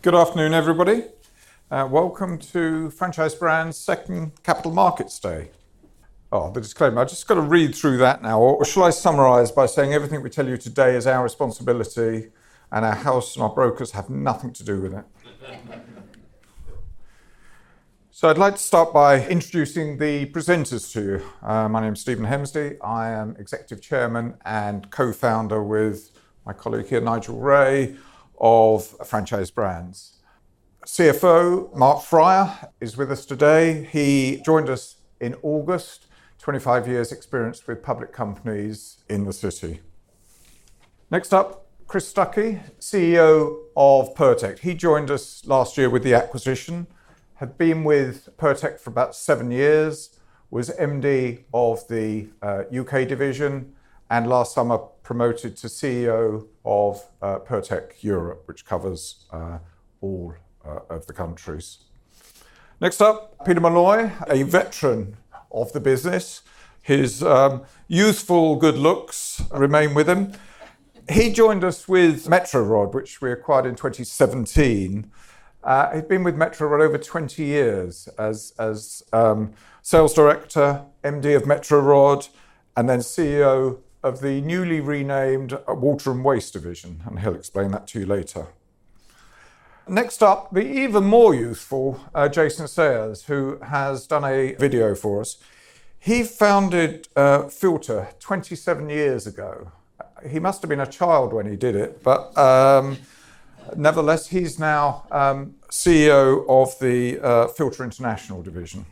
Good afternoon, everybody. Welcome to Franchise Brands' second Capital Markets Day. Oh, the disclaimer, I've just got to read through that now, or shall I summarize by saying everything we tell you today is our responsibility, and our house and our brokers have nothing to do with it? So I'd like to start by introducing the presenters to you. My name is Stephen Hemsley. I am Executive Chairman and Co-founder, with my colleague here, Nigel Wray, of Franchise Brands. CFO Mark Fryer is with us today. He joined us in August, 25 years experienced with public companies in the city. Next up, Chris Stuckey, CEO of Pirtek. He joined us last year with the acquisition, had been with Pirtek for about 7 years, was MD of the UK division, and last summer, promoted to CEO of Pirtek Europe, which covers all of the countries. Next up, Peter Molloy, a veteran of the business. His youthful good looks remain with him. He joined us with Metro Rod, which we acquired in 2017. He's been with Metro Rod over 20 years as Sales Director, MD of Metro Rod, and then CEO of the newly renamed Water & Waste Division, and he'll explain that to you later. Next up, the even more youthful Jason Sayers, who has done a video for us. He founded Filta 27 years ago. He must have been a child when he did it, but nevertheless, he's now CEO of the Filta International Division.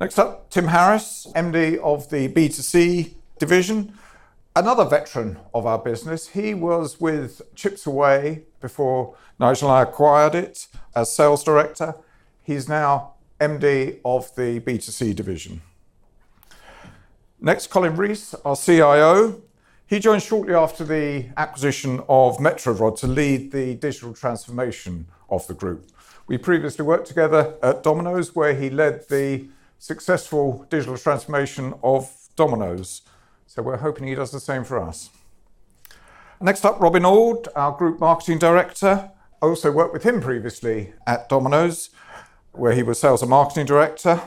Next up, Tim Harris, MD of the B2C Division, another veteran of our business. He was with ChipsAway before Nigel and I acquired it, as Sales Director. He's now MD of the B2C Division. Next, Colin Rees, our CIO. He joined shortly after the acquisition of Metro Rod to lead the digital transformation of the group. We previously worked together at Domino's, where he led the successful digital transformation of Domino's, so we're hoping he does the same for us. Next up, Robin Auld, our Group Marketing Director. Also worked with him previously at Domino's, where he was Sales and Marketing Director,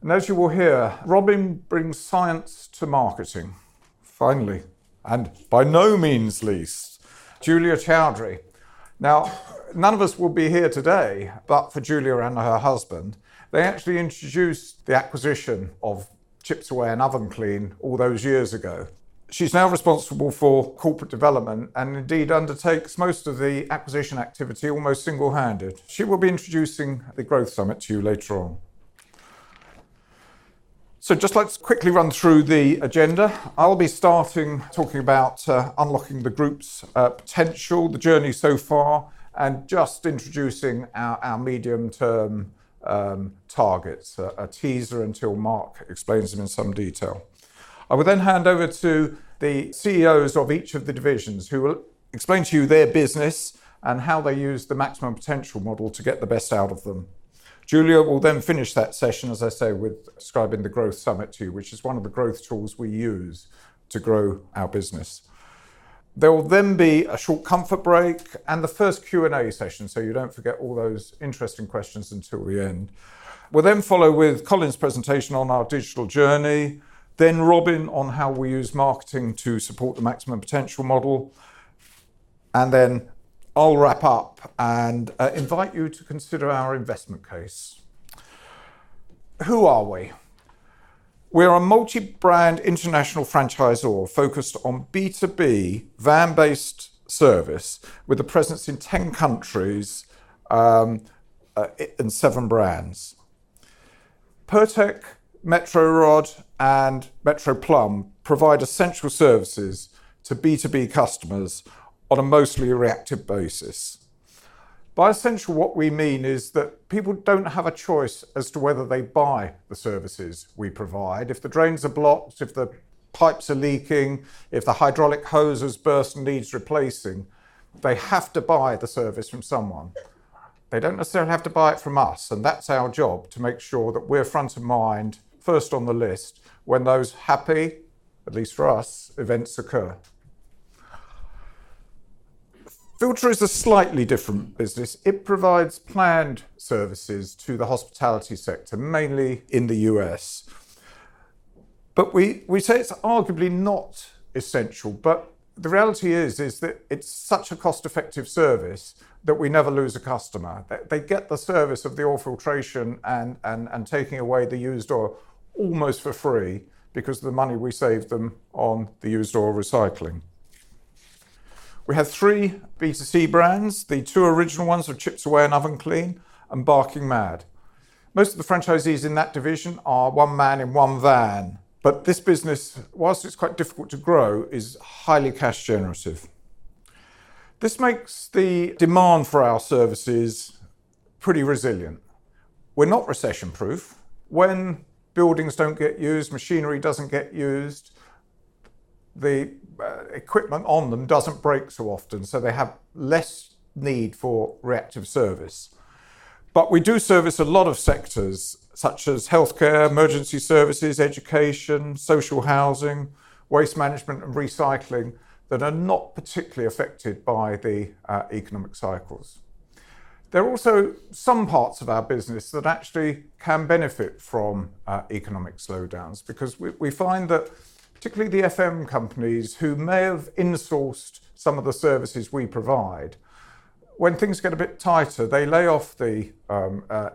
and as you will hear, Robin brings science to marketing. Finally, and by no means least, Julia Choudhury. Now, none of us would be here today, but for Julia and her husband, they actually introduced the acquisition of ChipsAway and Ovenclean all those years ago. She's now responsible for corporate development and indeed undertakes most of the acquisition activity almost single-handed. She will be introducing the Growth Summit to you later on. So just like to quickly run through the agenda. I'll be starting talking about unlocking the group's potential, the journey so far, and just introducing our medium-term targets, a teaser until Mark explains them in some detail. I will then hand over to the CEOs of each of the divisions, who will explain to you their business and how they use the Maximum Potential Model to get the best out of them. Julia will then finish that session, as I say, with describing the Growth Summit, too, which is one of the growth tools we use to grow our business. There will then be a short comfort break and the first Q&A session, so you don't forget all those interesting questions until the end. We'll then follow with Colin's presentation on our digital journey, then Robin on how we use marketing to support the Maximum Potential Model, and then I'll wrap up and invite you to consider our investment case. Who are we? We are a multi-brand international franchisor focused on B2B, van-based service, with a presence in 10 countries, in 7 brands. Pirtek, Metro Rod, and Metro Plumb provide essential services to B2B customers on a mostly reactive basis. By essential, what we mean is that people don't have a choice as to whether they buy the services we provide. If the drains are blocked, if the pipes are leaking, if the hydraulic hoses burst and needs replacing, they have to buy the service from someone. They don't necessarily have to buy it from us, and that's our job, to make sure that we're front of mind, first on the list, when those happy, at least for us, events occur. Filta is a slightly different business. It provides planned services to the hospitality sector, mainly in the U.S. But we say it's arguably not essential, but the reality is that it's such a cost-effective service that we never lose a customer. They get the service of the oil filtration and taking away the used oil almost for free because of the money we save them on the used oil recycling. We have three B2C brands. The two original ones are ChipsAway and Ovenclean, and Barking Mad. Most of the franchisees in that division are one man in one van, but this business, while it's quite difficult to grow, is highly cash generative. This makes the demand for our services pretty resilient. We're not recession-proof. When buildings don't get used, machinery doesn't get used, the equipment on them doesn't break so often, so they have less need for reactive service... but we do service a lot of sectors, such as healthcare, emergency services, education, social housing, waste management, and recycling, that are not particularly affected by the economic cycles. There are also some parts of our business that actually can benefit from economic slowdowns, because we find that particularly the FM companies who may have in-sourced some of the services we provide, when things get a bit tighter, they lay off the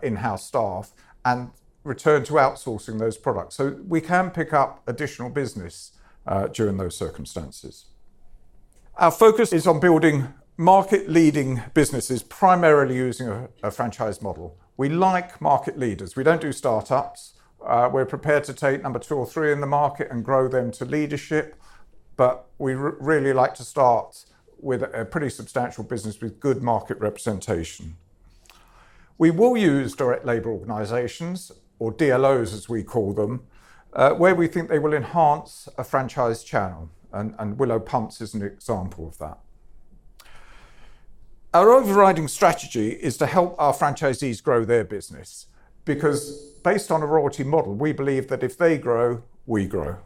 in-house staff and return to outsourcing those products, so we can pick up additional business during those circumstances. Our focus is on building market-leading businesses, primarily using a franchise model. We like market leaders. We don't do startups. We're prepared to take number two or three in the market and grow them to leadership, but we really like to start with a pretty substantial business with good market representation. We will use direct labour organizations, or DLOs, as we call them, where we think they will enhance a franchise channel, and Willow Pumps is an example of that. Our overriding strategy is to help our franchisees grow their business, because based on a royalty model, we believe that if they grow, we grow.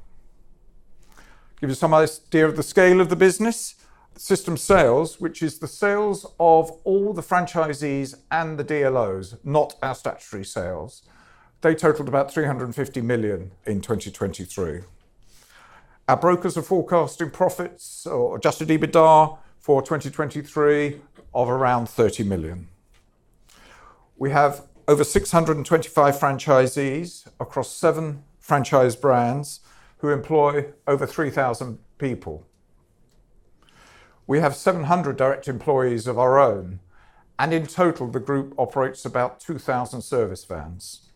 Give you some idea of the scale of the business. System sales, which is the sales of all the franchisees and the DLOs, not our statutory sales, they totaled about 350 million in 2023. Our brokers are forecasting profits Adjusted EBITDA for 2023 of around 30 million. We have over 625 franchisees across 7 franchise brands, who employ over 3,000 people. We have 700 direct employees of our own, and in total, the group operates about 2,000 service vans.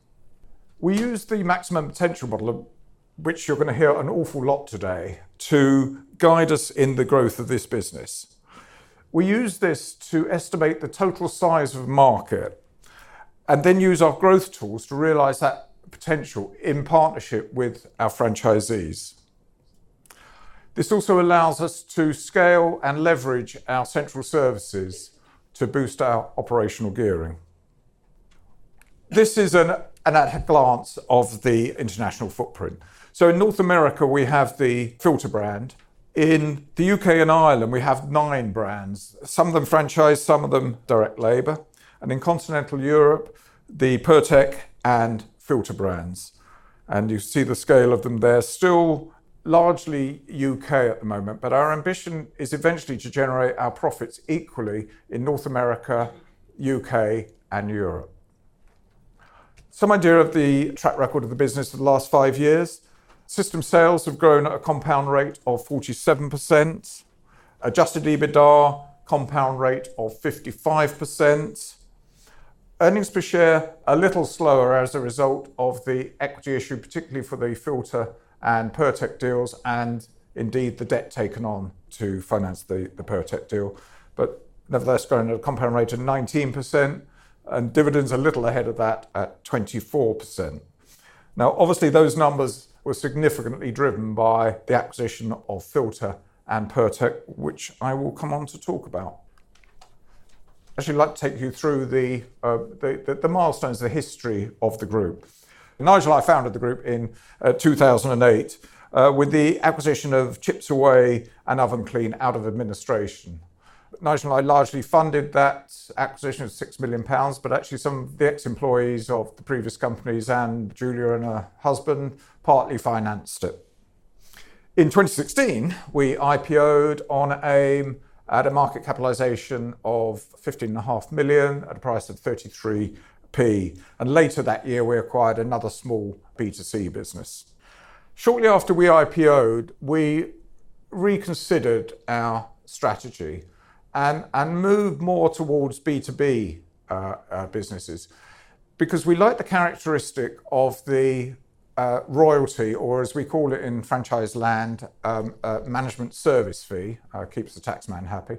We use the Maximum Potential Model, which you're gonna hear an awful lot today, to guide us in the growth of this business. We use this to estimate the total size of market, and then use our growth tools to realize that potential in partnership with our franchisees. This also allows us to scale and leverage our central services to boost our operational gearing. This is an at-a-glance of the international footprint. So in North America, we have the Filta brand. In the UK and Ireland, we have nine brands, some of them franchise, some of them direct labor, and in continental Europe, the Pirtek and Filta brands, and you see the scale of them there. Still largely UK at the moment, but our ambition is eventually to generate our profits equally in North America, UK, and Europe. Some idea of the track record of the business for the last five years, system sales have grown at a compound rate of Adjusted EBITDA, compound rate of 55%. Earnings per share, a little slower as a result of the equity issue, particularly for the Filta and Pirtek deals, and indeed, the debt taken on to finance the Pirtek deal, but nevertheless, grown at a compound rate of 19%, and dividends a little ahead of that at 24%. Now, obviously, those numbers were significantly driven by the acquisition of Filta and Pirtek, which I will come on to talk about. I'd actually like to take you through the milestones, the history of the group. Nigel and I founded the group in 2008, with the acquisition of ChipsAway and Ovenclean out of administration. Nigel and I largely funded that acquisition of 6 million pounds, but actually some of the ex-employees of the previous companies, and Julia and her husband, partly financed it. In 2016, we IPO'd on AIM at a market capitalization of 15.5 million at a price of 33p, and later that year, we acquired another small B2C business. Shortly after we IPO'd, we reconsidered our strategy and, and moved more towards B2B businesses, because we like the characteristic of the royalty, or as we call it in franchise land, a management service fee keeps the taxman happy,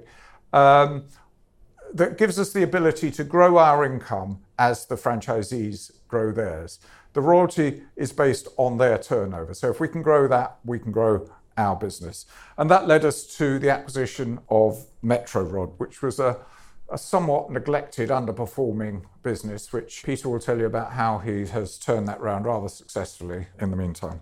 that gives us the ability to grow our income as the franchisees grow theirs. The royalty is based on their turnover, so if we can grow that, we can grow our business. That led us to the acquisition of Metro Rod, which was a somewhat neglected, underperforming business, which Peter will tell you about how he has turned that around rather successfully in the meantime.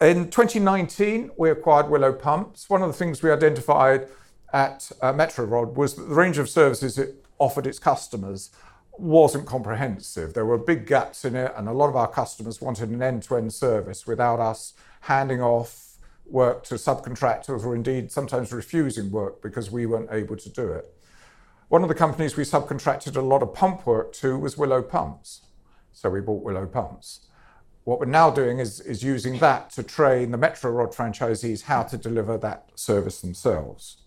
In 2019, we acquired Willow Pumps. One of the things we identified at Metro Rod was the range of services it offered its customers wasn't comprehensive. There were big gaps in it, and a lot of our customers wanted an end-to-end service without us handing off work to subcontractors, or indeed, sometimes refusing work because we weren't able to do it. One of the companies we subcontracted a lot of pump work to was Willow Pumps, so we bought Willow Pumps. What we're now doing is using that to train the Metro Rod franchisees how to deliver that service themselves.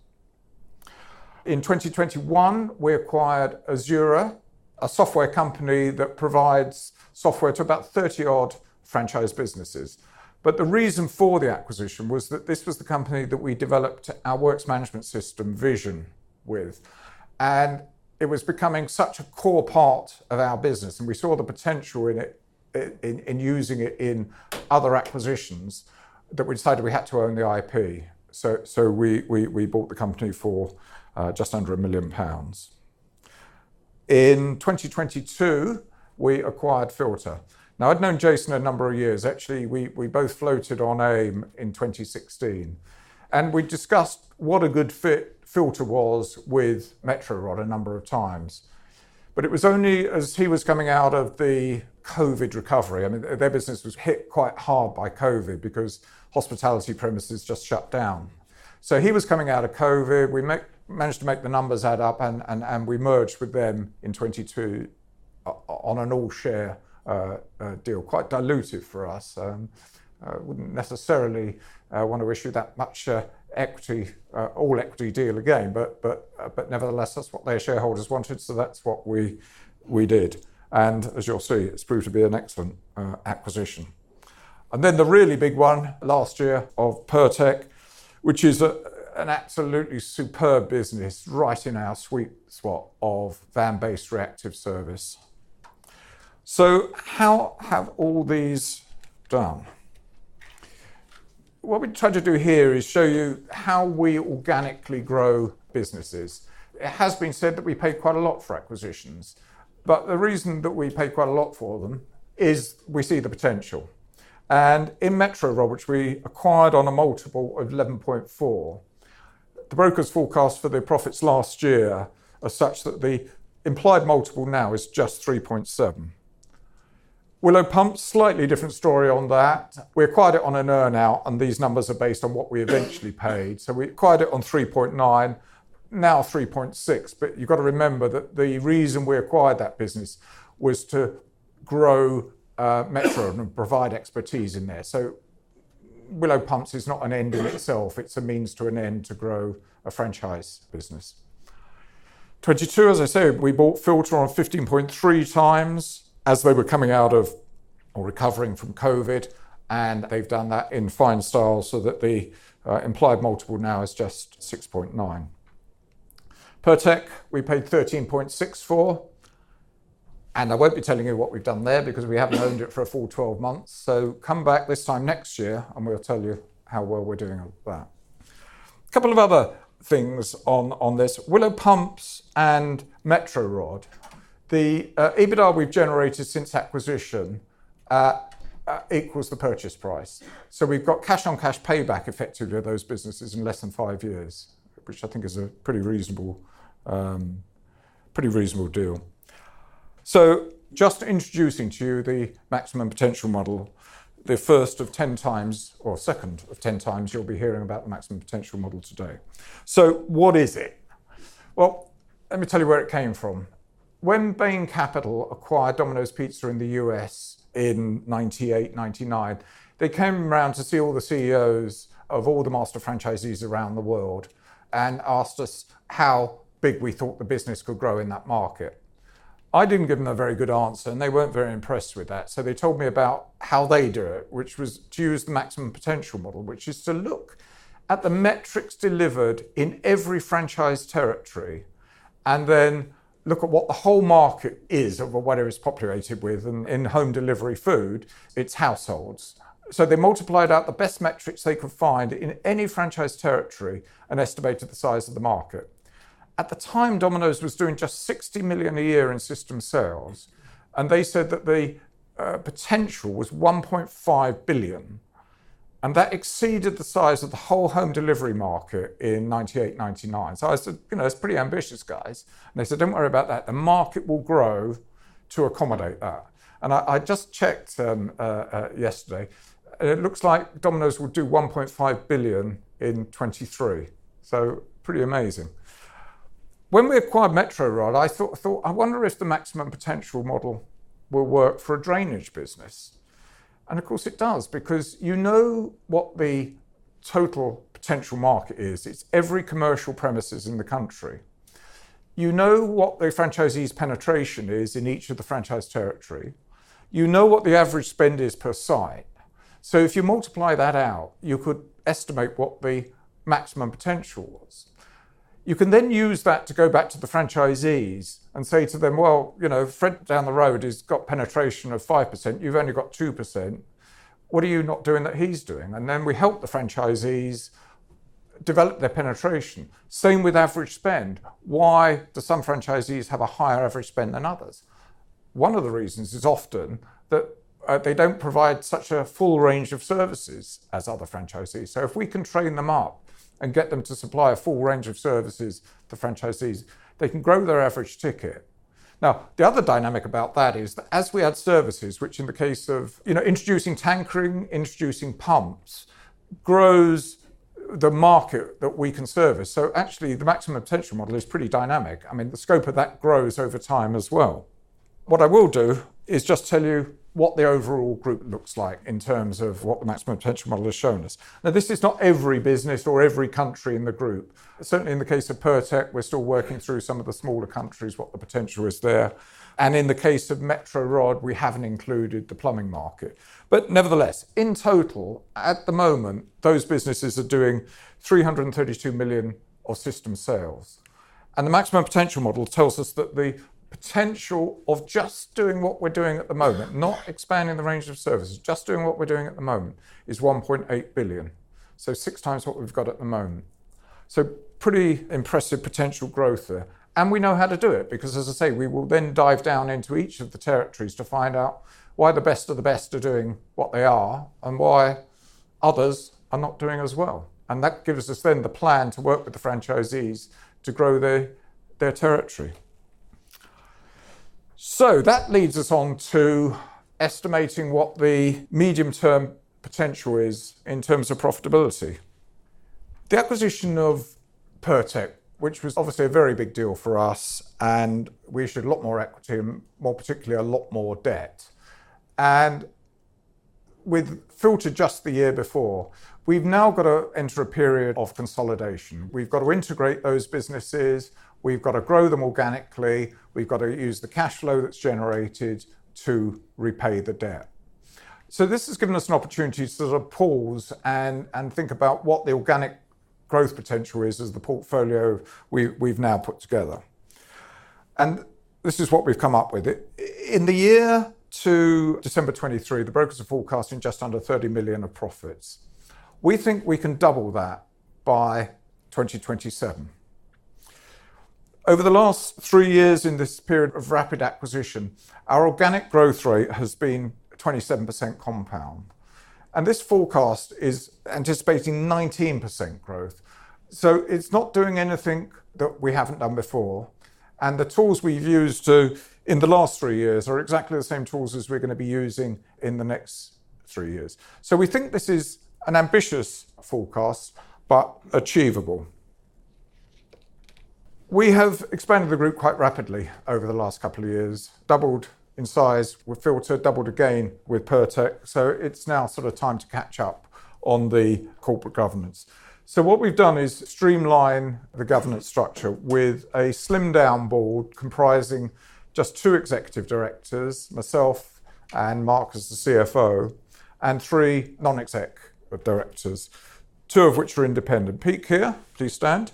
In 2021, we acquired Azura, a software company that provides software to about 30-odd franchise businesses. But the reason for the acquisition was that this was the company that we developed our works management system, Vision, with, and it was becoming such a core part of our business, and we saw the potential in it, in using it in other acquisitions, that we decided we had to own the IP. So we bought the company for just under 1 million pounds. In 2022, we acquired Filta. Now, I'd known Jason a number of years. Actually, we both floated on AIM in 2016, and we discussed what a good fit Filta was with Metro Rod a number of times. But it was only as he was coming out of the COVID recovery, I mean, their business was hit quite hard by COVID because hospitality premises just shut down. So he was coming out of COVID. We managed to make the numbers add up, and we merged with them in 2022 on an all-share deal. Quite dilutive for us. I wouldn't necessarily want to issue that much equity all-equity deal again, but nevertheless, that's what their shareholders wanted, so that's what we did. And as you'll see, it's proved to be an excellent acquisition. And then the really big one last year of Pirtek, which is an absolutely superb business, right in our sweet spot of van-based reactive service. So how have all these done? What we've tried to do here is show you how we organically grow businesses. It has been said that we pay quite a lot for acquisitions, but the reason that we pay quite a lot for them is we see the potential. And in Metro Rod, which we acquired on a multiple of 11.4, the brokers' forecast for their profits last year are such that the implied multiple now is just 3.7. Willow Pumps, slightly different story on that. We acquired it on an earn-out, and these numbers are based on what we eventually paid. So we acquired it on 3.9, now 3.6, but you've got to remember that the reason we acquired that business was to grow, Metro, and provide expertise in there. So Willow Pumps is not an end in itself, it's a means to an end to grow a franchise business. 2022, as I said, we bought Filta on 15.3x as they were coming out of or recovering from COVID, and they've done that in fine style so that the implied multiple now is just 6.9x. Pirtek, we paid 13.6x for, and I won't be telling you what we've done there because we haven't owned it for a full 12 months. So come back this time next year, and we'll tell you how well we're doing on that. A couple of other things on this. Willow Pumps and Metro Rod, the EBITDA we've generated since acquisition equals the purchase price. So we've got cash-on-cash payback, effectively, of those businesses in less than five years, which I think is a pretty reasonable, pretty reasonable deal. So just introducing to you the Maximum Potential Model, the first of 10 times, or second of 10 times, you'll be hearing about the Maximum Potential Model today. So what is it? Well, let me tell you where it came from. When Bain Capital acquired Domino's Pizza in the U.S. in 1998, 1999, they came round to see all the CEOs of all the master franchisees around the world and asked us how big we thought the business could grow in that market. I didn't give them a very good answer, and they weren't very impressed with that. So they told me about how they do it, which was to use the Maximum Potential Model, which is to look at the metrics delivered in every franchise territory and then look at what the whole market is or what it was populated with, and in home delivery food, it's households. So they multiplied out the best metrics they could find in any franchise territory and estimated the size of the market. At the time, Domino's was doing just $60 million a year in system sales, and they said that the potential was $1.5 billion, and that exceeded the size of the whole home delivery market in 1998, 1999. So I said, "You know, it's pretty ambitious, guys." And they said: "Don't worry about that. The market will grow to accommodate that." And I just checked yesterday, and it looks like Domino's will do $1.5 billion in 2023, so pretty amazing. When we acquired Metro Rod, I thought I wonder if the Maximum Potential Model will work for a drainage business. And of course, it does, because you know what the total potential market is. It's every commercial premises in the country. You know what the franchisee's penetration is in each of the franchise territory. You know what the average spend is per site. So if you multiply that out, you could estimate what the maximum potential was. You can then use that to go back to the franchisees and say to them: "Well, you know, Fred down the road has got penetration of 5%. You've only got 2%. What are you not doing that he's doing?" And then we help the franchisees develop their penetration. Same with average spend. Why do some franchisees have a higher average spend than others? One of the reasons is often that they don't provide such a full range of services as other franchisees. So if we can train them up and get them to supply a full range of services to franchisees, they can grow their average ticket. Now, the other dynamic about that is that as we add services, which in the case of, you know, introducing tankering, introducing pumps, grows the market that we can service. So actually, the Maximum Potential Model is pretty dynamic. I mean, the scope of that grows over time as well. What I will do is just tell you what the overall group looks like in terms of what the Maximum Potential Model has shown us. Now, this is not every business or every country in the group. Certainly, in the case of Pirtek, we're still working through some of the smaller countries, what the potential is there. And in the case of Metro Rod, we haven't included the plumbing market. But nevertheless, in total, at the moment, those businesses are doing 332 million of system sales. And the Maximum Potential Model tells us that the potential of just doing what we're doing at the moment, not expanding the range of services, just doing what we're doing at the moment, is 1.8 billion. So 6 times what we've got at the moment. So pretty impressive potential growth there. We know how to do it, because as I say, we will then dive down into each of the territories to find out why the best of the best are doing what they are and why others are not doing as well, and that gives us then the plan to work with the franchisees to grow their, their territory. That leads us on to estimating what the medium-term potential is in terms of profitability. The acquisition of Pirtek, which was obviously a very big deal for us, and we issued a lot more equity, more particularly, a lot more debt. We've acquired Filta just the year before. We've now got to enter a period of consolidation. We've got to integrate those businesses, we've got to grow them organically, we've got to use the cash flow that's generated to repay the debt. So this has given us an opportunity to sort of pause and, and think about what the organic growth potential is as the portfolio we, we've now put together. And this is what we've come up with. It. In the year to December 2023, the brokers are forecasting just under 30 million of profits. We think we can double that by 2027. Over the last three years, in this period of rapid acquisition, our organic growth rate has been 27% compound, and this forecast is anticipating 19% growth. So it's not doing anything that we haven't done before, and the tools we've used to, in the last three years, are exactly the same tools as we're going to be using in the next three years. So we think this is an ambitious forecast, but achievable. We have expanded the group quite rapidly over the last couple of years, doubled in size with Filta, doubled again with Pirtek, so it's now sort of time to catch up on the corporate governance. So what we've done is streamline the governance structure with a slimmed-down board comprising just two executive directors, myself and Mark, as the CFO, and three non-exec directors, two of which are independent. Pete here, please stand.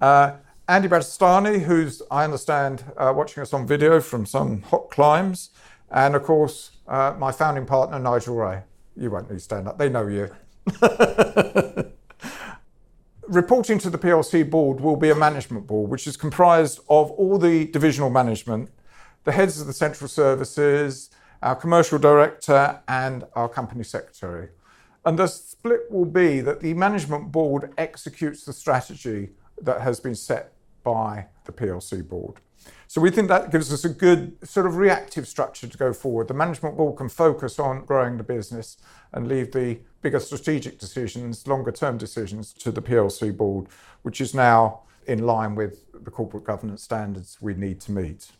Andy Brattesani, who's, I understand, watching us on video from some hot climes, and of course, my founding partner, Nigel Wray. You won't need to stand up. They know you. Reporting to the PLC Board will be a Management Board, which is comprised of all the divisional management, the heads of the central services, our commercial director, and our company secretary. The split will be that the Management Board executes the strategy that has been set by the PLC Board. So we think that gives us a good sort of reactive structure to go forward. The Management Board can focus on growing the business and leave the bigger strategic decisions, longer-term decisions, to the PLC Board, which is now in line with the corporate governance standards we need to meet.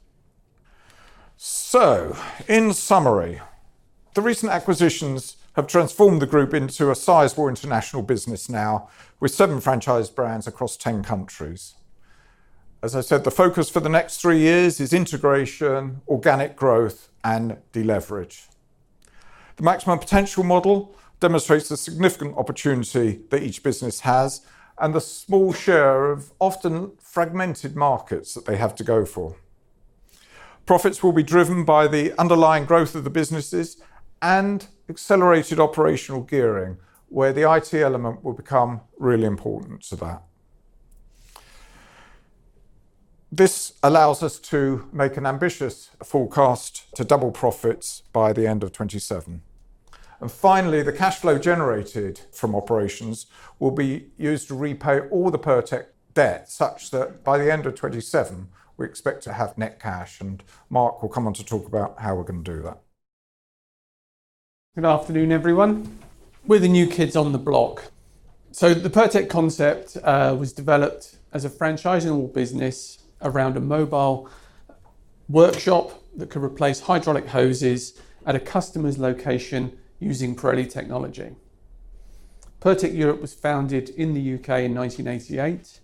So in summary, the recent acquisitions have transformed the group into a sizable international business now, with 7 franchise brands across 10 countries. As I said, the focus for the next 3 years is integration, organic growth, and deleverage. The Maximum Potential Model demonstrates the significant opportunity that each business has and the small share of often fragmented markets that they have to go for. Profits will be driven by the underlying growth of the businesses and accelerated operational gearing, where the IT element will become really important to that. This allows us to make an ambitious forecast to double profits by the end of 2027. And finally, the cash flow generated from operations will be used to repay all the Pirtek debt, such that by the end of 2027, we expect to have net cash, and Mark will come on to talk about how we're going to do that. Good afternoon, everyone. We're the new kids on the block. The Pirtek concept was developed as a franchisable business around a mobile workshop that could replace hydraulic hoses at a customer's location using Pirelli technology. Pirtek Europe was founded in the UK in 1988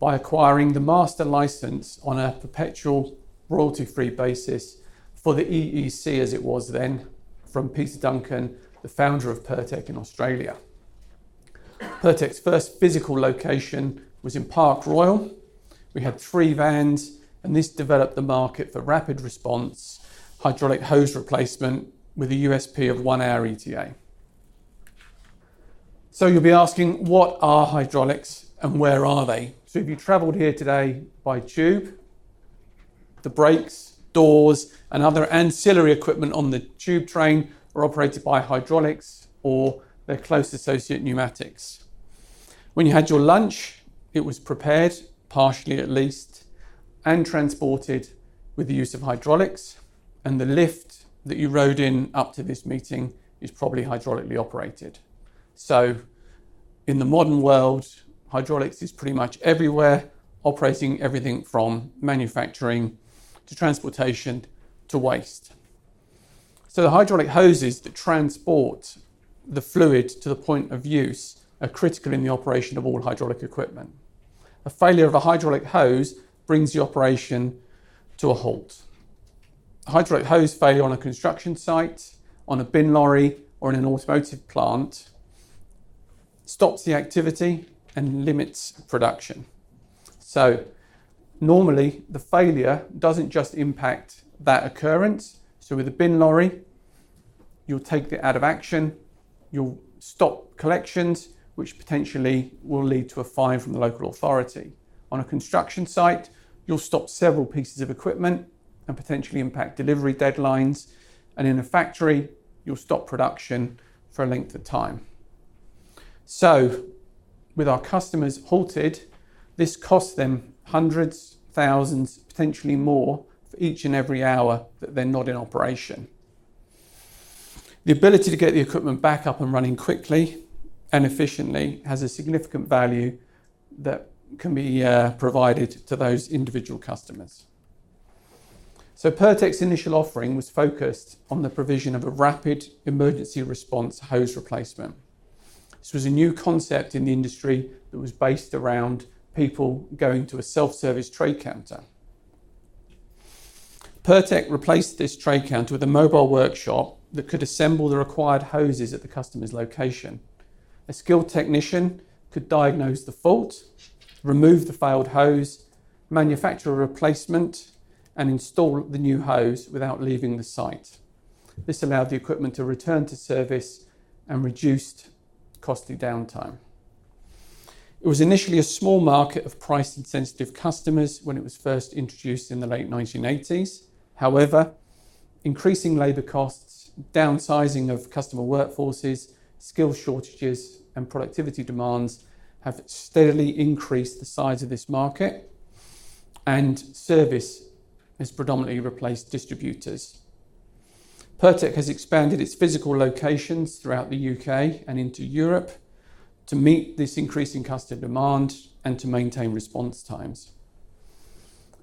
by acquiring the master license on a perpetual, royalty-free basis for the EEC, as it was then, from Peter Duncan, the founder of Pirtek in Australia. Pirtek's first physical location was in Park Royal. We had three vans, and this developed the market for rapid response, hydraulic hose replacement with a USP of one-hour ETA. You'll be asking, what are hydraulics and where are they? If you traveled here today by Tube, the brakes, doors, and other ancillary equipment on the Tube train are operated by hydraulics or their close associate, pneumatics. When you had your lunch, it was prepared, partially at least, and transported with the use of hydraulics, and the lift that you rode in up to this meeting is probably hydraulically operated. So in the modern world, hydraulics is pretty much everywhere, operating everything from manufacturing to transportation to waste. So the hydraulic hoses that transport the fluid to the point of use are critical in the operation of all hydraulic equipment. A failure of a hydraulic hose brings the operation to a halt. A hydraulic hose failure on a construction site, on a bin lorry, or in an automotive plant, stops the activity and limits production. So normally, the failure doesn't just impact that occurrence. So with a bin lorry, you'll take it out of action, you'll stop collections, which potentially will lead to a fine from the local authority. On a construction site, you'll stop several pieces of equipment and potentially impact delivery deadlines, and in a factory, you'll stop production for a length of time. So with our customers halted, this costs them GBP hundreds, thousands, potentially more, for each and every hour that they're not in operation. The ability to get the equipment back up and running quickly and efficiently has a significant value that can be provided to those individual customers. So Pirtek's initial offering was focused on the provision of a rapid emergency response hose replacement. This was a new concept in the industry that was based around people going to a self-service trade counter. Pirtek replaced this trade counter with a mobile workshop that could assemble the required hoses at the customer's location. A skilled technician could diagnose the fault, remove the failed hose, manufacture a replacement, and install the new hose without leaving the site. This allowed the equipment to return to service and reduced costly downtime. It was initially a small market of price and sensitive customers when it was first introduced in the late 1980s. However, increasing labor costs, downsizing of customer workforces, skill shortages, and productivity demands have steadily increased the size of this market, and service has predominantly replaced distributors. Pirtek has expanded its physical locations throughout the UK and into Europe to meet this increasing customer demand and to maintain response times.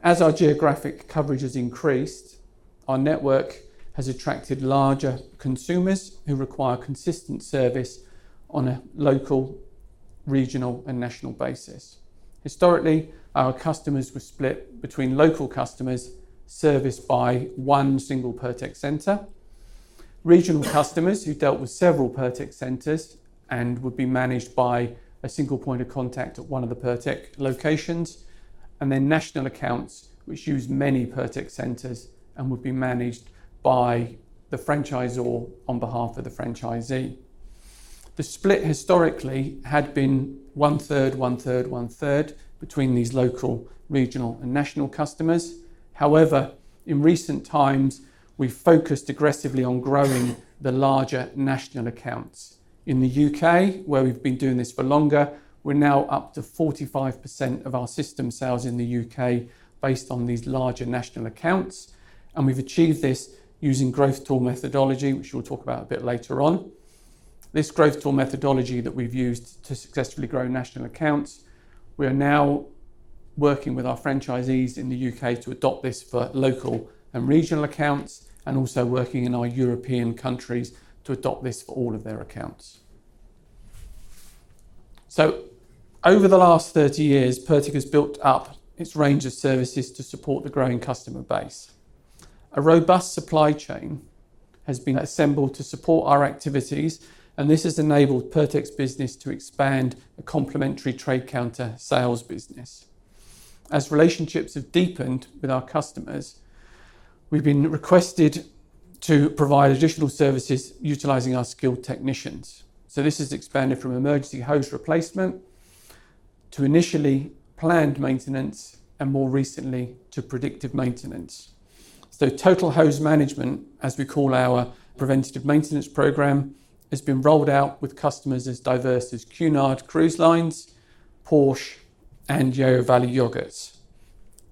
As our geographic coverage has increased, our network has attracted larger consumers who require consistent service on a local, regional, and national basis. Historically, our customers were split between local customers serviced by one single Pirtek center, regional customers who dealt with several Pirtek centers and would be managed by a single point of contact at one of the Pirtek locations, and then national accounts, which used many Pirtek centers and would be managed by the franchisor on behalf of the franchisee. The split historically had been 1/3, 1/3, 1/3 between these local, regional, and national customers. However, in recent times, we've focused aggressively on growing the larger national accounts. In the UK, where we've been doing this for longer, we're now up to 45% of our system sales in the UK based on these larger national accounts, and we've achieved this using growth tool methodology, which we'll talk about a bit later on. This growth tool methodology that we've used to successfully grow national accounts, we are now working with our franchisees in the UK to adopt this for local and regional accounts, and also working in our European countries to adopt this for all of their accounts. So over the last 30 years, Pirtek has built up its range of services to support the growing customer base. A robust supply chain has been assembled to support our activities, and this has enabled Pirtek's business to expand a complementary trade counter sales business. As relationships have deepened with our customers, we've been requested to provide additional services utilizing our skilled technicians. So this has expanded from emergency hose replacement to initially planned maintenance, and more recently to predictive maintenance. Total Hose Management, as we call our preventative maintenance program, has been rolled out with customers as diverse as Cunard Line, Porsche, and Yeo Valley yogurts.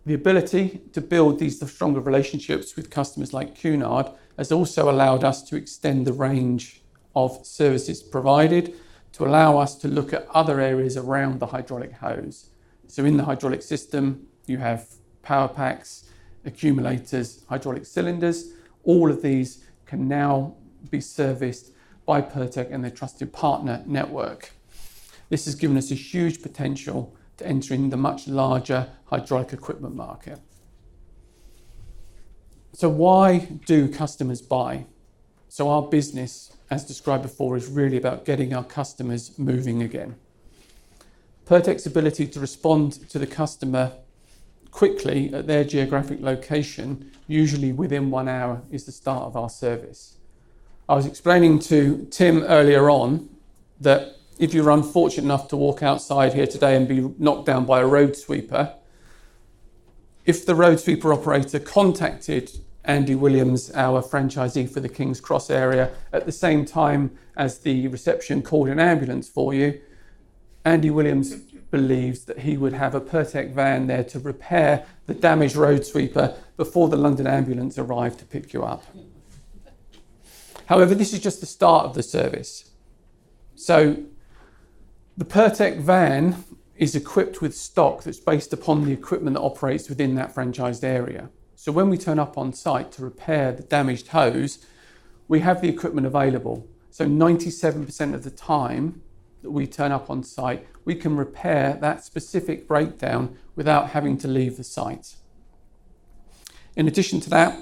The ability to build these stronger relationships with customers like Cunard has also allowed us to extend the range of services provided to allow us to look at other areas around the hydraulic hose. In the hydraulic system, you have power packs, accumulators, hydraulic cylinders. All of these can now be serviced by Pirtek and their trusted partner network. This has given us a huge potential to entering the much larger hydraulic equipment market. Why do customers buy? Our business, as described before, is really about getting our customers moving again. Pirtek's ability to respond to the customer quickly at their geographic location, usually within one hour, is the start of our service. I was explaining to Tim earlier on, that if you're unfortunate enough to walk outside here today and be knocked down by a road sweeper, if the road sweeper operator contacted Andy Williams, our franchisee for the King's Cross area, at the same time as the reception called an ambulance for you, Andy Williams believes that he would have a Pirtek van there to repair the damaged road sweeper before the London ambulance arrived to pick you up. However, this is just the start of the service. So the Pirtek van is equipped with stock that's based upon the equipment that operates within that franchised area. So when we turn up on site to repair the damaged hose, we have the equipment available. So 97% of the time that we turn up on site, we can repair that specific breakdown without having to leave the site. In addition to that,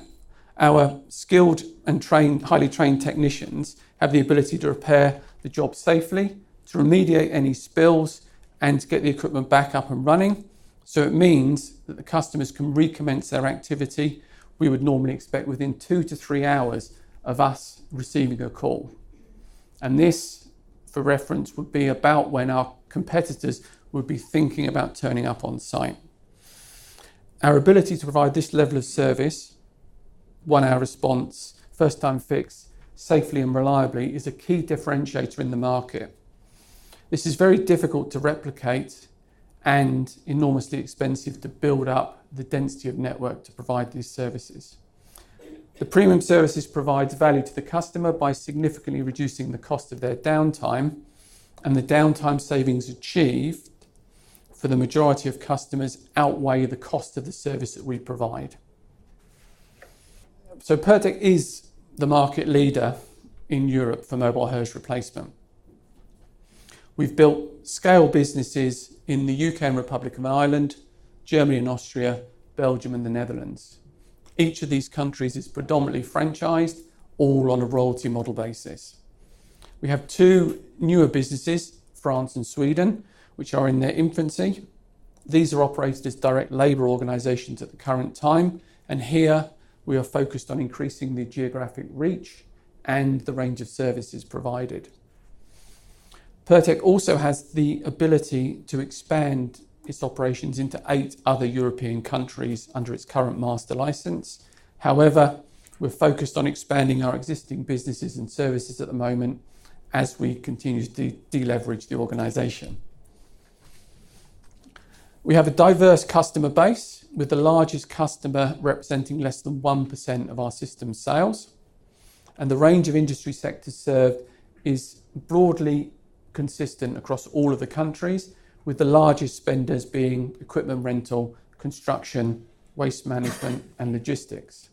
our skilled and trained, highly trained technicians have the ability to repair the job safely, to remediate any spills, and to get the equipment back up and running. So it means that the customers can recommence their activity. We would normally expect within 2-3 hours of us receiving a call. This, for reference, would be about when our competitors would be thinking about turning up on site. Our ability to provide this level of service, one-hour response, first time fixed, safely and reliably, is a key differentiator in the market. This is very difficult to replicate and enormously expensive to build up the density of network to provide these services. The premium services provides value to the customer by significantly reducing the cost of their downtime, and the downtime savings achieved for the majority of customers outweigh the cost of the service that we provide. So Pirtek is the market leader in Europe for mobile hose replacement. We've built scale businesses in the UK and Republic of Ireland, Germany and Austria, Belgium and the Netherlands. Each of these countries is predominantly franchised, all on a royalty model basis. We have two newer businesses, France and Sweden, which are in their infancy. These are operated as direct labour organizations at the current time, and here we are focused on increasing the geographic reach and the range of services provided. Pirtek also has the ability to expand its operations into eight other European countries under its current master license. However, we're focused on expanding our existing businesses and services at the moment as we continue to deleverage the organization. We have a diverse customer base, with the largest customer representing less than 1% of our system sales, and the range of industry sectors served is broadly consistent across all of the countries, with the largest spenders being equipment rental, construction, waste management, and logistics.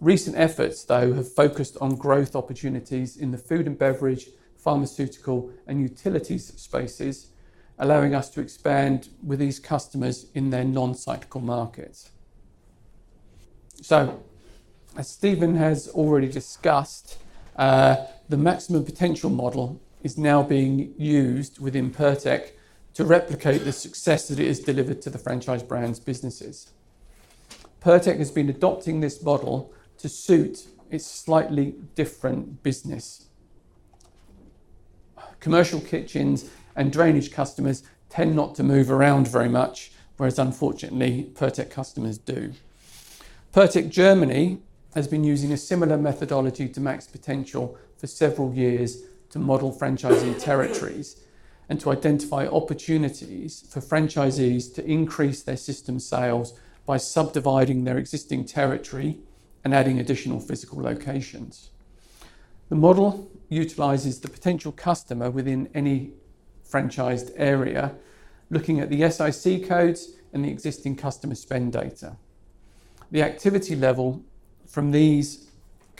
Recent efforts, though, have focused on growth opportunities in the food and beverage, pharmaceutical, and utilities spaces, allowing us to expand with these customers in their non-cyclical markets. So, as Stephen has already discussed, the Maximum Potential Model is now being used within Pirtek to replicate the success that it has delivered to the Franchise Brands businesses. Pirtek has been adopting this model to suit its slightly different business. Commercial kitchens and drainage customers tend not to move around very much, whereas unfortunately, Pirtek customers do. Pirtek Germany has been using a similar methodology to Max Potential for several years to model franchising territories and to identify opportunities for franchisees to increase their system sales by subdividing their existing territory and adding additional physical locations. The model utilizes the potential customer within any franchised area, looking at the SIC codes and the existing customer spend data. The activity level from these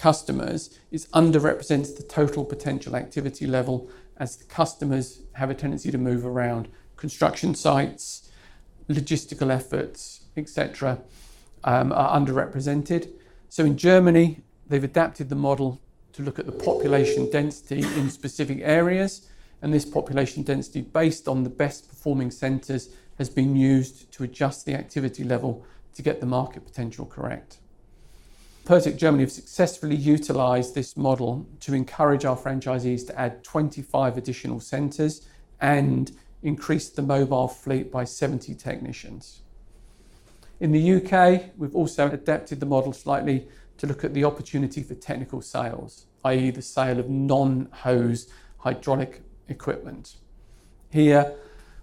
customers is underrepresents the total potential activity level, as the customers have a tendency to move around. Construction sites, logistical efforts, et cetera, are underrepresented. So in Germany, they've adapted the model to look at the population density in specific areas, and this population density, based on the best-performing centers, has been used to adjust the activity level to get the market potential correct. Pirtek Germany have successfully utilized this model to encourage our franchisees to add 25 additional centers and increase the mobile fleet by 70 technicians. In the UK, we've also adapted the model slightly to look at the opportunity for technical sales, i.e., the sale of non-hose hydraulic equipment. Here,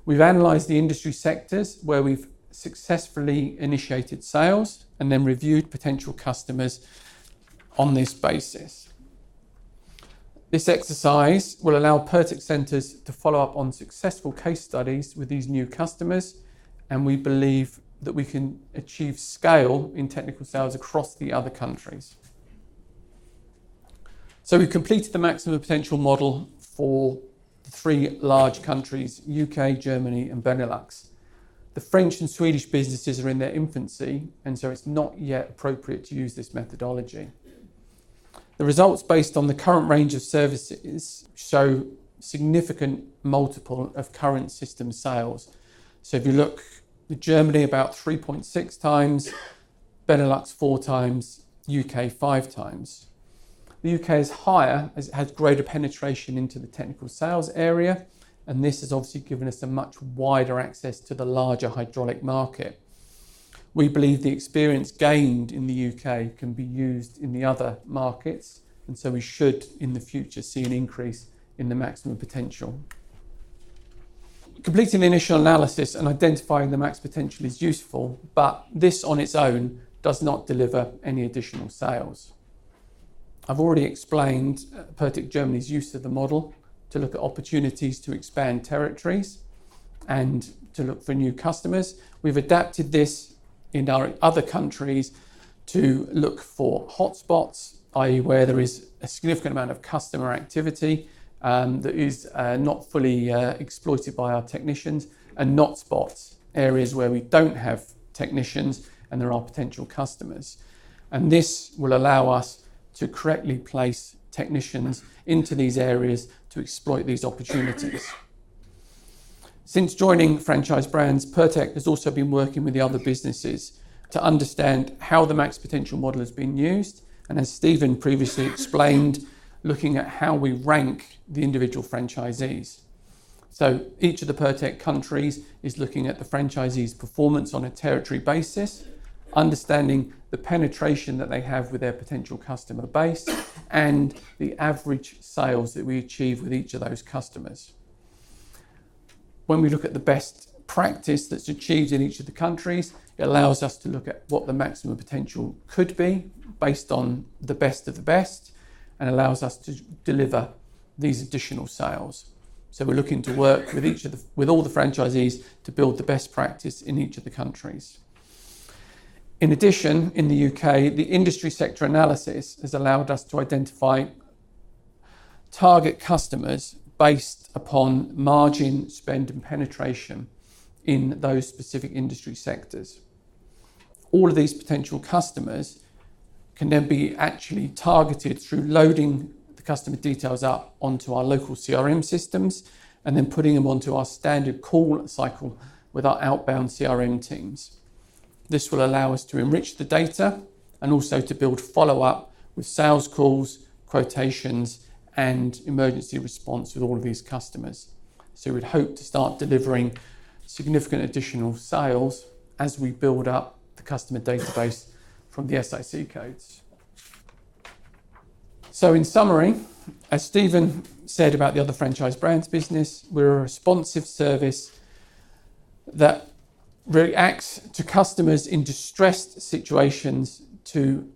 we've analyzed the industry sectors where we've successfully initiated sales and then reviewed potential customers on this basis. This exercise will allow Pirtek centers to follow up on successful case studies with these new customers, and we believe that we can achieve scale in technical sales across the other countries. So we've completed the Maximum Potential Model for the three large countries: UK, Germany, and Benelux. The French and Swedish businesses are in their infancy, and so it's not yet appropriate to use this methodology. The results based on the current range of services show significant multiple of current system sales. So if you look, Germany, about 3.6x, Benelux, 4x, UK, 5x. The UK is higher, as it has greater penetration into the technical sales area, and this has obviously given us a much wider access to the larger hydraulic market. We believe the experience gained in the UK can be used in the other markets, and so we should, in the future, see an increase in the maximum potential. Completing the initial analysis and identifying the Max Potential is useful, but this on its own does not deliver any additional sales. I've already explained, Pirtek Germany's use of the model to look at opportunities to expand territories.... and to look for new customers. We've adapted this in our other countries to look for hotspots, i.e., where there is a significant amount of customer activity, that is, not fully exploited by our technicians, and not spots, areas where we don't have technicians, and there are potential customers. This will allow us to correctly place technicians into these areas to exploit these opportunities. Since joining Franchise Brands, Pirtek has also been working with the other businesses to understand how the Max Potential Model is being used, and as Stephen previously explained, looking at how we rank the individual franchisees. Each of the Pirtek countries is looking at the franchisees' performance on a territory basis, understanding the penetration that they have with their potential customer base, and the average sales that we achieve with each of those customers. When we look at the best practice that's achieved in each of the countries, it allows us to look at what the maximum potential could be based on the best of the best, and allows us to deliver these additional sales. So we're looking to work with each of the- with all the franchisees to build the best practice in each of the countries. In addition, in the UK, the industry sector analysis has allowed us to identify target customers based upon margin, spend, and penetration in those specific industry sectors. All of these potential customers can then be actually targeted through loading the customer details up onto our local CRM systems, and then putting them onto our standard call cycle with our outbound CRM teams. This will allow us to enrich the data, and also to build follow-up with sales calls, quotations, and emergency response with all of these customers. We'd hope to start delivering significant additional sales as we build up the customer database from the SIC codes. In summary, as Stephen said about the other Franchise Brands business, we're a responsive service that reacts to customers in distressed situations to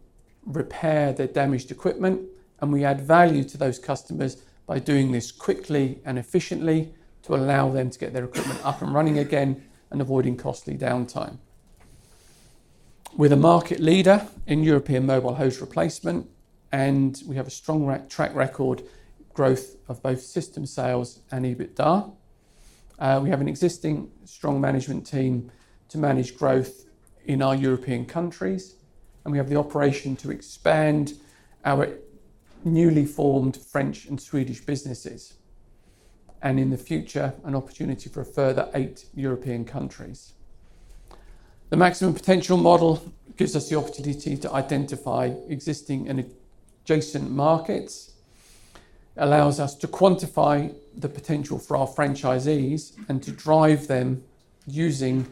repair their damaged equipment, and we add value to those customers by doing this quickly and efficiently to allow them to get their equipment up and running again and avoiding costly downtime. We're the market leader in European mobile hose replacement, and we have a strong track record growth of both system sales and EBITDA. We have an existing strong management team to manage growth in our European countries, and we have the operation to expand our newly formed French and Swedish businesses, and in the future, an opportunity for a further eight European countries. The Maximum Potential Model gives us the opportunity to identify existing and adjacent markets, allows us to quantify the potential for our franchisees, and to drive them using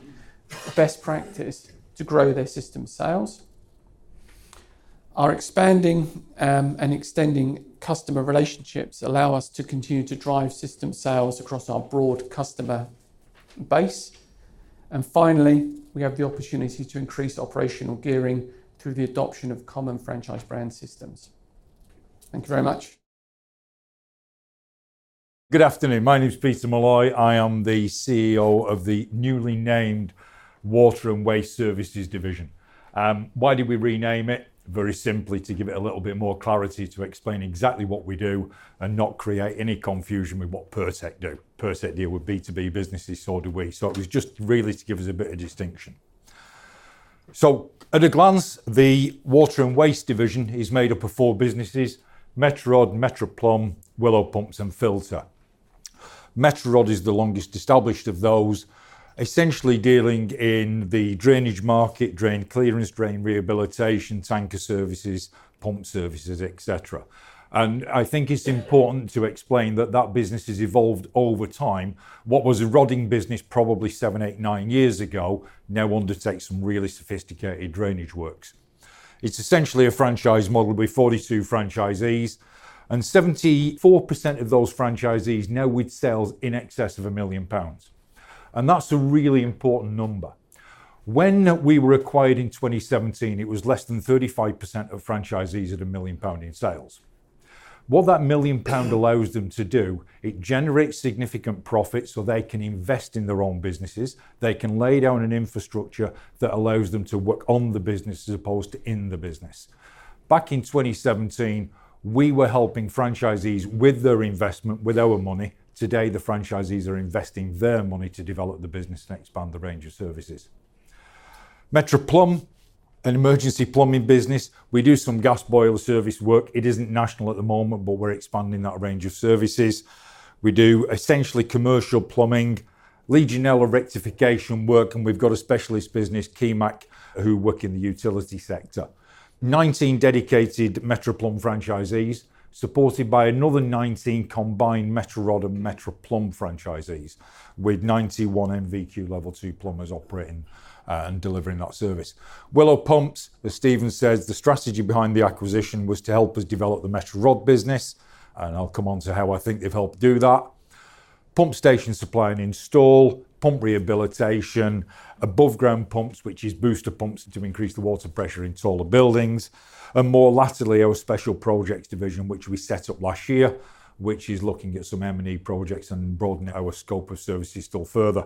best practice to grow their system sales. Our expanding and extending customer relationships allow us to continue to drive system sales across our broad customer base. And finally, we have the opportunity to increase operational gearing through the adoption of common franchise brand systems. Thank you very much. Good afternoon. My name is Peter Molloy. I am the CEO of the Water & Waste Services division. why did we rename it? Very simply, to give it a little bit more clarity to explain exactly what we do and not create any confusion with what Pirtek do. Pirtek deal with B2B businesses, so do we. So it was just really to give us a bit of distinction. So at a glance, the Water & Waste division is made up of four businesses: Metro Rod, Metro Plumb, Willow Pumps, and Filta. Metro Rod is the longest established of those, essentially dealing in the drainage market, drain clearance, drain rehabilitation, tanker services, pump services, et cetera. I think it's important to explain that that business has evolved over time. What was a rodding business probably 7, 8, 9 years ago, now undertakes some really sophisticated drainage works. It's essentially a franchise model with 42 franchisees, and 74% of those franchisees now with sales in excess of 1 million pounds, and that's a really important number. When we were acquired in 2017, it was less than 35% of franchisees at 1 million pound in sales. What that 1 million pound allows them to do, it generates significant profit so they can invest in their own businesses. They can lay down an infrastructure that allows them to work on the business, as opposed to in the business. Back in 2017, we were helping franchisees with their investment, with our money. Today, the franchisees are investing their money to develop the business and expand the range of services. Metro Plumb, an emergency plumbing business. We do some gas boiler service work. It isn't national at the moment, but we're expanding that range of services. We do essentially commercial plumbing, Legionella rectification work, and we've got a specialist business, Kemac, who work in the utility sector. 19 dedicated Metro Plumb franchisees, supported by another 19 combined Metro Rod and Metro Plumb franchisees, with 91 NVQ Level 2 plumbers operating and delivering that service. Willow Pumps, as Stephen says, the strategy behind the acquisition was to help us develop the Metro Rod business, and I'll come on to how I think they've helped do that. Pump station supply and install, pump rehabilitation, above ground pumps, which is booster pumps to increase the water pressure in taller buildings, and more latterly, our special projects division, which we set up last year, which is looking at some M&E projects and broadening our scope of services still further.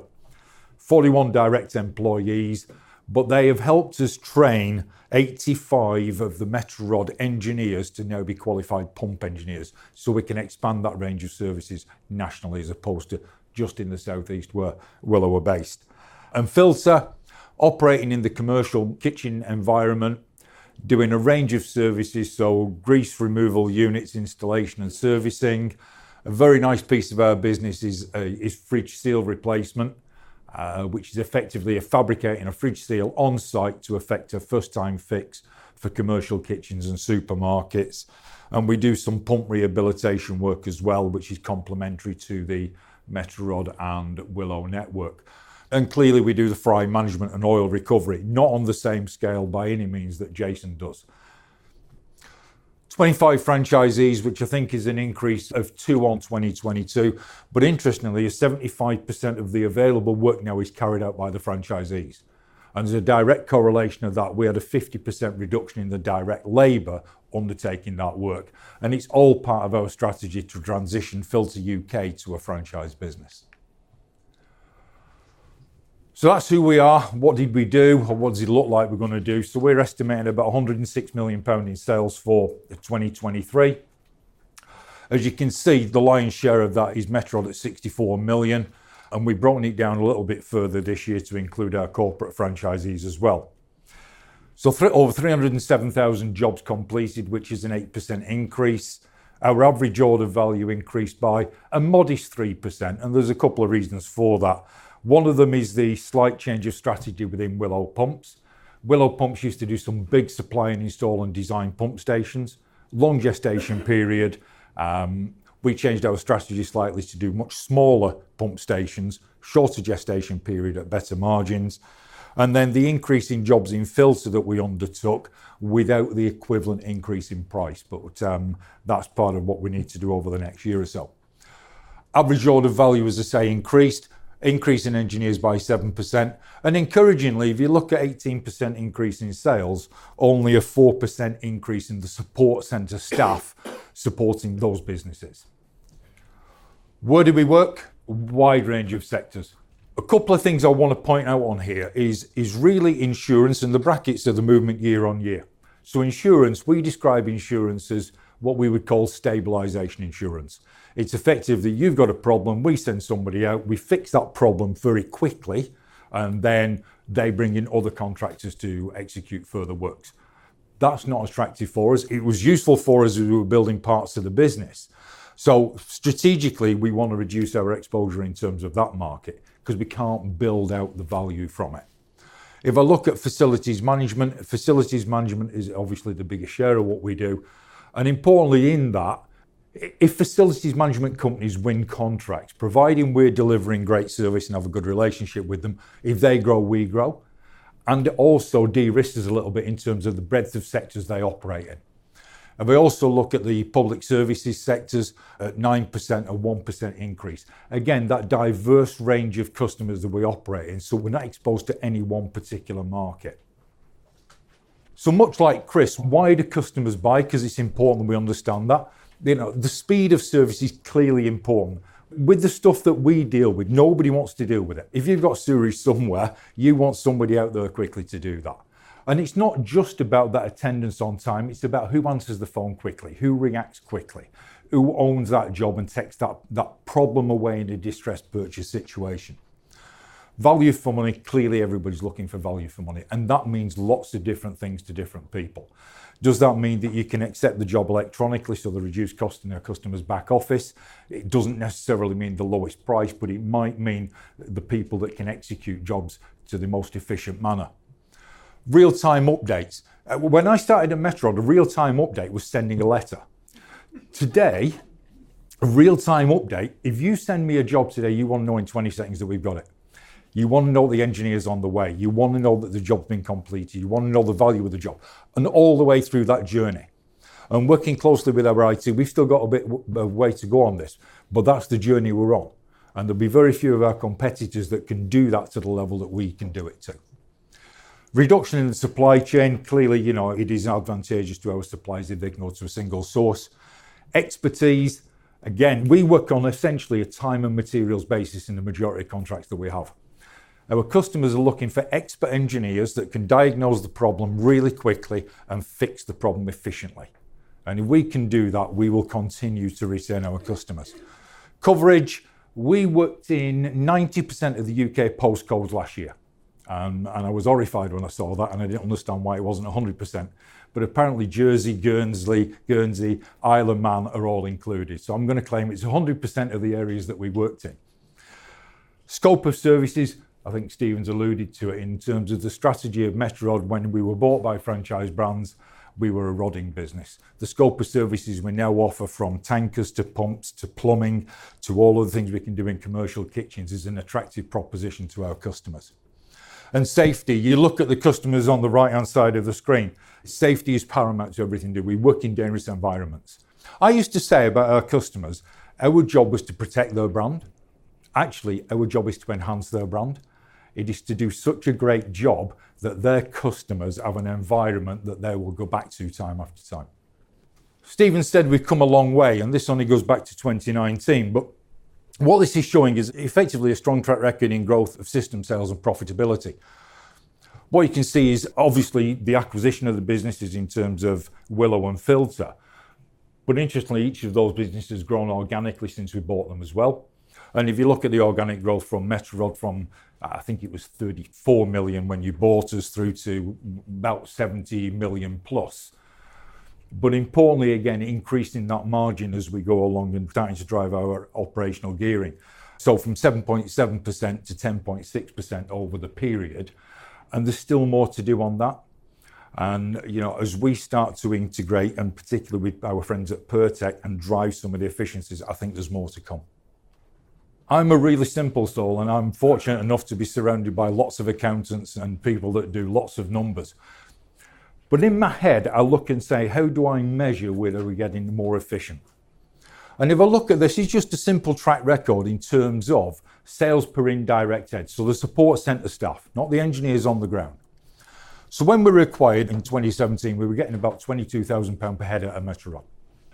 41 direct employees, but they have helped us train 85 of the Metro Rod engineers to now be qualified pump engineers, so we can expand that range of services nationally, as opposed to just in the South East, where Willow are based. And Filta, operating in the commercial kitchen environment, doing a range of services, so grease removal units, installation and servicing. A very nice piece of our business is fridge seal replacement, which is effectively fabricating a fridge seal on-site to effect a first-time fix for commercial kitchens and supermarkets. And we do some pump rehabilitation work as well, which is complementary to the Metro Rod and Willow network. And clearly, we do the fryer management and oil recovery, not on the same scale by any means that Jason does. 25 franchisees, which I think is an increase of two on 2022, but interestingly, 75% of the available work now is carried out by the franchisees. As a direct correlation of that, we had a 50% reduction in the direct labor undertaking that work, and it's all part of our strategy to transition Filta UK to a franchise business. That's who we are. What did we do, or what does it look like we're gonna do? We're estimating about 106 million pounds in sales for 2023. As you can see, the lion's share of that is Metro Rod at 64 million, and we've broken it down a little bit further this year to include our corporate franchisees as well. Over 307,000 jobs completed, which is an 8% increase. Our average order value increased by a modest 3%, and there's a couple of reasons for that. One of them is the slight change of strategy within Willow Pumps. Willow Pumps used to do some big supply and install and design pump stations, long gestation period. We changed our strategy slightly to do much smaller pump stations, shorter gestation period at better margins, and then the increase in jobs in Filta that we undertook without the equivalent increase in price. But that's part of what we need to do over the next year or so. Average order value, as I say, increased. Increase in engineers by 7%, and encouragingly, if you look at 18% increase in sales, only a 4% increase in the support center staff supporting those businesses. Where do we work? A wide range of sectors. A couple of things I want to point out on here is really insurance and the brackets of the movement year-over-year. So insurance, we describe insurance as what we would call stabilization insurance. It's effectively, you've got a problem, we send somebody out, we fix that problem very quickly, and then they bring in other contractors to execute further works. That's not attractive for us. It was useful for us as we were building parts of the business. So strategically, we want to reduce our exposure in terms of that market because we can't build out the value from it. If I look at facilities management, facilities management is obviously the biggest share of what we do, and importantly in that, if facilities management companies win contracts, providing we're delivering great service and have a good relationship with them, if they grow, we grow, and it also de-risks us a little bit in terms of the breadth of sectors they operate in. We also look at the public services sectors at 9%, a 1% increase. Again, that diverse range of customers that we operate in, so we're not exposed to any one particular market. So much like Chris, why do customers buy? Because it's important we understand that. You know, the speed of service is clearly important. With the stuff that we deal with, nobody wants to deal with it. If you've got a sewer somewhere, you want somebody out there quickly to do that. It's not just about that attendance on time, it's about who answers the phone quickly, who reacts quickly, who owns that job and takes that, that problem away in a distressed purchase situation. Value for money, clearly, everybody's looking for value for money, and that means lots of different things to different people. Does that mean that you can accept the job electronically, so the reduced cost in our customer's back office? It doesn't necessarily mean the lowest price, but it might mean the people that can execute jobs to the most efficient manner. Real-time updates. When I started at Metro Rod, a real-time update was sending a letter. Today, a real-time update, if you send me a job today, you want to know in 20 seconds that we've got it. You want to know the engineer's on the way. You want to know that the job's been completed. You want to know the value of the job, and all the way through that journey. Working closely with our IT, we've still got a bit of a way to go on this, but that's the journey we're on, and there'll be very few of our competitors that can do that to the level that we can do it to. Reduction in the supply chain, clearly, you know, it is advantageous to our suppliers if they can go to a single source. Expertise, again, we work on essentially a time and materials basis in the majority of contracts that we have. Our customers are looking for expert engineers that can diagnose the problem really quickly and fix the problem efficiently, and if we can do that, we will continue to retain our customers. Coverage, we worked in 90% of the UK postcodes last year, and I was horrified when I saw that, and I didn't understand why it wasn't 100%. But apparently, Jersey, Guernsey, Guernsey, Isle of Man are all included, so I'm gonna claim it's 100% of the areas that we worked in. Scope of services, I think Stephen's alluded to it in terms of the strategy of Metro Rod. When we were bought by Franchise Brands, we were a rodding business. The scope of services we now offer, from tankers to pumps to plumbing to all of the things we can do in commercial kitchens, is an attractive proposition to our customers. And safety, you look at the customers on the right-hand side of the screen. Safety is paramount to everything. Do we work in dangerous environments? I used to say about our customers, our job was to protect their brand. Actually, our job is to enhance their brand. It is to do such a great job that their customers have an environment that they will go back to time after time... Stephen said we've come a long way, and this only goes back to 2019, but what this is showing is effectively a strong track record in growth of system sales and profitability. What you can see is obviously the acquisition of the businesses in terms of Willow and Filta. But interestingly, each of those businesses has grown organically since we bought them as well. And if you look at the organic growth from Metro Rod, from, I think it was 34 million when you bought us, through to about 70 million plus. But importantly, again, increasing that margin as we go along and starting to drive our operational gearing, so from 7.7% to 10.6% over the period, and there's still more to do on that. And, you know, as we start to integrate, and particularly with our friends at Pirtek, and drive some of the efficiencies, I think there's more to come. I'm a really simple soul, and I'm fortunate enough to be surrounded by lots of accountants and people that do lots of numbers. But in my head, I look and say: How do I measure whether we're getting more efficient? And if I look at this, it's just a simple track record in terms of sales per indirect head, so the support center staff, not the engineers on the ground. So when we were acquired in 2017, we were getting about 22,000 pound per head at Metro Rod.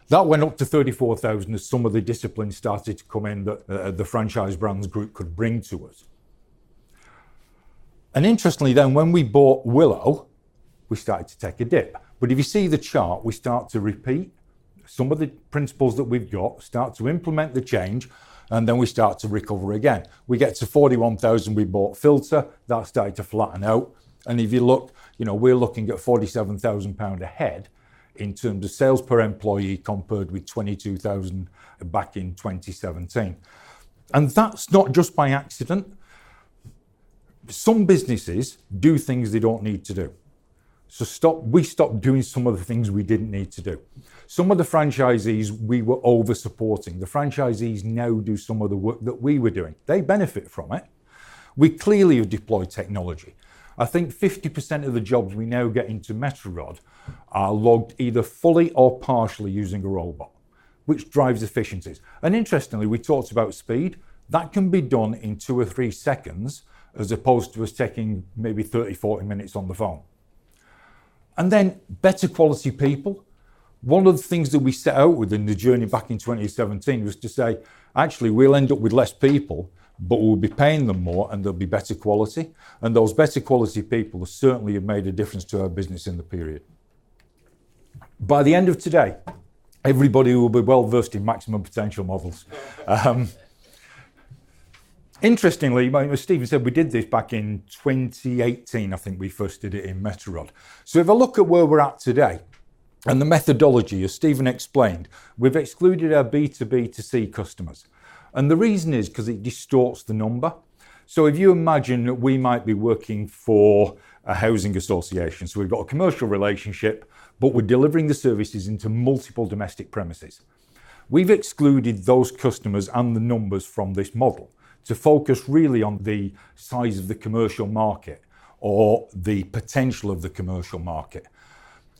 That went up to 34,000 as some of the disciplines started to come in that, the Franchise Brands group could bring to us. And interestingly, then, when we bought Willow, we started to take a dip. But if you see the chart, we start to repeat some of the principles that we've got, start to implement the change, and then we start to recover again. We get to 41,000. We bought Filta. That started to flatten out, and if you look, you know, we're looking at 47,000 pound a head in terms of sales per employee, compared with 22,000 back in 2017, and that's not just by accident. Some businesses do things they don't need to do, so stop... We stopped doing some of the things we didn't need to do. Some of the franchisees we were over-supporting, the franchisees now do some of the work that we were doing. They benefit from it. We clearly have deployed technology. I think 50% of the jobs we now get into Metro Rod are logged either fully or partially using a robot, which drives efficiencies. And interestingly, we talked about speed. That can be done in 2 or 3 seconds, as opposed to us taking maybe 30, 40 minutes on the phone. And then better quality people. One of the things that we set out with in the journey back in 2017 was to say, "Actually, we'll end up with less people, but we'll be paying them more, and they'll be better quality," and those better quality people certainly have made a difference to our business in the period. By the end of today, everybody will be well-versed in Maximum Potential Models. Interestingly, well, as Stephen said, we did this back in 2018. I think we first did it in Metro Rod. So if I look at where we're at today and the methodology, as Stephen explained, we've excluded our B2B2C customers, and the reason is because it distorts the number. So if you imagine that we might be working for a housing association, so we've got a commercial relationship, but we're delivering the services into multiple domestic premises. We've excluded those customers and the numbers from this model to focus really on the size of the commercial market or the potential of the commercial market.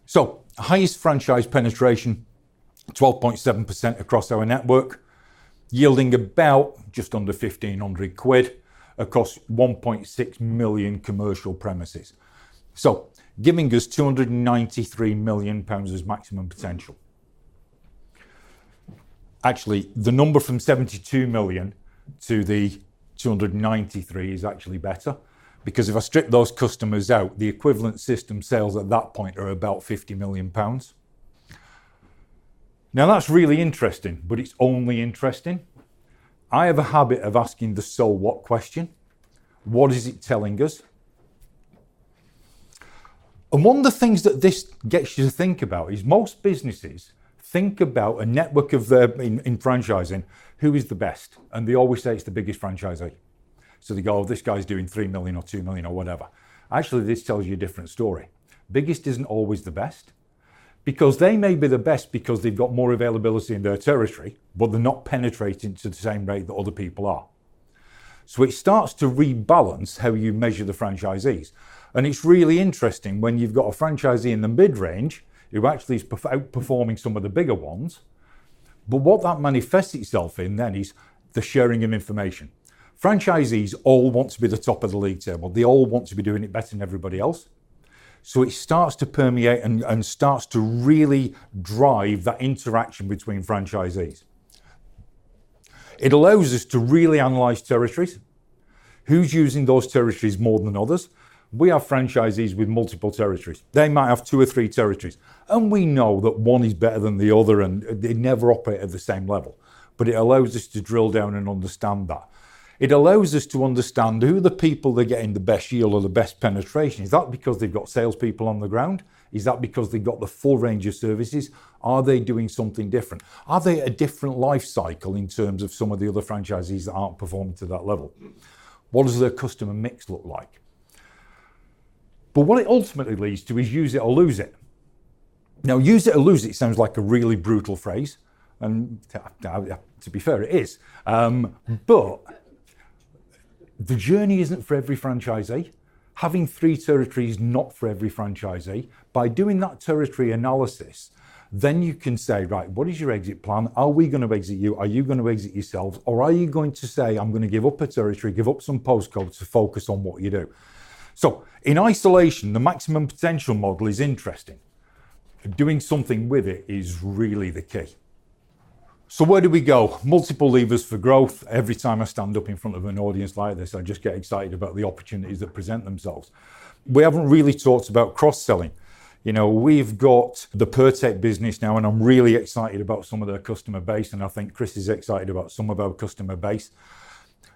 So highest franchise penetration, 12.7% across our network, yielding about just under 1,500 quid across 1.6 million commercial premises, so giving us 293 million pounds as maximum potential. Actually, the number from 72 million to the 293 is actually better, because if I strip those customers out, the equivalent system sales at that point are about 50 million pounds. Now, that's really interesting, but it's only interesting. I have a habit of asking the "So what?" question. What is it telling us? And one of the things that this gets you to think about is most businesses think about a network of their... in franchising, who is the best, and they always say it's the biggest franchisee. So they go, "This guy's doing 3 million or 2 million," or whatever. Actually, this tells you a different story. Biggest isn't always the best, because they may be the best because they've got more availability in their territory, but they're not penetrating to the same rate that other people are. So it starts to rebalance how you measure the franchisees, and it's really interesting when you've got a franchisee in the mid-range who actually is outperforming some of the bigger ones. But what that manifests itself in then is the sharing of information. Franchisees all want to be at the top of the league table. They all want to be doing it better than everybody else, so it starts to permeate and starts to really drive that interaction between franchisees. It allows us to really analyze territories. Who's using those territories more than others? We have franchisees with multiple territories. They might have two or three territories, and we know that one is better than the other, and they never operate at the same level, but it allows us to drill down and understand that. It allows us to understand who are the people that are getting the best yield or the best penetration. Is that because they've got salespeople on the ground? Is that because they've got the full range of services? Are they doing something different? Are they a different life cycle in terms of some of the other franchisees that aren't performing to that level? What does their customer mix look like? But what it ultimately leads to is use it or lose it. Now, "use it or lose it" sounds like a really brutal phrase, and, to be fair, it is. The journey isn't for every franchisee. Having three territories, not for every franchisee. By doing that territory analysis, then you can say, "Right, what is your exit plan? Are we gonna exit you? Are you gonna exit yourself?" Or are you going to say, "I'm gonna give up a territory, give up some postcodes," to focus on what you do? So in isolation, the Maximum Potential Model is interesting, but doing something with it is really the key.... So where do we go? Multiple levers for growth. Every time I stand up in front of an audience like this, I just get excited about the opportunities that present themselves. We haven't really talked about cross-selling. You know, we've got the Pirtek business now, and I'm really excited about some of their customer base, and I think Chris is excited about some of our customer base.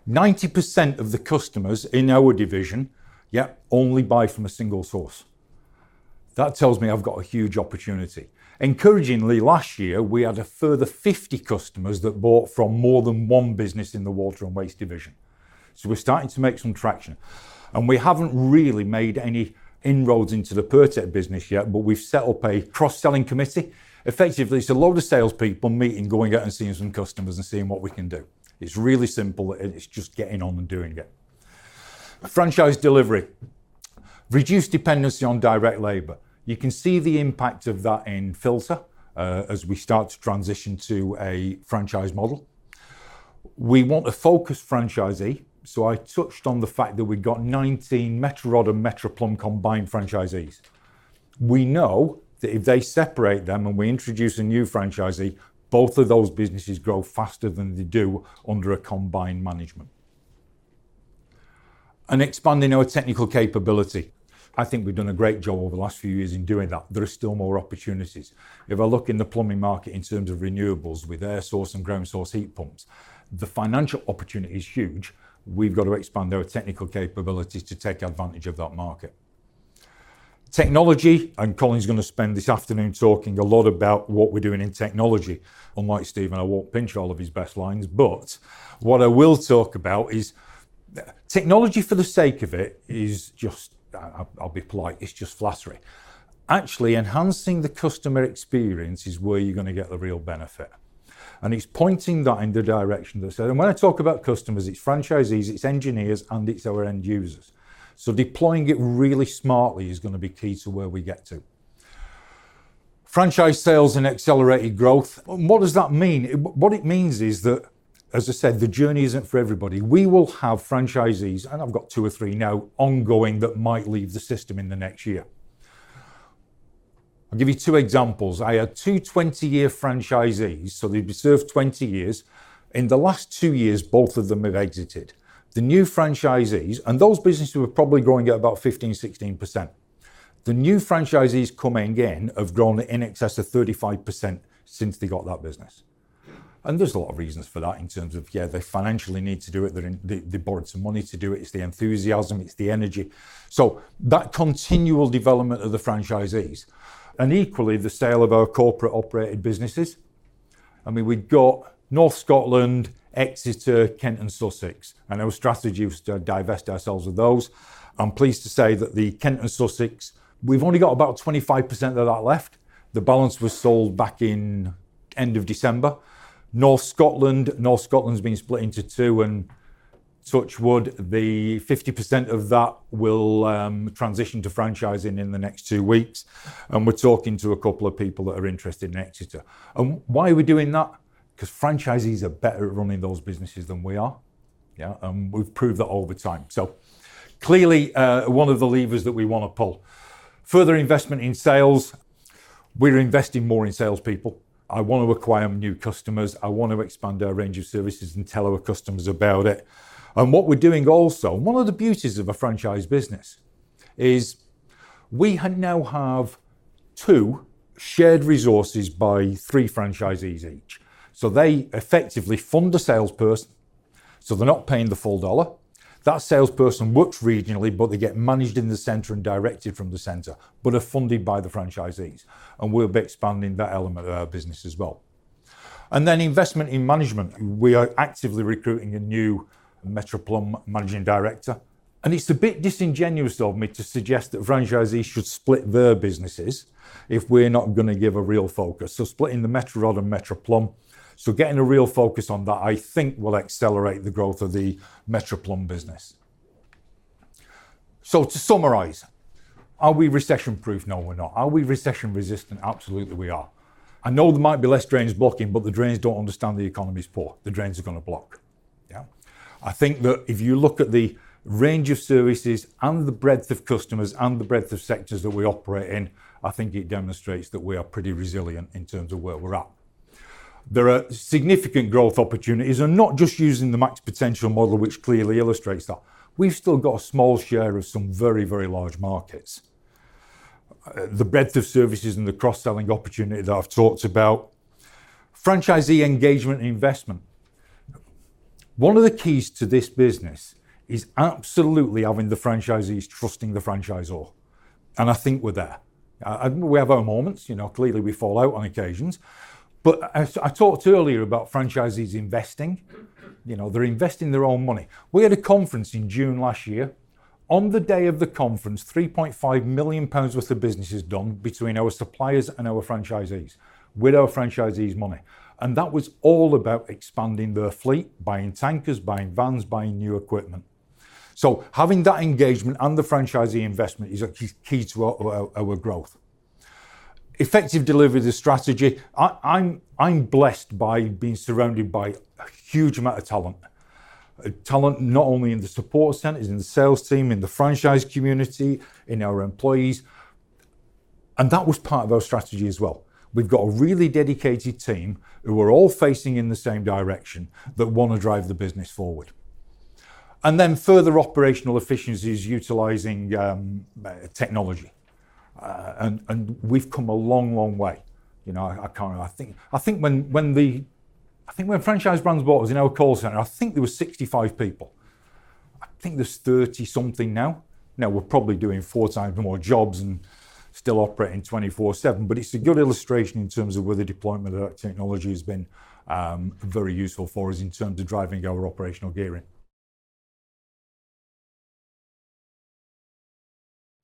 90% of the customers in our division, yeah, only buy from a single source. That tells me I've got a huge opportunity. Encouragingly, last year, we had a further 50 customers that bought from more than one business in the Water & Waste division, so we're starting to make some traction, and we haven't really made any inroads into the Pirtek business yet, but we've set up a cross-selling committee. Effectively, it's a load of salespeople meeting, going out and seeing some customers, and seeing what we can do. It's really simple, and it's just getting on and doing it. Franchise delivery. Reduce dependency on direct labor. You can see the impact of that in Filta as we start to transition to a franchise model. We want a focused franchisee, so I touched on the fact that we've got 19 Metro Rod and Metro Plumb combined franchisees. We know that if they separate them, and we introduce a new franchisee, both of those businesses grow faster than they do under a combined management. Expanding our technical capability, I think we've done a great job over the last few years in doing that. There are still more opportunities. If I look in the plumbing market in terms of renewables, with air source and ground source heat pumps, the financial opportunity is huge. We've got to expand our technical capabilities to take advantage of that market. Technology, and Colin's gonna spend this afternoon talking a lot about what we're doing in technology. Unlike Stephen, I won't pinch all of his best lines, but what I will talk about is technology for the sake of it is just... I'll be polite, it's just flattery. Actually, enhancing the customer experience is where you're gonna get the real benefit, and it's pointing that in the direction they're selling. When I talk about customers, it's franchisees, it's engineers, and it's our end users. So deploying it really smartly is gonna be key to where we get to. Franchise sales and accelerated growth, what does that mean? What it means is that, as I said, the journey isn't for everybody. We will have franchisees, and I've got two or three now ongoing, that might leave the system in the next year. I'll give you two examples. I had two 20-year franchisees, so they've served 20 years. In the last two years, both of them have exited. The new franchisees... And those businesses were probably growing at about 15%-16%. The new franchisees coming in have grown in excess of 35% since they got that business, and there's a lot of reasons for that in terms of, yeah, they financially need to do it. They're in- they, they borrowed some money to do it. It's the enthusiasm. It's the energy. So that continual development of the franchisees and equally, the sale of our corporate-operated businesses. I mean, we've got North Scotland, Exeter, Kent, and Sussex, and our strategy was to divest ourselves of those. I'm pleased to say that the Kent and Sussex, we've only got about 25% of that left. The balance was sold back in end of December. North Scotland, North Scotland's been split into two, and touch wood, the 50% of that will transition to franchising in the next two weeks, and we're talking to a couple of people that are interested in Exeter. Why are we doing that? Because franchisees are better at running those businesses than we are. Yeah, and we've proved that over time, so clearly, one of the levers that we wanna pull. Further investment in sales. We're investing more in salespeople. I want to acquire new customers. I want to expand our range of services and tell our customers about it, and what we're doing also, and one of the beauties of a franchise business, is we now have two shared resources by three franchisees each. So they effectively fund a salesperson, so they're not paying the full dollar. That salesperson works regionally, but they get managed in the center and directed from the center, but are funded by the franchisees, and we'll be expanding that element of our business as well. And then investment in management. We are actively recruiting a new Metro Plumb managing director, and it's a bit disingenuous of me to suggest that franchisees should split their businesses if we're not gonna give a real focus, so splitting the Metro Rod and Metro Plumb. So getting a real focus on that, I think, will accelerate the growth of the Metro Plumb business. So to summarize, are we recession-proof? No, we're not. Are we recession-resistant? Absolutely, we are. I know there might be less drains blocking, but the drains don't understand the economy's poor. The drains are gonna block. Yeah? I think that if you look at the range of services and the breadth of customers and the breadth of sectors that we operate in, I think it demonstrates that we are pretty resilient in terms of where we're at. There are significant growth opportunities, and not just using the Max Potential Model, which clearly illustrates that. We've still got a small share of some very, very large markets. The breadth of services and the cross-selling opportunity that I've talked about. Franchisee engagement and investment. One of the keys to this business is absolutely having the franchisees trusting the franchisor, and I think we're there. And we have our moments. You know, clearly, we fall out on occasions, but as I talked earlier about franchisees investing, you know, they're investing their own money. We had a conference in June last year. On the day of the conference, 3.5 million pounds worth of business was done between our suppliers and our franchisees, with our franchisees' money, and that was all about expanding their fleet, buying tankers, buying vans, buying new equipment. So having that engagement and the franchisee investment is a key to our growth. Effective delivery of the strategy. I'm blessed by being surrounded by a huge amount of talent, talent not only in the support centers, in the sales team, in the franchise community, in our employees-... and that was part of our strategy as well. We've got a really dedicated team, who are all facing in the same direction, that wanna drive the business forward. And then further operational efficiencies utilizing technology. And we've come a long, long way. You know, I can't... I think when Franchise Brands bought us, in our call center, I think there were 65 people. I think there's 30-something now. Now we're probably doing four times more jobs and still operating 24/7. But it's a good illustration in terms of where the deployment of that technology has been very useful for us in terms of driving our operational gearing.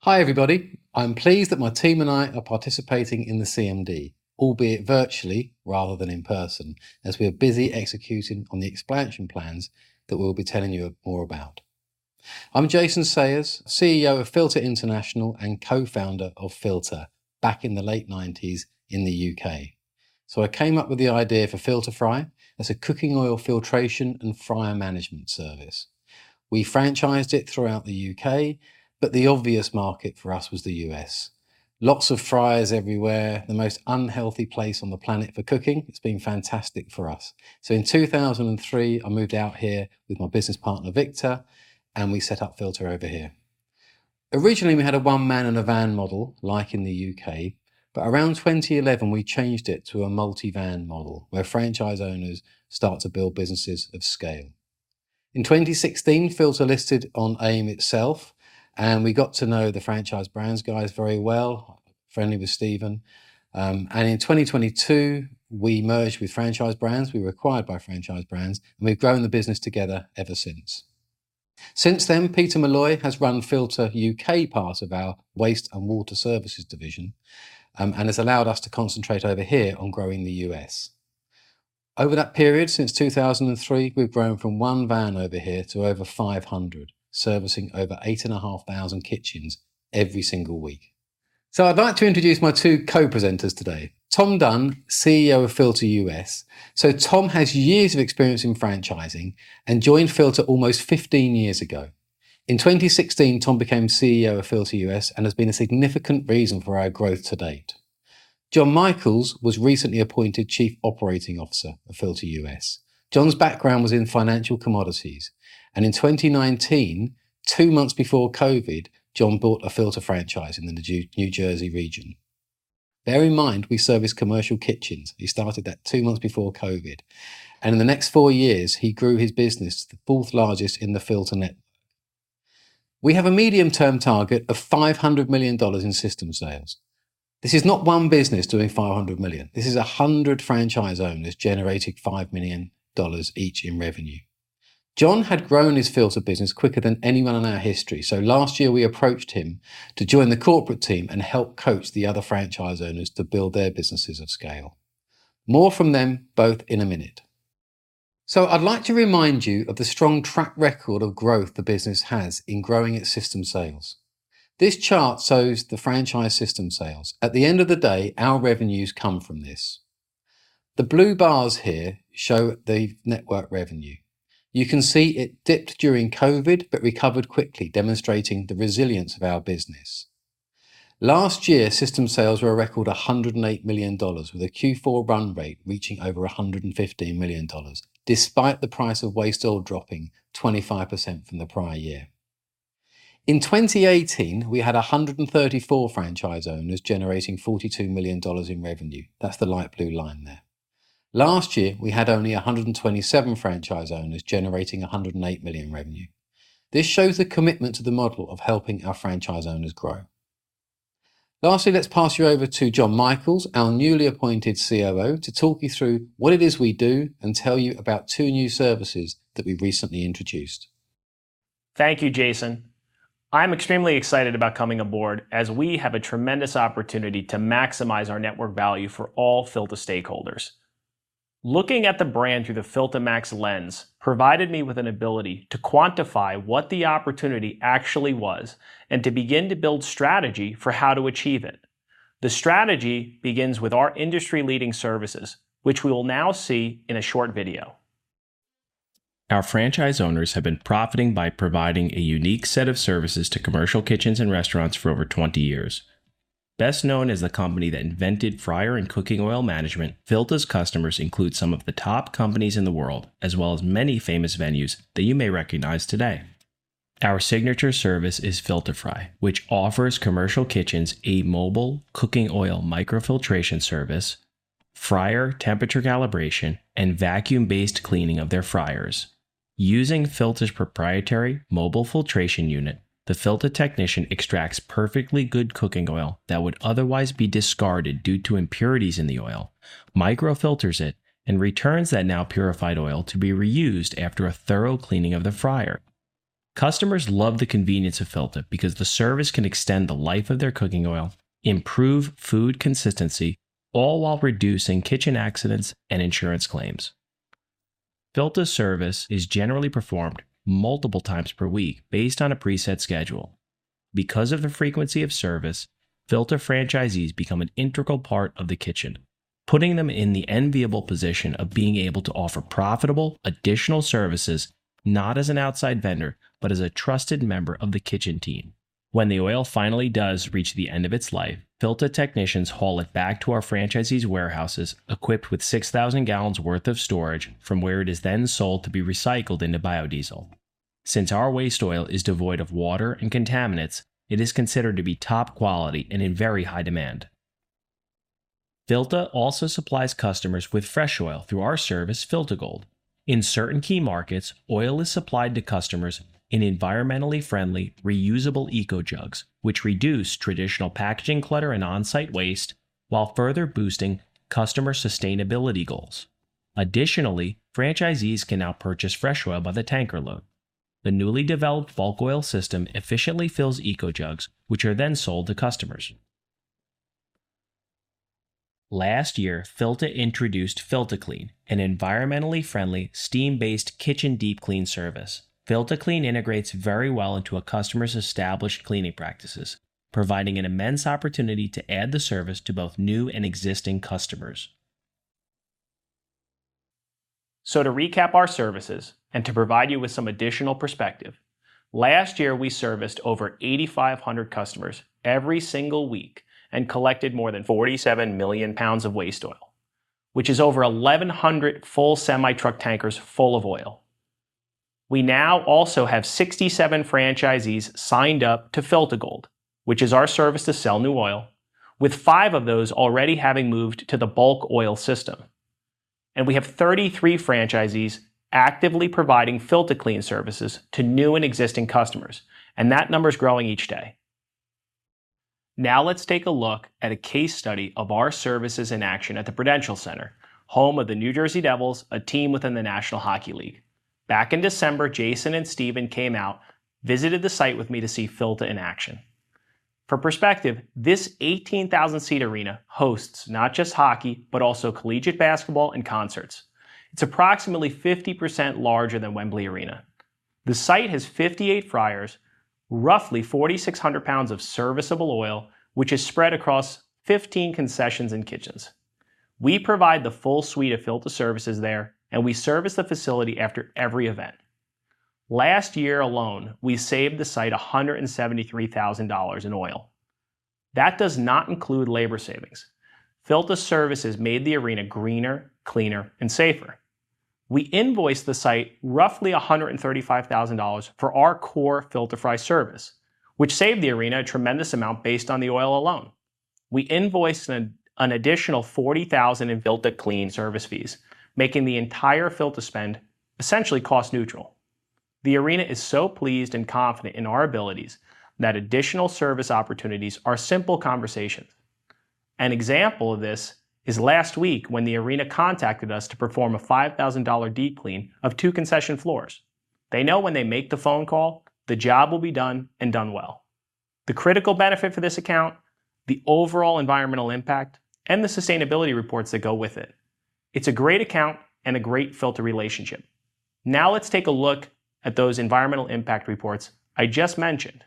Hi, everybody. I'm pleased that my team and I are participating in the CMD, albeit virtually rather than in person, as we're busy executing on the expansion plans that we'll be telling you more about. I'm Jason Sayers, CEO of Filta International and co-founder of Filta back in the late 1990s in the UK I came up with the idea for FiltaFry as a cooking oil filtration and fryer management service. We franchised it throughout the UK, but the obvious market for us was the U.S. Lots of fryers everywhere, the most unhealthy place on the planet for cooking. It's been fantastic for us. In 2003, I moved out here with my business partner, Victor, and we set up Filta over here. Originally, we had a one-man-and-a-van model, like in the UK, but around 2011, we changed it to a multi-van model, where franchise owners start to build businesses of scale. In 2016, Filta listed on AIM itself, and we got to know the Franchise Brands guys very well, friendly with Stephen. In 2022, we merged with Franchise Brands. We were acquired by Franchise Brands, and we've grown the business together ever since. Since then, Peter Molloy has run Filta UK, part Water & Waste Services division, and has allowed us to concentrate over here on growing the US. Over that period, since 2003, we've grown from one van over here to over 500, servicing over 8,500 kitchens every single week. So I'd like to introduce my two co-presenters today, Tom Dunn, CEO of Filta US. Tom has years of experience in franchising and joined Filta almost 15 years ago. In 2016, Tom became CEO of Filta US and has been a significant reason for our growth to date. Jon Michaels was recently appointed Chief Operating Officer of Filta US. Jon's background was in financial commodities, and in 2019, 2 months before COVID, Jon bought a Filta franchise in the New Jersey region. Bear in mind, we service commercial kitchens. He started that 2 months before COVID, and in the next 4 years, he grew his business to the fourth largest in the Filta network. We have a medium-term target of $500 million in system sales. This is not one business doing $500 million. This is 100 franchise owners generating $5 million each in revenue. Jon had grown his Filta business quicker than anyone in our history, so last year, we approached him to join the corporate team and help coach the other franchise owners to build their businesses of scale. More from them both in a minute. I'd like to remind you of the strong track record of growth the business has in growing its system sales. This chart shows the franchise system sales. At the end of the day, our revenues come from this. The blue bars here show the network revenue. You can see it dipped during COVID, but recovered quickly, demonstrating the resilience of our business. Last year, system sales were a record $108 million, with a Q4 run rate reaching over $115 million, despite the price of waste oil dropping 25% from the prior year. In 2018, we had 134 franchise owners generating $42 million in revenue. That's the light blue line there. Last year, we had only 127 franchise owners generating 108 million revenue. This shows the commitment to the model of helping our franchise owners grow. Lastly, let's pass you over to Jon Michaels, our newly appointed COO, to talk you through what it is we do and tell you about two new services that we recently introduced. Thank you, Jason. I'm extremely excited about coming aboard, as we have a tremendous opportunity to maximize our network value for all Filta stakeholders. Looking at the brand through the FiltaMax lens provided me with an ability to quantify what the opportunity actually was and to begin to build strategy for how to achieve it. The strategy begins with our industry-leading services, which we will now see in a short video. Our franchise owners have been profiting by providing a unique set of services to commercial kitchens and restaurants for over 20 years. Best known as the company that invented fryer and cooking oil management, Filta's customers include some of the top companies in the world, as well as many famous venues that you may recognize today. Our signature service is FiltaFry, which offers commercial kitchens a mobile cooking oil microfiltration service, fryer temperature calibration, and vacuum-based cleaning of their fryers. Using Filta's proprietary mobile filtration unit, the Filta technician extracts perfectly good cooking oil that would otherwise be discarded due to impurities in the oil, microfilters it, and returns that now-purified oil to be reused after a thorough cleaning of the fryer. Customers love the convenience of Filta because the service can extend the life of their cooking oil, improve food consistency, all while reducing kitchen accidents and insurance claims. Filta's service is generally performed multiple times per week, based on a preset schedule. Because of the frequency of service, Filta franchisees become an integral part of the kitchen.... putting them in the enviable position of being able to offer profitable, additional services, not as an outside vendor, but as a trusted member of the kitchen team. When the oil finally does reach the end of its life, Filta technicians haul it back to our franchisees' warehouses, equipped with 6,000 gallons worth of storage, from where it is then sold to be recycled into biodiesel. Since our waste oil is devoid of water and contaminants, it is considered to be top quality and in very high demand. Filta also supplies customers with fresh oil through our service, FiltaGold. In certain key markets, oil is supplied to customers in environmentally friendly, reusable Eco-Jugs, which reduce traditional packaging clutter and on-site waste, while further boosting customer sustainability goals. Additionally, franchisees can now purchase fresh oil by the tanker load. The newly developed bulk oil system efficiently fills Eco-Jugs, which are then sold to customers. Last year, Filta introduced FiltaClean, an environmentally friendly, steam-based kitchen deep clean service. FiltaClean integrates very well into a customer's established cleaning practices, providing an immense opportunity to add the service to both new and existing customers. So to recap our services and to provide you with some additional perspective, last year, we serviced over 8,500 customers every single week and collected more than 47 million pounds of waste oil, which is over 1,100 full semi-truck tankers full of oil. We now also have 67 franchisees signed up to FiltaGold, which is our service to sell new oil, with 5 of those already having moved to the bulk oil system. And we have 33 franchisees actively providing FiltaClean services to new and existing customers, and that number is growing each day. Now let's take a look at a case study of our services in action at the Prudential Center, home of the New Jersey Devils, a team within the National Hockey League. Back in December, Jason and Stephen came out, visited the site with me to see Filta in action. For perspective, this 18,000-seat arena hosts not just hockey, but also collegiate basketball and concerts. It's approximately 50% larger than Wembley Arena. The site has 58 fryers, roughly 4,600 pounds of serviceable oil, which is spread across 15 concessions and kitchens. We provide the full suite of Filta services there, and we service the facility after every event. Last year alone, we saved the site $173,000 in oil. That does not include labor savings. Filta services made the arena greener, cleaner, and safer. We invoiced the site roughly $135,000 for our core FiltaFry service, which saved the arena a tremendous amount based on the oil alone. We invoiced an additional $40,000 in FiltaClean service fees, making the entire Filta spend essentially cost neutral. The arena is so pleased and confident in our abilities that additional service opportunities are simple conversations. An example of this is last week when the arena contacted us to perform a $5,000 deep clean of two concession floors. They know when they make the phone call, the job will be done and done well. The critical benefit for this account, the overall environmental impact, and the sustainability reports that go with it. It's a great account and a great Filta relationship. Now let's take a look at those environmental impact reports I just mentioned.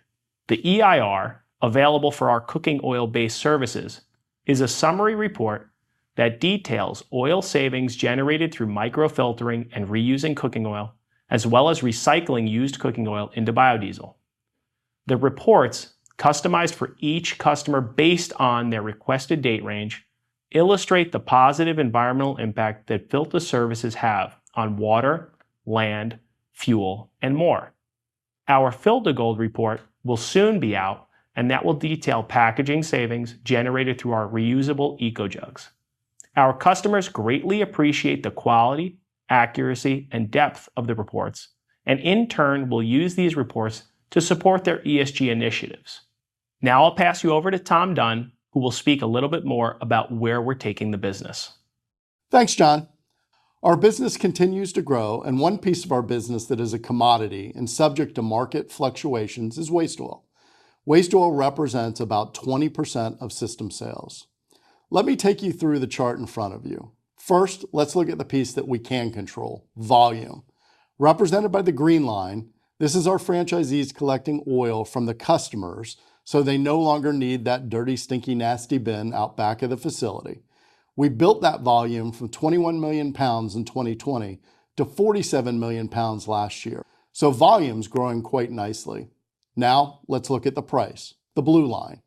The EIR, available for our cooking oil-based services, is a summary report that details oil savings generated through microfiltering and reusing cooking oil, as well as recycling used cooking oil into biodiesel. The reports, customized for each customer based on their requested date range, illustrate the positive environmental impact that Filta services have on water, land, fuel, and more. Our FiltaGold report will soon be out, and that will detail packaging savings generated through our reusable Eco-Jugs. Our customers greatly appreciate the quality, accuracy, and depth of the reports, and in turn, will use these reports to support their ESG initiatives. Now I'll pass you over to Tom Dunn, who will speak a little bit more about where we're taking the business. Thanks, Jon. Our business continues to grow, and one piece of our business that is a commodity and subject to market fluctuations is waste oil. Waste oil represents about 20% of system sales. Let me take you through the chart in front of you. First, let's look at the piece that we can control, volume. Represented by the green line, this is our franchisees collecting oil from the customers, so they no longer need that dirty, stinky, nasty bin out back of the facility. We built that volume from 21 million lbs in 2020 to 47 million lbs last year, so volume's growing quite nicely. Now, let's look at the price, the blue line.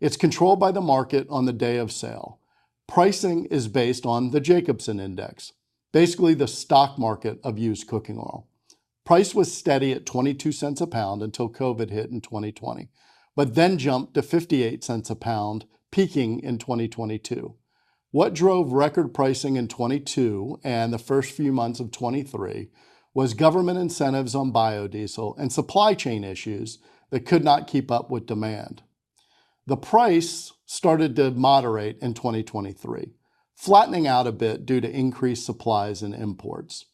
It's controlled by the market on the day of sale. Pricing is based on the Jacobsen Index, basically the stock market of used cooking oil. Price was steady at $0.22 a pound until COVID hit in 2020, but then jumped to $0.58 a pound, peaking in 2022. What drove record pricing in 2022 and the first few months of 2023 was government incentives on biodiesel and supply chain issues that could not keep up with demand. The price started to moderate in 2023, flattening out a bit due to increased supplies and imports.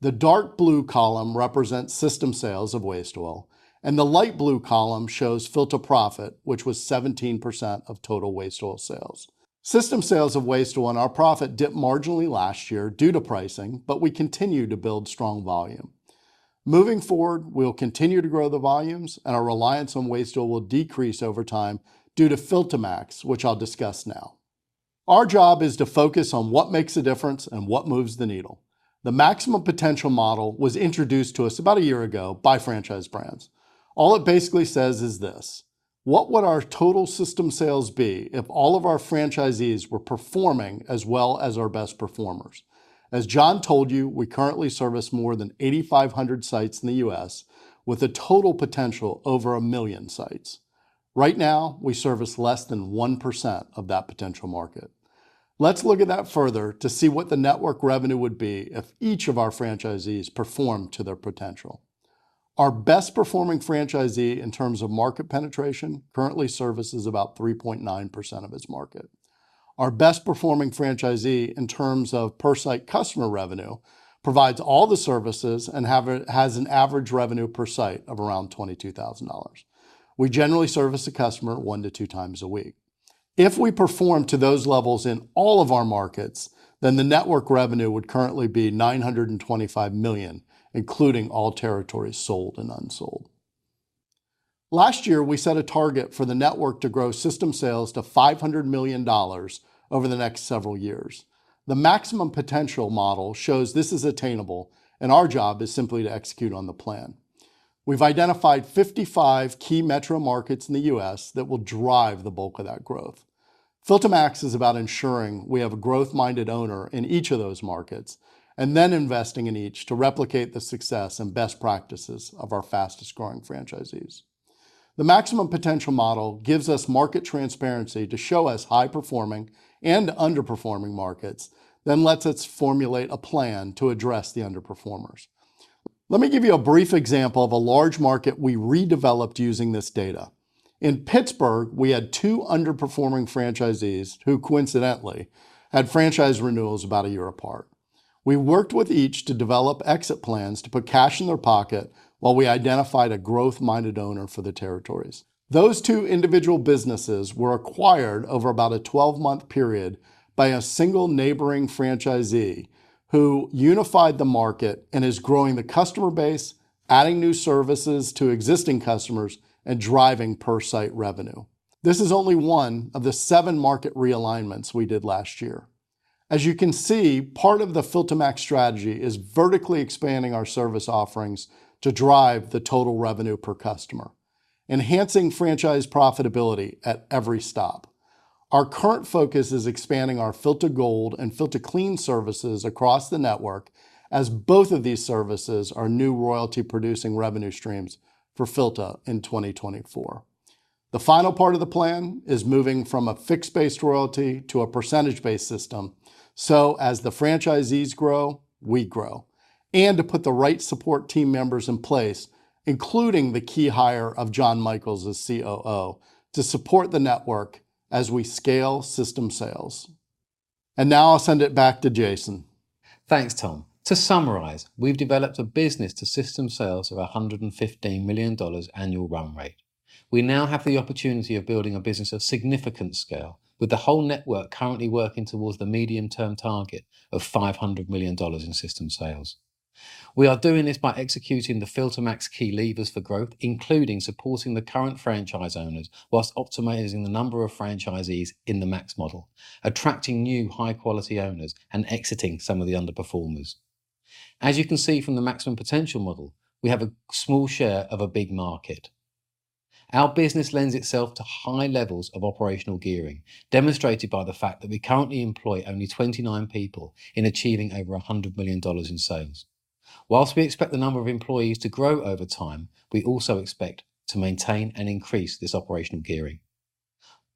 The dark blue column represents system sales of waste oil, and the light blue column shows Filta profit, which was 17% of total waste oil sales. System sales of waste oil and our profit dipped marginally last year due to pricing, but we continue to build strong volume.... Moving forward, we'll continue to grow the volumes, and our reliance on waste oil will decrease over time due to FiltaMax, which I'll discuss now. Our job is to focus on what makes a difference and what moves the needle. The Maximum Potential Model was introduced to us about a year ago by Franchise Brands. All it basically says is this: What would our total system sales be if all of our franchisees were performing as well as our best performers? As Jon told you, we currently service more than 8,500 sites in the U.S., with a total potential over 1 million sites. Right now, we service less than 1% of that potential market. Let's look at that further to see what the network revenue would be if each of our franchisees performed to their potential. Our best-performing franchisee in terms of market penetration currently services about 3.9% of its market. Our best-performing franchisee in terms of per-site customer revenue provides all the services and has an average revenue per site of around $22,000. We generally service a customer one to two times a week. If we perform to those levels in all of our markets, then the network revenue would currently be $925 million, including all territories sold and unsold. Last year, we set a target for the network to grow system sales to $500 million over the next several years. The Maximum Potential Model shows this is attainable, and our job is simply to execute on the plan. We've identified 55 key metro markets in the US that will drive the bulk of that growth. FiltaMax is about ensuring we have a growth-minded owner in each of those markets, and then investing in each to replicate the success and best practices of our fastest-growing franchisees. The Maximum Potential Model gives us market transparency to show us high-performing and underperforming markets, then lets us formulate a plan to address the underperformers. Let me give you a brief example of a large market we redeveloped using this data. In Pittsburgh, we had 2 underperforming franchisees who coincidentally had franchise renewals about a year apart. We worked with each to develop exit plans to put cash in their pocket while we identified a growth-minded owner for the territories. Those 2 individual businesses were acquired over about a 12-month period by a single neighboring franchisee, who unified the market and is growing the customer base, adding new services to existing customers, and driving per-site revenue. This is only one of the seven market realignments we did last year. As you can see, part of the FiltaMax strategy is vertically expanding our service offerings to drive the total revenue per customer, enhancing franchise profitability at every stop. Our current focus is expanding our FiltaGold and FiltaClean services across the network, as both of these services are new royalty-producing revenue streams for Filta in 2024. The final part of the plan is moving from a fixed-based royalty to a percentage-based system, so as the franchisees grow, we grow, and to put the right support team members in place, including the key hire of Jon Michaels as COO, to support the network as we scale system sales. Now I'll send it back to Jason. Thanks, Tom. To summarize, we've developed a business to system sales of $115 million annual run rate. We now have the opportunity of building a business of significant scale, with the whole network currently working towards the medium-term target of $500 million in system sales. We are doing this by executing the FiltaMax key levers for growth, including supporting the current franchise owners, while optimizing the number of franchisees in the Max Model, attracting new high-quality owners, and exiting some of the underperformers. As you can see from the Maximum Potential Model, we have a small share of a big market. Our business lends itself to high levels of operational gearing, demonstrated by the fact that we currently employ only 29 people in achieving over $100 million in sales. While we expect the number of employees to grow over time, we also expect to maintain and increase this operational gearing.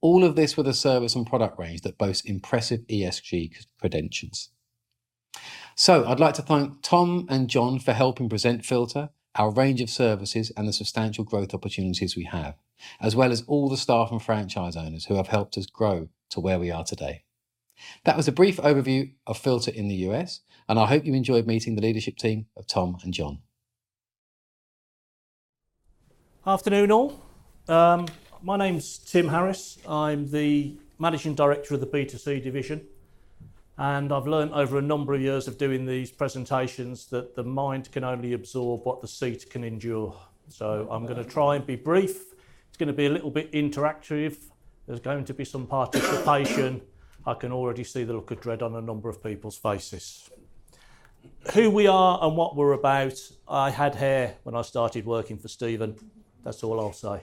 All of this with a service and product range that boasts impressive ESG credentials. So I'd like to thank Tom and Jon for helping present Filta, our range of services, and the substantial growth opportunities we have, as well as all the staff and franchise owners who have helped us grow to where we are today. That was a brief overview of Filta in the U.S., and I hope you enjoyed meeting the leadership team of Tom and Jon. Afternoon, all. My name's Tim Harris. I'm the Managing Director of the B2C division, and I've learned over a number of years of doing these presentations, that the mind can only absorb what the seat can endure. So I'm gonna try and be brief. It's gonna be a little bit interactive. There's going to be some participation. I can already see the look of dread on a number of people's faces. Who we are and what we're about, I had hair when I started working for Stephen. That's all I'll say.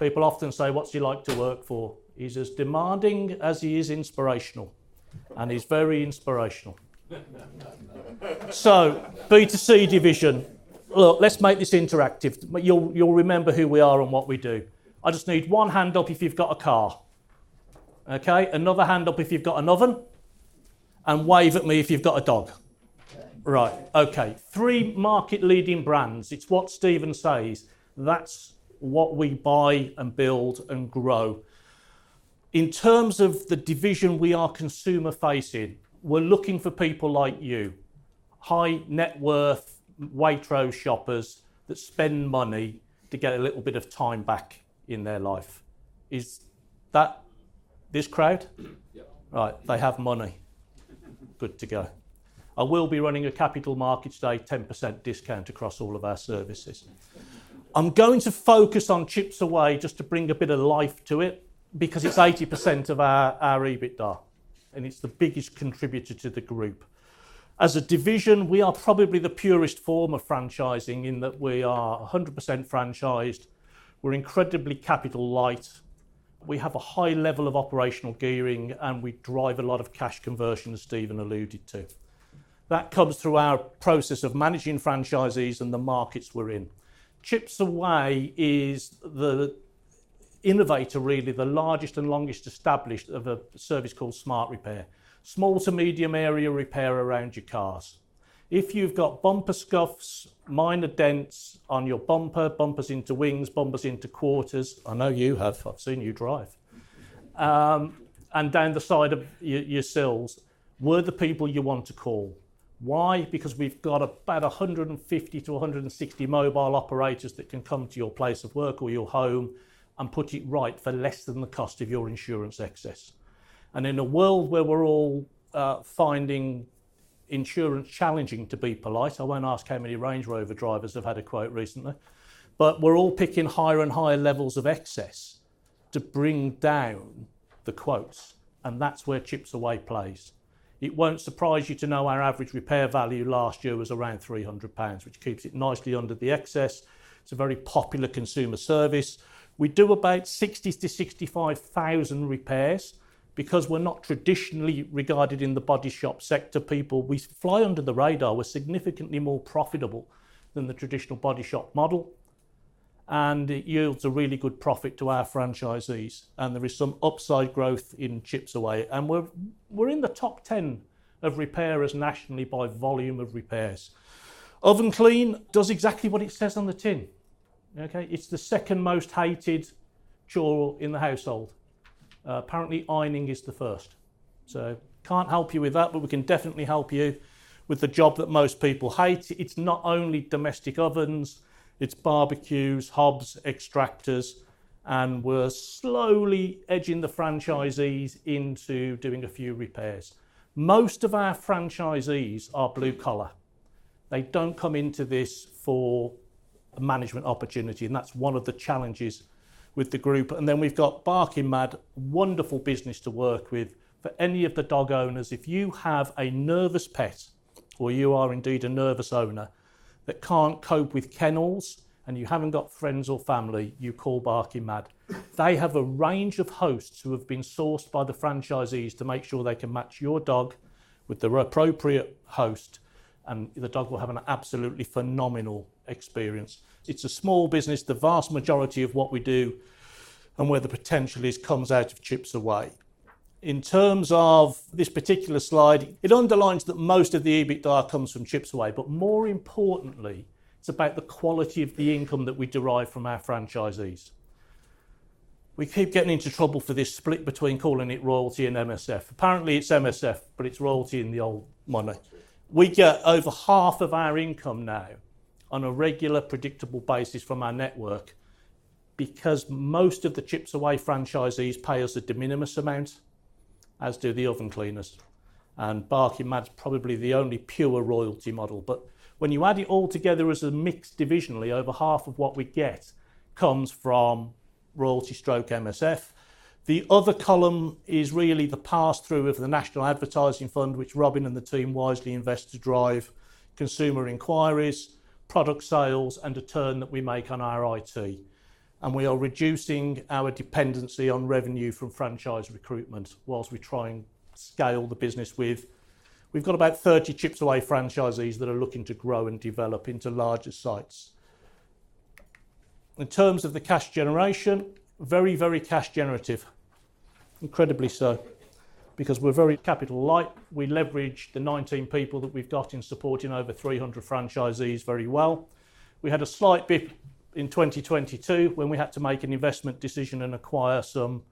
People often say: "What's he like to work for?" He's as demanding as he is inspirational, and he's very inspirational. So B2C division. Look, let's make this interactive. You'll remember who we are and what we do. I just need one hand up if you've got a car. Okay, another hand up if you've got an oven, and wave at me if you've got a dog. Right. Okay, three market-leading brands. It's what Stephen says. That's what we buy, and build, and grow. In terms of the division, we are consumer-facing. We're looking for people like you, high-net-worth Waitrose shoppers that spend money to get a little bit of time back in their life. Is that... this crowd? Yeah. Right, they have money. Good to go. I will be running a capital markets day, 10% discount across all of our services. I'm going to focus on ChipsAway just to bring a bit of life to it, because it's 80% of our EBITDA, and it's the biggest contributor to the group. As a division, we are probably the purest form of franchising, in that we are 100% franchised, we're incredibly capital light, we have a high level of operational gearing, and we drive a lot of cash conversion, as Stephen alluded to. That comes through our process of managing franchisees and the markets we're in. ChipsAway is the innovator, really, the largest and longest established of a service called SMART Repair. Small to medium area repair around your cars. If you've got bumper scuffs, minor dents on your bumper, bumpers into wings, bumpers into quarters, I know you have, I've seen you drive, and down the side of your sills, we're the people you want to call. Why? Because we've got about 150-160 mobile operators that can come to your place of work or your home and put it right for less than the cost of your insurance excess. And in a world where we're all finding insurance challenging, to be polite, I won't ask how many Range Rover drivers have had a quote recently, but we're all picking higher and higher levels of excess to bring down the quotes, and that's where ChipsAway plays. It won't surprise you to know our average repair value last year was around 300 pounds, which keeps it nicely under the excess. It's a very popular consumer service. We do about 60-65,000 repairs, because we're not traditionally regarded in the body shop sector, people. We fly under the radar. We're significantly more profitable than the traditional body shop model, and it yields a really good profit to our franchisees, and there is some upside growth in ChipsAway, and we're in the top 10 of repairers nationally by volume of repairs. Ovenclean does exactly what it says on the tin, okay? It's the second most hated chore in the household. Apparently, ironing is the first. So can't help you with that, but we can definitely help you with the job that most people hate. It's not only domestic ovens, it's barbecues, hobs, extractors, and we're slowly edging the franchisees into doing a few repairs. Most of our franchisees are blue-collar. They don't come into this for a management opportunity, and that's one of the challenges with the group. Then we've got Barking Mad, wonderful business to work with. For any of the dog owners, if you have a nervous pet, or you are indeed a nervous owner, that can't cope with kennels and you haven't got friends or family, you call Barking Mad. They have a range of hosts who have been sourced by the franchisees to make sure they can match your dog with the appropriate host, and the dog will have an absolutely phenomenal experience. It's a small business. The vast majority of what we do and where the potential is, comes out of ChipsAway. In terms of this particular slide, it underlines that most of the EBITDA comes from ChipsAway, but more importantly, it's about the quality of the income that we derive from our franchisees. We keep getting into trouble for this split between calling it royalty and MSF. Apparently, it's MSF, but it's royalty in the old money. We get over half of our income now on a regular, predictable basis from our network, because most of the ChipsAway franchisees pay us a de minimis amount, as do the Ovenclean, and Barking Mad is probably the only pure royalty model. But when you add it all together as a mix, divisionally, over half of what we get comes from royalty stroke MSF. The other column is really the pass-through of the National Advertising Fund, which Robin and the team wisely invest to drive consumer inquiries, product sales, and the return that we make on our IT. We are reducing our dependency on revenue from franchise recruitment, while we try and scale the business with... We've got about 30 ChipsAway franchisees that are looking to grow and develop into larger sites. In terms of the cash generation, very, very cash generative, incredibly so, because we're very capital light. We leverage the 19 people that we've got in supporting over 300 franchisees very well. We had a slight bit in 2022, when we had to make an investment decision and acquire some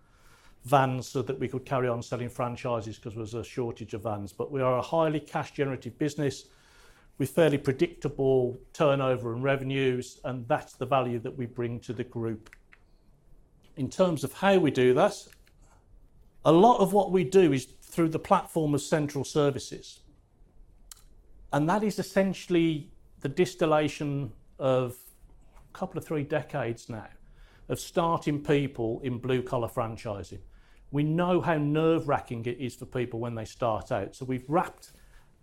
vans so that we could carry on selling franchises, because there was a shortage of vans. But we are a highly cash-generative business with fairly predictable turnover and revenues, and that's the value that we bring to the group. In terms of how we do this, a lot of what we do is through the platform of central services, and that is essentially the distillation of a couple of three decades now, of starting people in blue-collar franchising. We know how nerve-wracking it is for people when they start out, so we've wrapped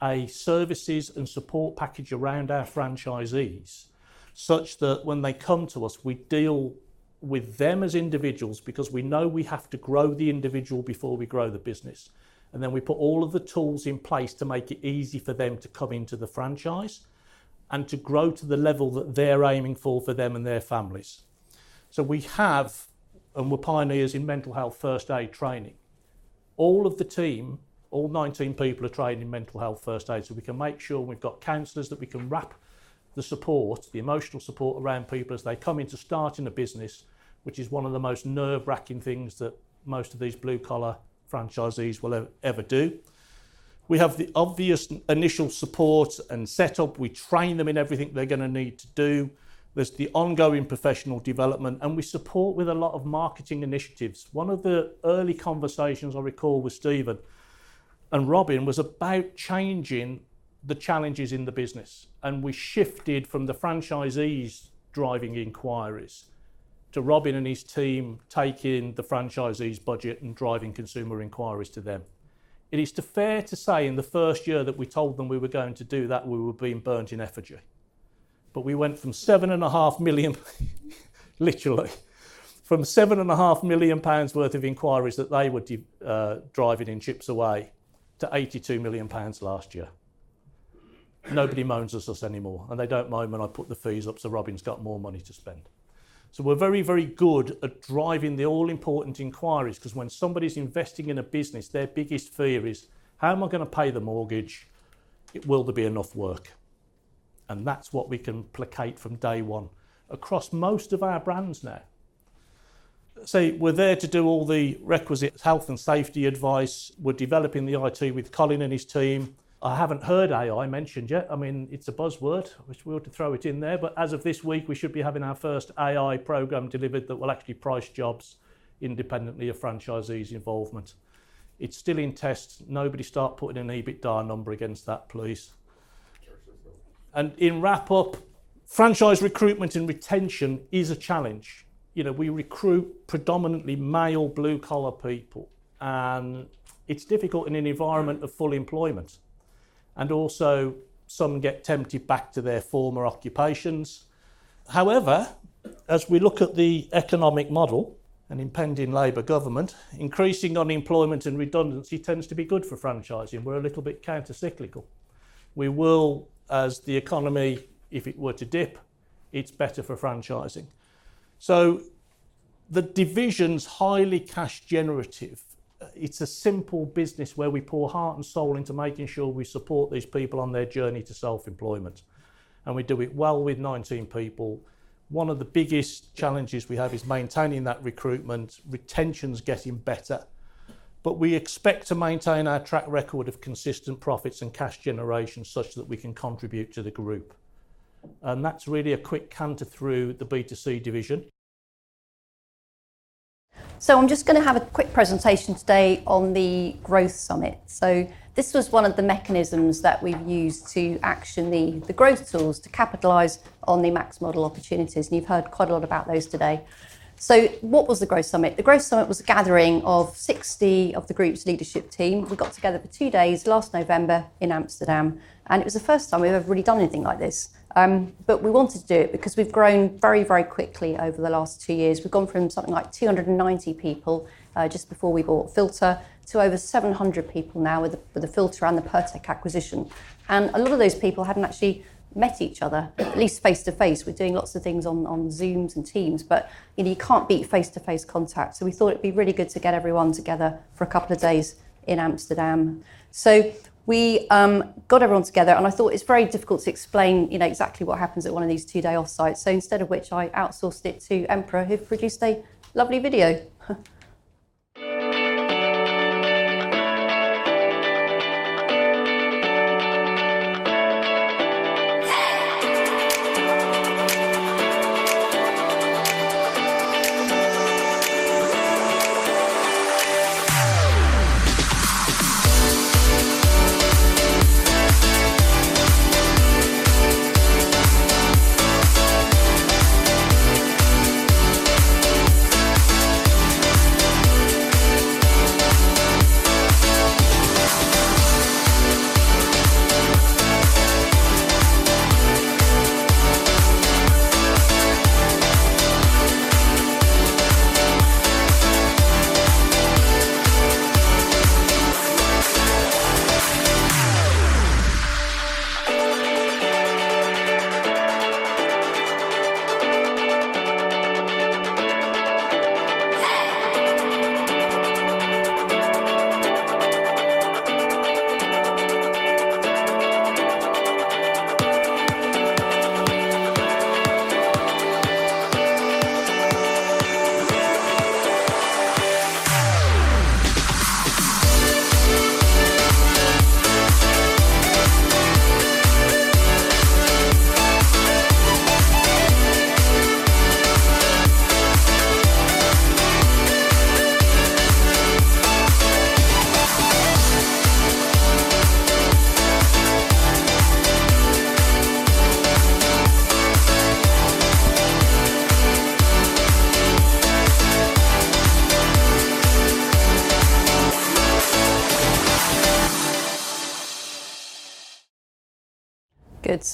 a services and support package around our franchisees, such that when they come to us, we deal with them as individuals, because we know we have to grow the individual before we grow the business. And then we put all of the tools in place to make it easy for them to come into the franchise and to grow to the level that they're aiming for, for them and their families. So we have, and we're pioneers in Mental Health First Aid training. All of the team, all 19 people are trained in Mental Health First Aid, so we can make sure we've got counselors, that we can wrap the support, the emotional support around people as they come in to start in a business, which is one of the most nerve-wracking things that most of these blue-collar franchisees will ever do. We have the obvious initial support and setup. We train them in everything they're gonna need to do. There's the ongoing professional development, and we support with a lot of marketing initiatives. One of the early conversations I recall with Stephen and Robin was about changing the challenges in the business, and we shifted from the franchisees driving inquiries to Robin and his team taking the franchisee's budget and driving consumer inquiries to them. It's fair to say, in the first year that we told them we were going to do that, we were being burnt in effigy. But we went from 7.5 million, literally, from 7.5 million pounds worth of inquiries that they were driving in ChipsAway, to 82 million pounds last year. Nobody moans at us anymore, and they don't moan when I put the fees up, so Robin's got more money to spend. So we're very, very good at driving the all-important inquiries, 'cause when somebody's investing in a business, their biggest fear is: How am I gonna pay the mortgage? Will there be enough work? And that's what we can placate from day one, across most of our brands now. So we're there to do all the requisite health and safety advice. We're developing the IT with Colin and his team. I haven't heard AI mentioned yet. I mean, it's a buzzword, which we ought to throw it in there, but as of this week, we should be having our first AI program delivered that will actually price jobs independently of franchisees' involvement. It's still in tests. Nobody start putting an EBITDA number against that, please. In wrap-up, franchise recruitment and retention is a challenge. You know, we recruit predominantly male blue-collar people, and it's difficult in an environment of full employment, and also some get tempted back to their former occupations. However, as we look at the economic model and impending Labour government, increasing unemployment and redundancy tends to be good for franchising. We're a little bit countercyclical. We will, as the economy, if it were to dip, it's better for franchising. The division's highly cash generative. It's a simple business where we pour heart and soul into making sure we support these people on their journey to self-employment, and we do it well with 19 people. One of the biggest challenges we have is maintaining that recruitment. Retention's getting better, but we expect to maintain our track record of consistent profits and cash generation such that we can contribute to the group. That's really a quick canter through the B2C division. So I'm just gonna have a quick presentation today on the Growth Summit. So this was one of the mechanisms that we've used to action the, the growth tools to capitalize on the Max Model opportunities, and you've heard quite a lot about those today. So what was the Growth Summit? The Growth Summit was a gathering of 60 of the group's leadership team. We got together for two days last November in Amsterdam, and it was the first time we've ever really done anything like this. But we wanted to do it because we've grown very, very quickly over the last two years. We've gone from something like 290 people, just before we bought Filta, to over 700 people now with the, with the Filta and the Pirtek acquisition. And a lot of those people hadn't actually met each other, at least face-to-face. We're doing lots of things on Zooms and Teams, but, you know, you can't beat face-to-face contact. So we thought it'd be really good to get everyone together for a couple of days in Amsterdam. So we got everyone together, and I thought it's very difficult to explain, you know, exactly what happens at one of these two-day off-sites, so instead of which, I outsourced it to Emperor, who produced a lovely video.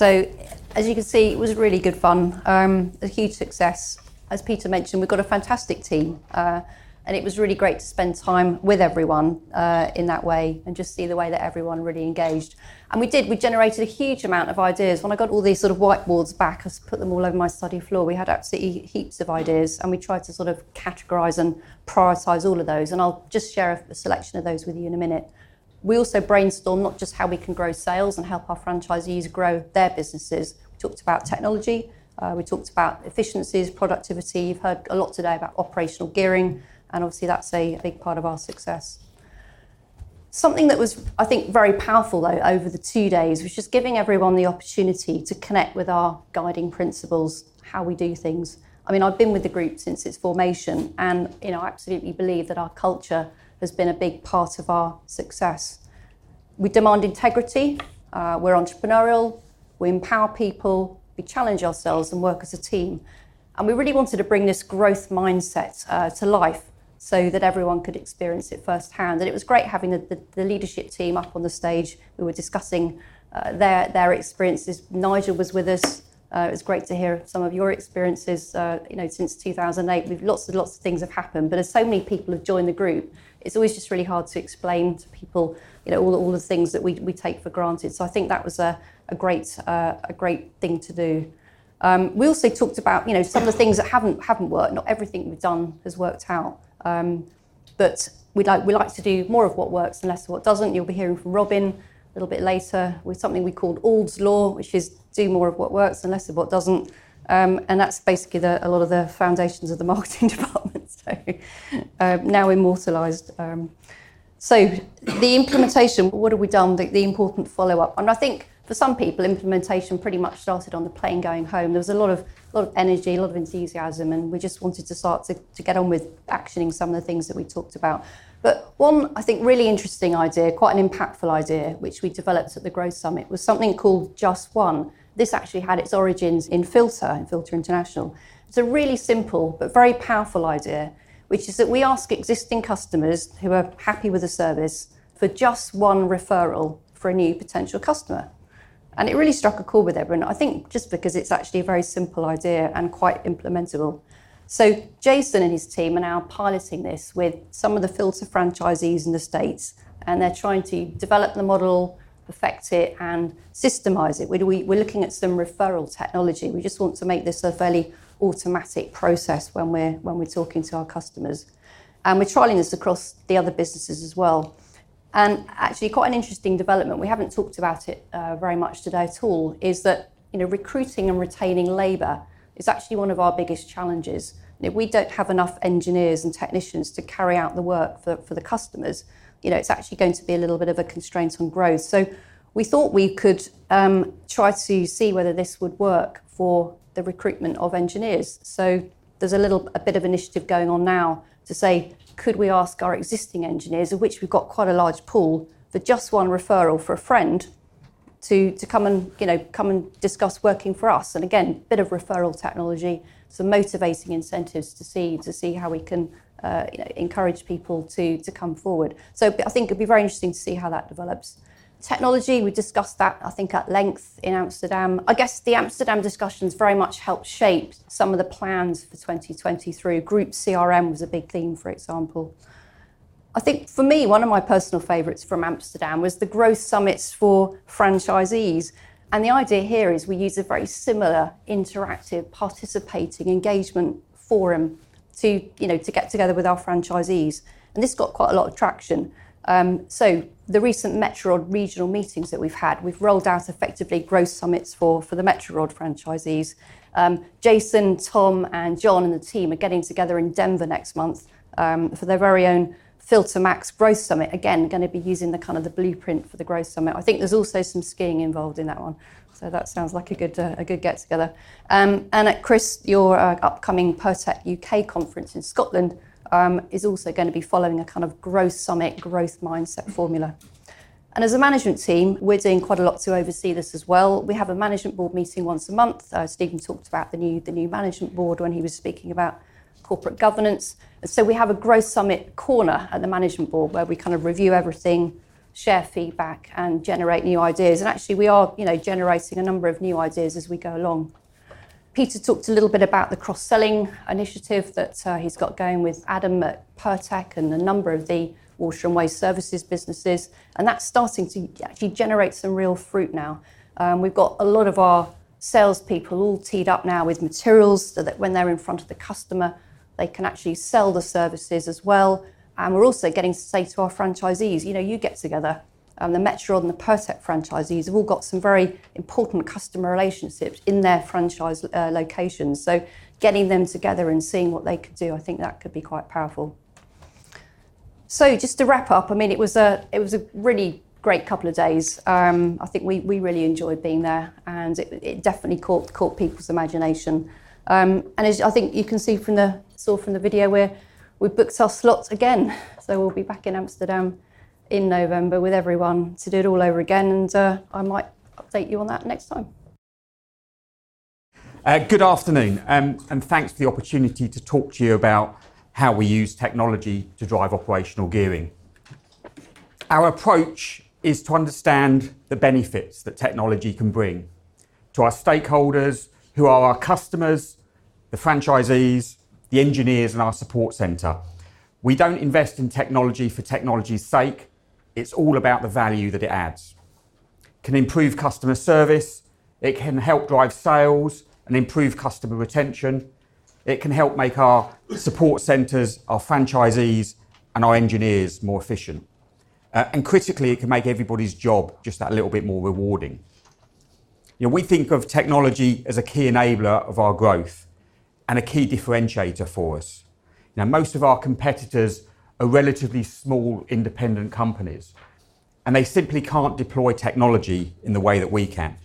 Good. So as you can see, it was really good fun, a huge success. As Peter mentioned, we've got a fantastic team, and it was really great to spend time with everyone, in that way and just see the way that everyone really engaged. And we did. We generated a huge amount of ideas. When I got all these sort of whiteboards back, I put them all over my study floor. We had absolutely heaps of ideas, and we tried to sort of categorize and prioritize all of those, and I'll just share a, a selection of those with you in a minute. We also brainstormed not just how we can grow sales and help our franchisees grow their businesses. We talked about technology, we talked about efficiencies, productivity. You've heard a lot today about operational gearing, and obviously, that's a big part of our success. Something that was, I think, very powerful, though, over the two days was just giving everyone the opportunity to connect with our guiding principles, how we do things. I mean, I've been with the group since its formation, and, you know, I absolutely believe that our culture has been a big part of our success. We demand integrity, we're entrepreneurial, we empower people, we challenge ourselves, and work as a team, and we really wanted to bring this growth mindset to life so that everyone could experience it firsthand. It was great having the leadership team up on the stage, who were discussing their experiences. Nigel was with us. It was great to hear some of your experiences, you know, since 2008. We've lots and lots of things have happened, but as so many people have joined the group, it's always just really hard to explain to people, you know, all the things that we take for granted. So I think that was a great thing to do. We also talked about, you know, some of the things that haven't worked. Not everything we've done has worked out. But we like, we like to do more of what works and less of what doesn't. You'll be hearing from Robin a little bit later with something we called Auld's Law, which is, "Do more of what works and less of what doesn't." And that's basically a lot of the foundations of the marketing department, so now immortalized. So the implementation, what have we done, the important follow-up, and I think for some people, implementation pretty much started on the plane going home. There was a lot of, a lot of energy, a lot of enthusiasm, and we just wanted to start to get on with actioning some of the things that we talked about. But one, I think, really interesting idea, quite an impactful idea, which we developed at the Growth Summit, was something called Just One. This actually had its origins in Filta, in Filta International. It's a really simple but very powerful idea, which is that we ask existing customers who are happy with the service for just one referral for a new potential customer, and it really struck a chord with everyone, I think, just because it's actually a very simple idea and quite implementable. So Jason and his team are now piloting this with some of the Filta franchisees in the States, and they're trying to develop the model, perfect it, and systemize it. We, we're looking at some referral technology. We just want to make this a fairly automatic process when we're, when we're talking to our customers, and we're trialing this across the other businesses as well. Actually, quite an interesting development, we haven't talked about it very much today at all, is that, you know, recruiting and retaining labor is actually one of our biggest challenges. If we don't have enough engineers and technicians to carry out the work for, for the customers, you know, it's actually going to be a little bit of a constraint on growth. So we thought we could try to see whether this would work for the recruitment of engineers. So there's a little, a bit of initiative going on now to say, could we ask our existing engineers, of which we've got quite a large pool, for just one referral for a friend to, to come and, you know, come and discuss working for us? And again, a bit of referral technology, some motivating incentives to see, to see how we can, you know, encourage people to, to come forward. So I think it'll be very interesting to see how that develops. Technology, we discussed that, I think, at length in Amsterdam. I guess the Amsterdam discussions very much helped shape some of the plans for 2023. Group CRM was a big theme, for example. I think, for me, one of my personal favorites from Amsterdam was the Growth Summits for franchisees, and the idea here is we use a very similar interactive, participating engagement forum to, you know, to get together with our franchisees, and this got quite a lot of traction. So the recent Metro Rod regional meetings that we've had, we've rolled out effectively Growth Summits for, for the Metro Rod franchisees. Jason, Tom, and Jon, and the team are getting together in Denver next month for their very own FiltaMax Growth Summit. Again, gonna be using the kind of blueprint for the Growth Summit. I think there's also some skiing involved in that one, so that sounds like a good, a good get-together. And, Chris, your upcoming Pirtek UK conference in Scotland is also gonna be following a kind of Growth Summit, growth mindset formula. And as a management team, we're doing quite a lot to oversee this as well. We have a Management Board meeting once a month. Stephen talked about the new Management Board when he was speaking about corporate governance. So we have a Growth Summit corner at the Management Board, where we kind of review everything, share feedback, and generate new ideas, and actually, we are, you know, generating a number of new ideas as we go along. Peter talked a little bit about the cross-selling initiative that he's got going with Adam at Pirtek and a number of the Water & Waste Services businesses, and that's starting to actually generate some real fruit now. We've got a lot of our salespeople all teed up now with materials so that when they're in front of the customer, they can actually sell the services as well, and we're also getting to say to our franchisees, "You know, you get together," and the Metro Rod and the Pirtek franchisees have all got some very important customer relationships in their franchise locations. So getting them together and seeing what they could do, I think that could be quite powerful. So just to wrap up, I mean, it was a, it was a really great couple of days. I think we, we really enjoyed being there, and it, it definitely caught, caught people's imagination. And as I think you can see from the... saw from the video, we're, we've booked our slots again, so we'll be back in Amsterdam in November with everyone to do it all over again, and I might update you on that next time. Good afternoon, and thanks for the opportunity to talk to you about how we use technology to drive operational gearing. Our approach is to understand the benefits that technology can bring to our stakeholders, who are our customers, the franchisees, the engineers, and our support center. We don't invest in technology for technology's sake. It's all about the value that it adds. It can improve customer service, it can help drive sales, and improve customer retention. It can help make our support centers, our franchisees, and our engineers more efficient, and critically, it can make everybody's job just that little bit more rewarding. You know, we think of technology as a key enabler of our growth and a key differentiator for us. Now, most of our competitors are relatively small, independent companies, and they simply can't deploy technology in the way that we can.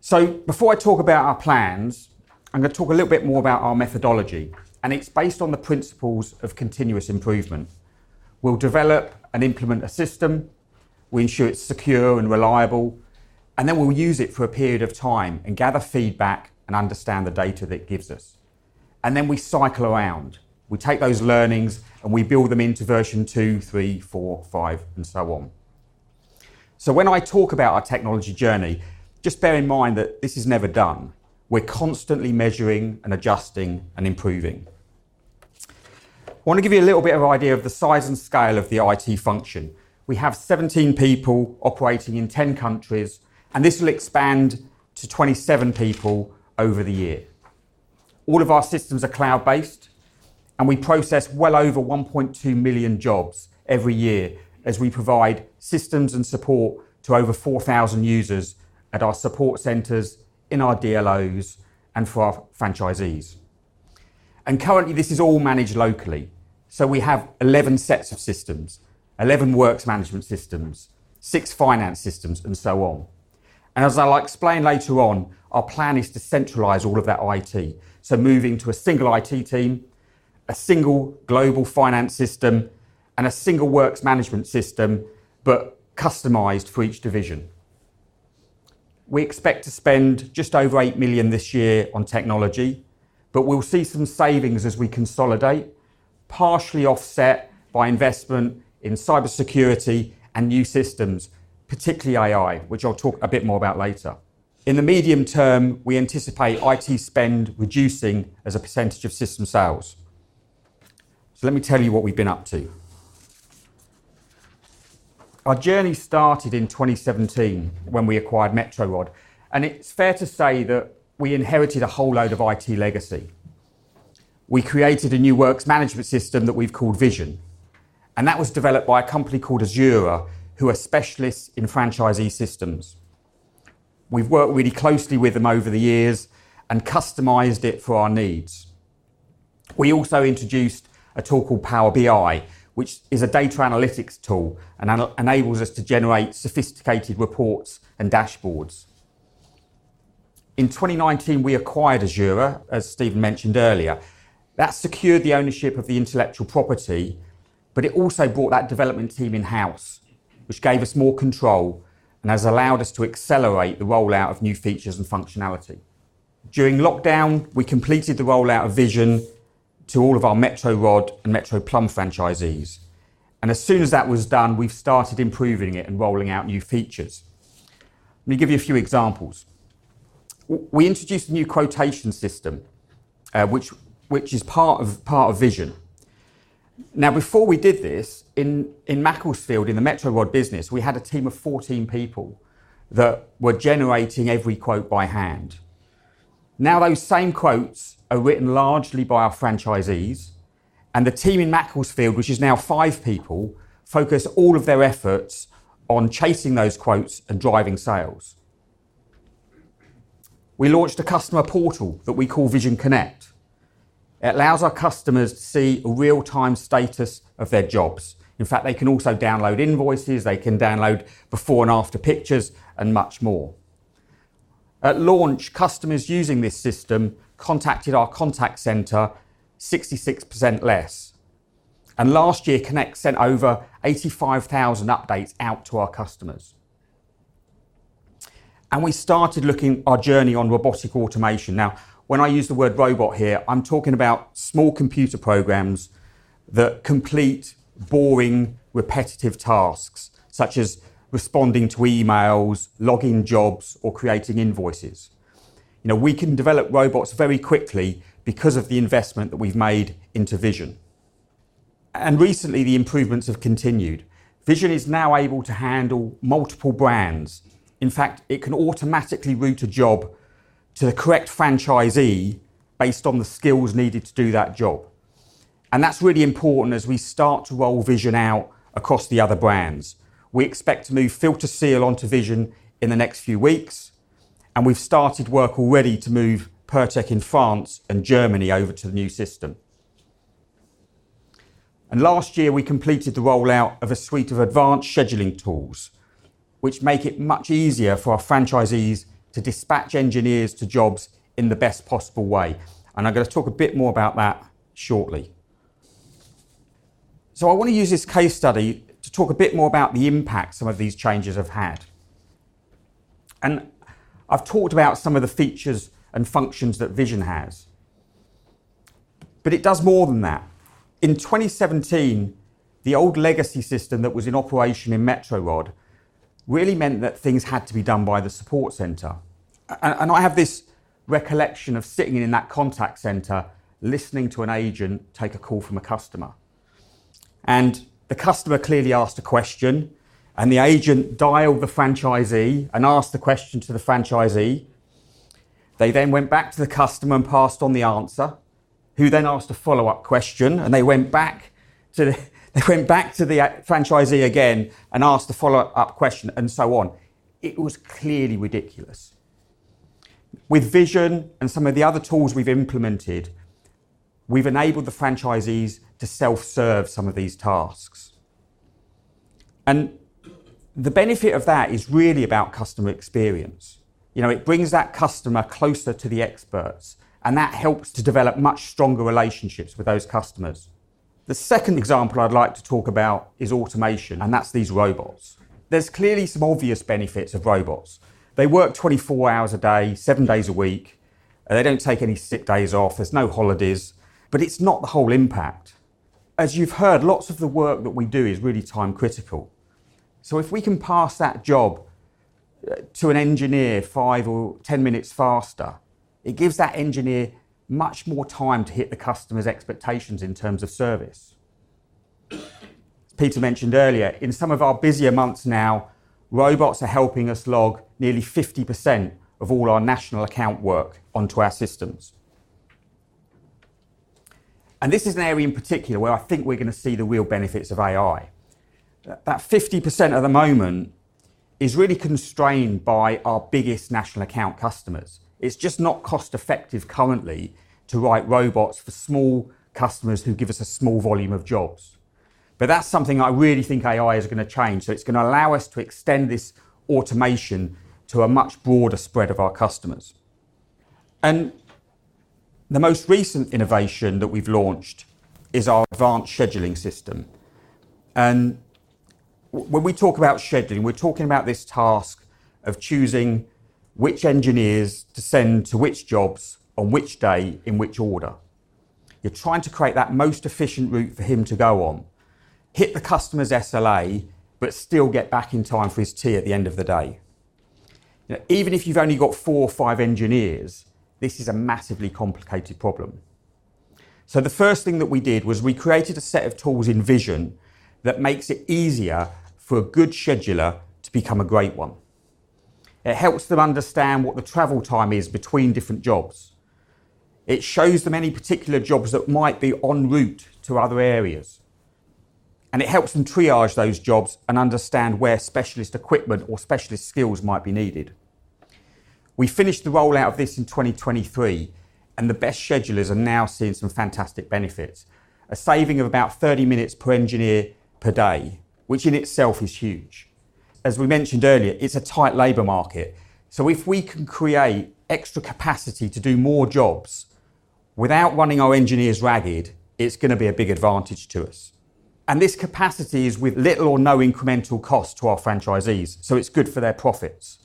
So before I talk about our plans, I'm gonna talk a little bit more about our methodology, and it's based on the principles of continuous improvement. We'll develop and implement a system, we ensure it's secure and reliable, and then we'll use it for a period of time and gather feedback and understand the data that it gives us, and then we cycle around. We take those learnings, and we build them into version two, three, four, five, and so on. So when I talk about our technology journey, just bear in mind that this is never done. We're constantly measuring and adjusting and improving. I want to give you a little bit of an idea of the size and scale of the IT function. We have 17 people operating in 10 countries, and this will expand to 27 people over the year. All of our systems are cloud-based, and we process well over 1.2 million jobs every year as we provide systems and support to over 4,000 users at our support centers, in our DLOs, and for our franchisees. Currently, this is all managed locally, so we have 11 sets of systems, 11 works management systems, 6 finance systems, and so on. As I'll explain later on, our plan is to centralize all of that IT, so moving to a single IT team, a single global finance system, and a single works management system, but customized for each division. We expect to spend just over 8 million this year on technology, but we'll see some savings as we consolidate, partially offset by investment in cybersecurity and new systems, particularly AI, which I'll talk a bit more about later. In the medium term, we anticipate IT spend reducing as a percentage of system sales. So let me tell you what we've been up to. Our journey started in 2017 when we acquired Metro Rod, and it's fair to say that we inherited a whole load of IT legacy. We created a new works management system that we've called Vision, and that was developed by a company called Azura, who are specialists in franchisee systems. We've worked really closely with them over the years and customized it for our needs. We also introduced a tool called Power BI, which is a data analytics tool and enables us to generate sophisticated reports and dashboards. In 2019, we acquired Azura, as Stephen mentioned earlier. That secured the ownership of the intellectual property, but it also brought that development team in-house, which gave us more control and has allowed us to accelerate the rollout of new features and functionality. During lockdown, we completed the rollout of Vision to all of our Metro Rod and Metro Plumb franchisees, and as soon as that was done, we've started improving it and rolling out new features. Let me give you a few examples. We introduced a new quotation system, which is part of Vision. Now, before we did this, in Macclesfield, in the Metro Rod business, we had a team of 14 people that were generating every quote by hand. Now, those same quotes are written largely by our franchisees, and the team in Macclesfield, which is now five people, focus all of their efforts on chasing those quotes and driving sales. We launched a customer portal that we call Vision Connect. It allows our customers to see a real-time status of their jobs. In fact, they can also download invoices, they can download before and after pictures, and much more. At launch, customers using this system contacted our contact center 66% less, and last year, Connect sent over 85,000 updates out to our customers. And we started looking... our journey on robotic automation. Now, when I use the word robot here, I'm talking about small computer programs that complete boring, repetitive tasks, such as responding to emails, logging jobs, or creating invoices. You know, we can develop robots very quickly because of the investment that we've made into Vision. Recently, the improvements have continued. Vision is now able to handle multiple brands. In fact, it can automatically route a job to the correct franchisee based on the skills needed to do that job, and that's really important as we start to roll Vision out across the other brands. We expect to move Filta onto Vision in the next few weeks, and we've started work already to move Pirtek in France and Germany over to the new system. Last year, we completed the rollout of a suite of advanced scheduling tools, which make it much easier for our franchisees to dispatch engineers to jobs in the best possible way, and I'm gonna talk a bit more about that shortly. I want to use this case study to talk a bit more about the impact some of these changes have had. I've talked about some of the features and functions that Vision has, but it does more than that. In 2017, the old legacy system that was in operation in Metro Rod really meant that things had to be done by the support center. And I have this recollection of sitting in that contact center, listening to an agent take a call from a customer, and the customer clearly asked a question, and the agent dialed the franchisee and asked the question to the franchisee. They then went back to the customer and passed on the answer, who then asked a follow-up question, and they went back to the franchisee again and asked a follow-up question, and so on. It was clearly ridiculous. With Vision and some of the other tools we've implemented, we've enabled the franchisees to self-serve some of these tasks. The benefit of that is really about customer experience. You know, it brings that customer closer to the experts, and that helps to develop much stronger relationships with those customers. The second example I'd like to talk about is automation, and that's these robots. There's clearly some obvious benefits of robots. They work 24 hours a day, 7 days a week, and they don't take any sick days off. There's no holidays, but it's not the whole impact. As you've heard, lots of the work that we do is really time-critical. So if we can pass that job to an engineer 5 or 10 minutes faster, it gives that engineer much more time to hit the customer's expectations in terms of service. Peter mentioned earlier, in some of our busier months now, robots are helping us log nearly 50% of all our national account work onto our systems. This is an area in particular where I think we're gonna see the real benefits of AI. That 50% at the moment is really constrained by our biggest national account customers. It's just not cost-effective currently to write robots for small customers who give us a small volume of jobs. But that's something I really think AI is gonna change, so it's gonna allow us to extend this automation to a much broader spread of our customers. And the most recent innovation that we've launched is our advanced scheduling system. And when we talk about scheduling, we're talking about this task of choosing which engineers to send to which jobs on which day, in which order. You're trying to create that most efficient route for him to go on, hit the customer's SLA, but still get back in time for his tea at the end of the day. Now, even if you've only got four or five engineers, this is a massively complicated problem. So the first thing that we did was we created a set of tools in Vision that makes it easier for a good scheduler to become a great one. It helps them understand what the travel time is between different jobs. It shows them any particular jobs that might be en route to other areas, and it helps them triage those jobs and understand where specialist equipment or specialist skills might be needed. We finished the rollout of this in 2023, and the best schedulers are now seeing some fantastic benefits, a saving of about 30 minutes per engineer per day, which in itself is huge. As we mentioned earlier, it's a tight labor market, so if we can create extra capacity to do more jobs without running our engineers ragged, it's gonna be a big advantage to us. And this capacity is with little or no incremental cost to our franchisees, so it's good for their profits.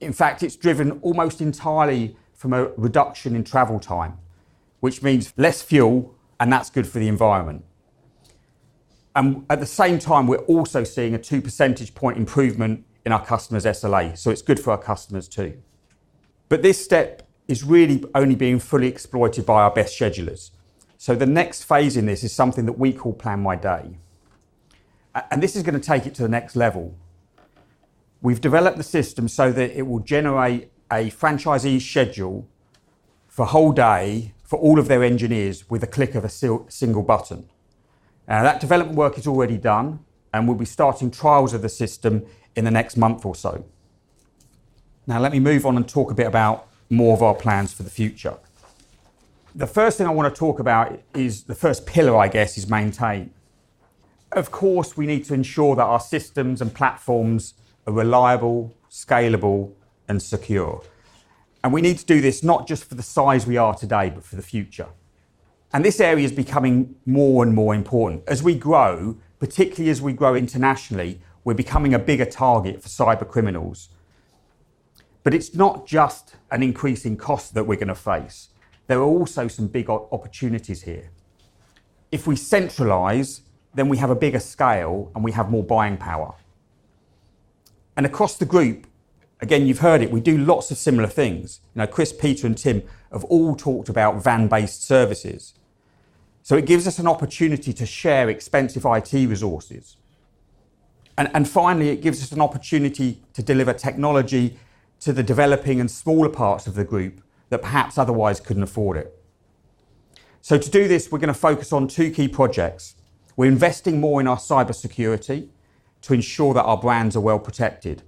In fact, it's driven almost entirely from a reduction in travel time, which means less fuel, and that's good for the environment. And at the same time, we're also seeing a 2 percentage point improvement in our customers' SLA, so it's good for our customers, too. But this step is really only being fully exploited by our best schedulers. So the next phase in this is something that we call Plan My Day, and this is gonna take it to the next level. We've developed the system so that it will generate a franchisee's schedule for a whole day for all of their engineers with a click of a single button. Now, that development work is already done, and we'll be starting trials of the system in the next month or so. Now, let me move on and talk a bit about more of our plans for the future. The first thing I wanna talk about is... The first pillar, I guess, is maintain. Of course, we need to ensure that our systems and platforms are reliable, scalable, and secure. And we need to do this not just for the size we are today, but for the future. This area is becoming more and more important. As we grow, particularly as we grow internationally, we're becoming a bigger target for cybercriminals. But it's not just an increase in cost that we're gonna face. There are also some big opportunities here. If we centralize, then we have a bigger scale, and we have more buying power. And across the group, again, you've heard it, we do lots of similar things. Now, Chris, Peter, and Tim have all talked about van-based services, so it gives us an opportunity to share expensive IT resources. And finally, it gives us an opportunity to deliver technology to the developing and smaller parts of the group that perhaps otherwise couldn't afford it. So to do this, we're gonna focus on two key projects. We're investing more in our cybersecurity to ensure that our brands are well-protected.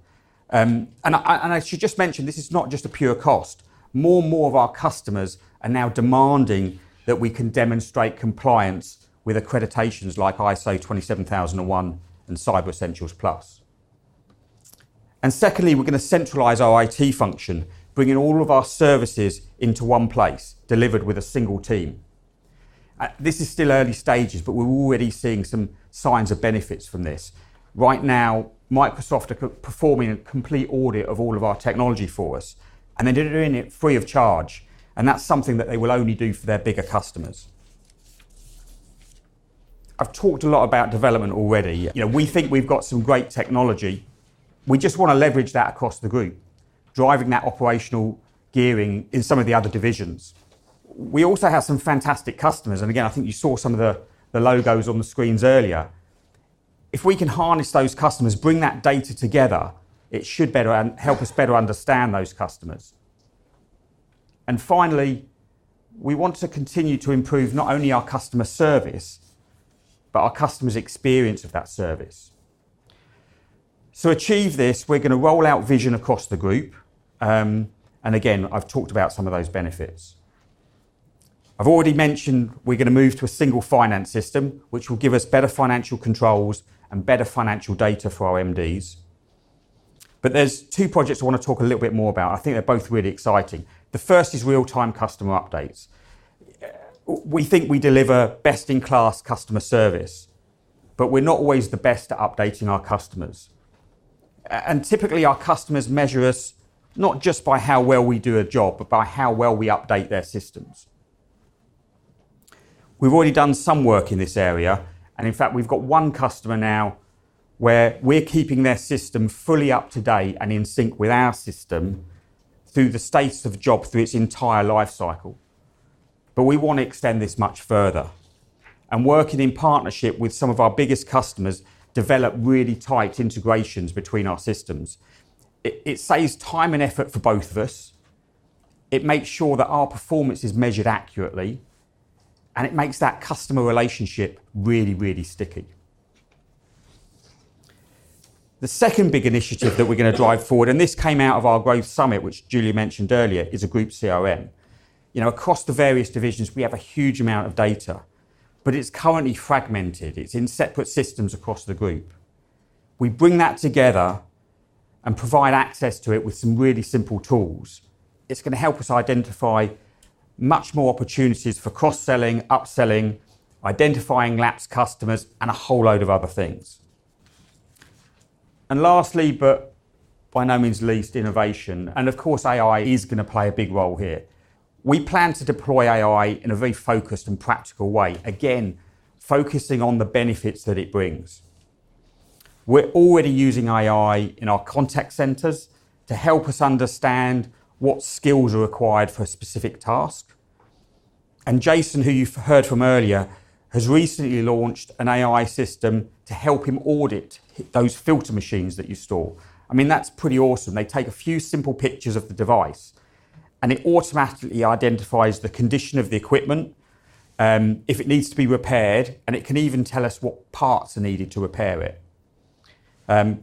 I should just mention, this is not just a pure cost. More and more of our customers are now demanding that we can demonstrate compliance with accreditations like ISO 27001 and Cyber Essentials Plus. Secondly, we're gonna centralize our IT function, bringing all of our services into one place, delivered with a single team. This is still early stages, but we're already seeing some signs of benefits from this. Right now, Microsoft are co-performing a complete audit of all of our technology for us, and they're doing it free of charge, and that's something that they will only do for their bigger customers. I've talked a lot about development already. You know, we think we've got some great technology. We just wanna leverage that across the group, driving that operational gearing in some of the other divisions. We also have some fantastic customers, and again, I think you saw some of the logos on the screens earlier. If we can harness those customers, bring that data together, it should better help us better understand those customers. And finally, we want to continue to improve not only our customer service, but our customer's experience of that service. To achieve this, we're gonna roll out Vision across the group, and again, I've talked about some of those benefits. I've already mentioned we're gonna move to a single finance system, which will give us better financial controls and better financial data for our MDs. But there's two projects I wanna talk a little bit more about. I think they're both really exciting. The first is real-time customer updates. We think we deliver best-in-class customer service, but we're not always the best at updating our customers. Typically, our customers measure us not just by how well we do a job, but by how well we update their systems. We've already done some work in this area, and in fact, we've got one customer now where we're keeping their system fully up to date and in sync with our system through the status of job through its entire life cycle. But we want to extend this much further, and working in partnership with some of our biggest customers, develop really tight integrations between our systems. It saves time and effort for both of us, it makes sure that our performance is measured accurately, and it makes that customer relationship really, really sticky. The second big initiative that we're gonna drive forward, and this came out of our growth summit, which Julia mentioned earlier, is a group CRM. You know, across the various divisions, we have a huge amount of data, but it's currently fragmented. It's in separate systems across the group. We bring that together and provide access to it with some really simple tools. It's gonna help us identify much more opportunities for cross-selling, upselling, identifying lapsed customers, and a whole load of other things. And lastly, but by no means least, innovation, and of course, AI is gonna play a big role here. We plan to deploy AI in a very focused and practical way, again, focusing on the benefits that it brings. We're already using AI in our contact centers to help us understand what skills are required for a specific task. And Jason, who you've heard from earlier, has recently launched an AI system to help him audit those Filta machines that you saw. I mean, that's pretty awesome. They take a few simple pictures of the device, and it automatically identifies the condition of the equipment, if it needs to be repaired, and it can even tell us what parts are needed to repair it.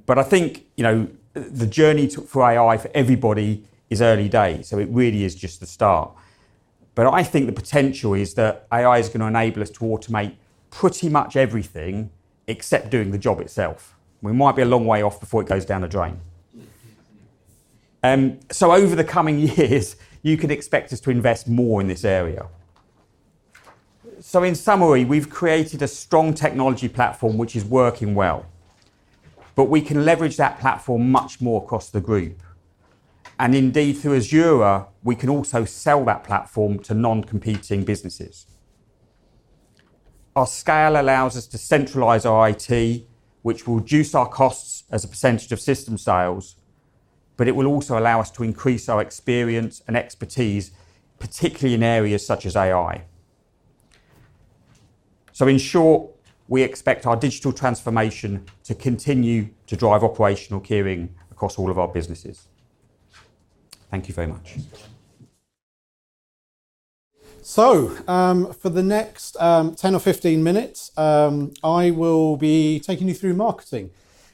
But I think, you know, the journey to, for AI for everybody is early days, so it really is just the start. But I think the potential is that AI is gonna enable us to automate pretty much everything except doing the job itself. We might be a long way off before it goes down the drain. So over the coming years, you can expect us to invest more in this area. So in summary, we've created a strong technology platform, which is working well, but we can leverage that platform much more across the group, and indeed, through Azura, we can also sell that platform to non-competing businesses. Our scale allows us to centralize our IT, which will reduce our costs as a percentage of system sales, but it will also allow us to increase our experience and expertise, particularly in areas such as AI. In short, we expect our digital transformation to continue to drive operational gearing across all of our businesses. Thank you very much. So, for the next 10 or 15 minutes, I will be taking you through marketing,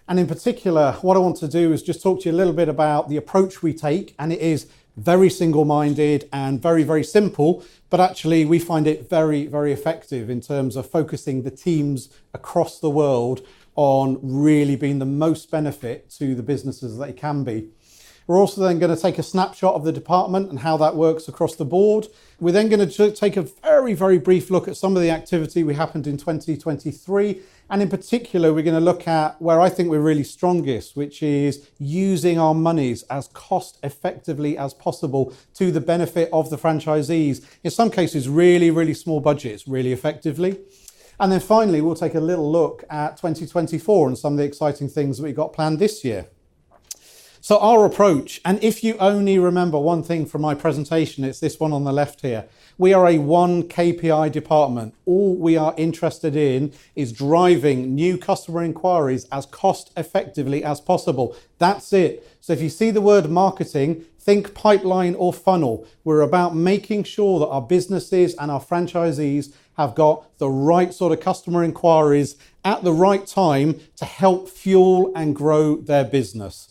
and in particular, what I want to do is just talk to you a little bit about the approach we take, and it is very single-minded and very, very simple, but actually, we find it very, very effective in terms of focusing the teams across the world on really being the most benefit to the businesses they can be. We're also then gonna take a snapshot of the department and how that works across the board. We're then gonna take a very, very brief look at some of the activity we happened in 2023, and in particular, we're gonna look at where I think we're really strongest, which is using our monies as cost-effectively as possible to the benefit of the franchisees. In some cases, really, really small budgets, really effectively. And then finally, we'll take a little look at 2024 and some of the exciting things we've got planned this year. So our approach, and if you only remember one thing from my presentation, it's this one on the left here. We are a one KPI department. All we are interested in is driving new customer inquiries as cost effectively as possible. That's it. So if you see the word marketing, think pipeline or funnel. We're about making sure that our businesses and our franchisees have got the right sort of customer inquiries at the right time to help fuel and grow their business.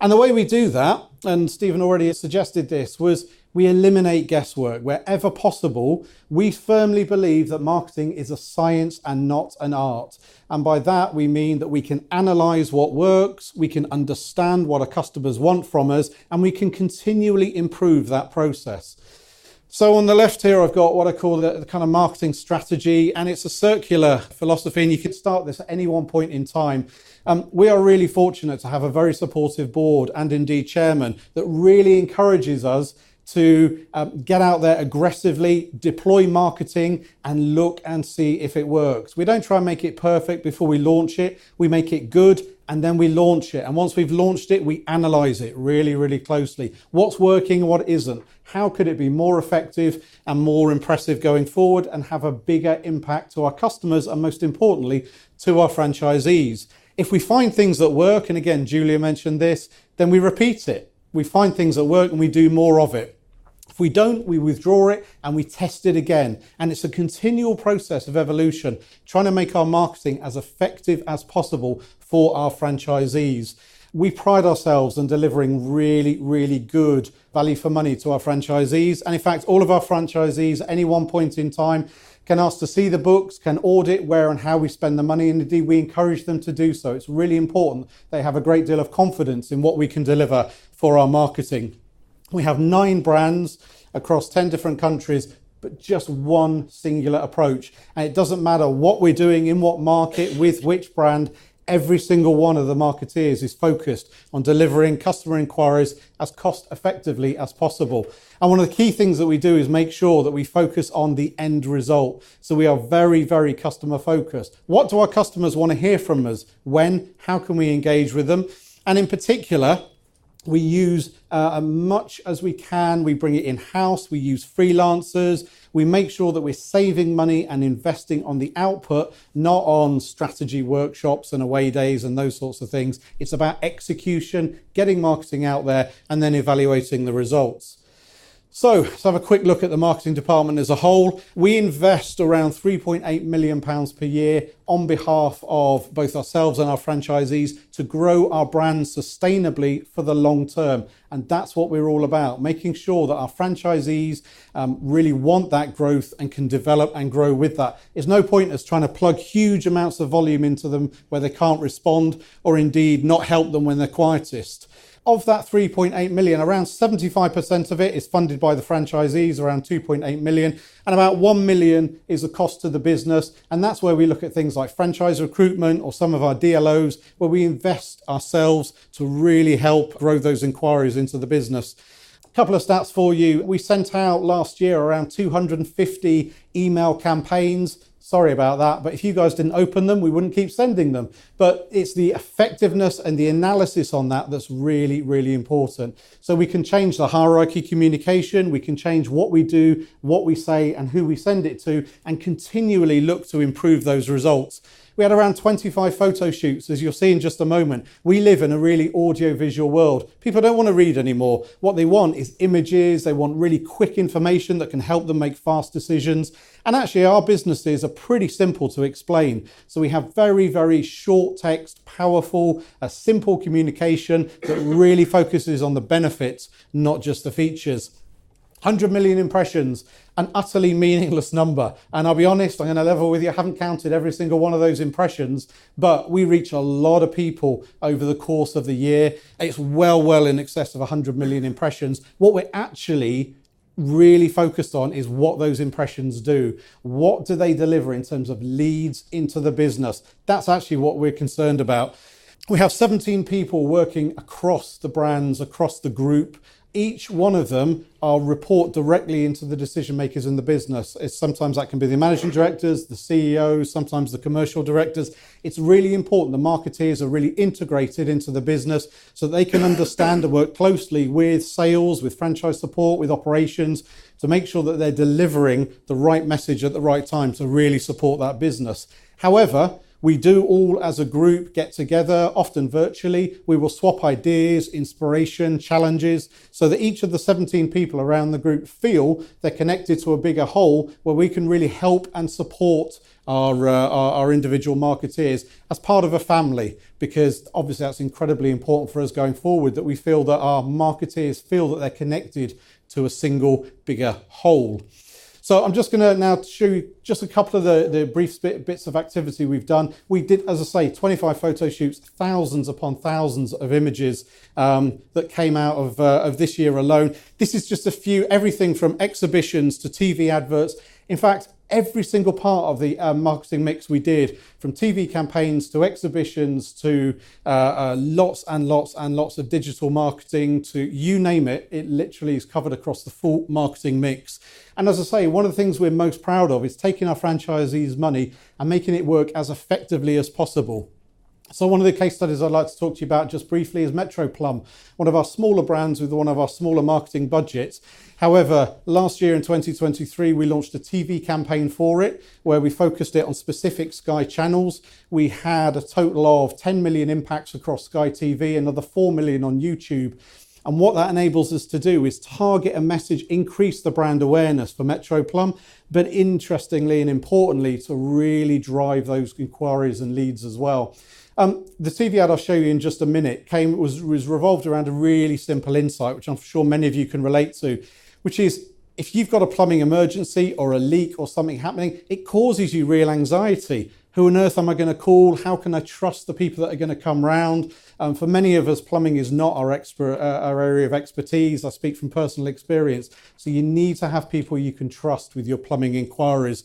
And the way we do that, and Stephen already has suggested this, was we eliminate guesswork wherever possible. We firmly believe that marketing is a science and not an art, and by that, we mean that we can analyze what works, we can understand what our customers want from us, and we can continually improve that process. So on the left here, I've got what I call the kind of marketing strategy, and it's a circular philosophy, and you could start this at any one point in time. We are really fortunate to have a very supportive board, and indeed, chairman, that really encourages us to get out there aggressively, deploy marketing, and look and see if it works. We don't try and make it perfect before we launch it. We make it good, and then we launch it, and once we've launched it, we analyze it really, really closely. What's working and what isn't? How could it be more effective and more impressive going forward and have a bigger impact to our customers and, most importantly, to our franchisees? If we find things that work, and again, Julia mentioned this, then we repeat it. We find things that work, and we do more of it... If we don't, we withdraw it, and we test it again, and it's a continual process of evolution, trying to make our marketing as effective as possible for our franchisees. We pride ourselves in delivering really, really good value for money to our franchisees, and in fact, all of our franchisees, at any one point in time, can ask to see the books, can audit where and how we spend the money, and indeed, we encourage them to do so. It's really important they have a great deal of confidence in what we can deliver for our marketing. We have 9 brands across 10 different countries, but just one singular approach, and it doesn't matter what we're doing, in what market, with which brand, every single one of the marketeers is focused on delivering customer inquiries as cost-effectively as possible. One of the key things that we do is make sure that we focus on the end result, so we are very, very customer-focused. What do our customers want to hear from us? When? How can we engage with them? And in particular, as much as we can, we bring it in-house, we use freelancers, we make sure that we're saving money and investing on the output, not on strategy workshops and away days, and those sorts of things. It's about execution, getting marketing out there, and then evaluating the results. So let's have a quick look at the marketing department as a whole. We invest around 3.8 million pounds per year on behalf of both ourselves and our franchisees to grow our brand sustainably for the long term, and that's what we're all about, making sure that our franchisees really want that growth and can develop and grow with that. There's no point us trying to plug huge amounts of volume into them where they can't respond, or indeed, not help them when they're quietest. Of that 3.8 million, around 75% of it is funded by the franchisees, around 2.8 million, and about 1 million is the cost to the business, and that's where we look at things like franchise recruitment or some of our DLOs, where we invest ourselves to really help grow those inquiries into the business. A couple of stats for you. We sent out last year around 250 email campaigns. Sorry about that, but if you guys didn't open them, we wouldn't keep sending them. But it's the effectiveness and the analysis on that that's really, really important. So we can change the hierarchy communication, we can change what we do, what we say, and who we send it to, and continually look to improve those results. We had around 25 photo shoots, as you'll see in just a moment. We live in a really audiovisual world. People don't want to read anymore. What they want is images. They want really quick information that can help them make fast decisions, and actually, our businesses are pretty simple to explain. So we have very, very short text, powerful, a simple communication that really focuses on the benefits, not just the features. 100 million impressions, an utterly meaningless number, and I'll be honest, on a level with you, I haven't counted every single one of those impressions, but we reach a lot of people over the course of the year. It's well, well in excess of 100 million impressions. What we're actually really focused on is what those impressions do. What do they deliver in terms of leads into the business? That's actually what we're concerned about. We have 17 people working across the brands, across the group. Each one of them report directly into the decision-makers in the business. It's sometimes that can be the managing directors, the CEOs, sometimes the commercial directors. It's really important the marketeers are really integrated into the business, so they can understand and work closely with sales, with franchise support, with operations, to make sure that they're delivering the right message at the right time to really support that business. However, we do all, as a group, get together, often virtually. We will swap ideas, inspiration, challenges, so that each of the 17 people around the group feel they're connected to a bigger whole, where we can really help and support our, our individual marketeers as part of a family, because obviously, that's incredibly important for us going forward, that we feel that our marketeers feel that they're connected to a single bigger whole. So I'm just gonna now show you just a couple of the brief bits of activity we've done. We did, as I say, 25 photo shoots, thousands upon thousands of images, that came out of, of this year alone. This is just a few, everything from exhibitions to TV adverts. In fact, every single part of the, marketing mix we did, from TV campaigns to exhibitions, to, lots and lots and lots of digital marketing, to you name it, it literally is covered across the full marketing mix. And as I say, one of the things we're most proud of is taking our franchisees' money and making it work as effectively as possible. So one of the case studies I'd like to talk to you about just briefly is Metro Plumb, one of our smaller brands with one of our smaller marketing budgets. However, last year, in 2023, we launched a TV campaign for it, where we focused it on specific Sky channels. We had a total of 10 million impacts across Sky TV, another 4 million on YouTube, and what that enables us to do is target a message, increase the brand awareness for Metro Plumb, but interestingly and importantly, to really drive those inquiries and leads as well. The TV ad I'll show you in just a minute was revolved around a really simple insight, which I'm sure many of you can relate to, which is, if you've got a plumbing emergency or a leak or something happening, it causes you real anxiety. Who on earth am I gonna call? How can I trust the people that are gonna come round? And for many of us, plumbing is not our expert- our area of expertise. I speak from personal experience, so you need to have people you can trust with your plumbing inquiries.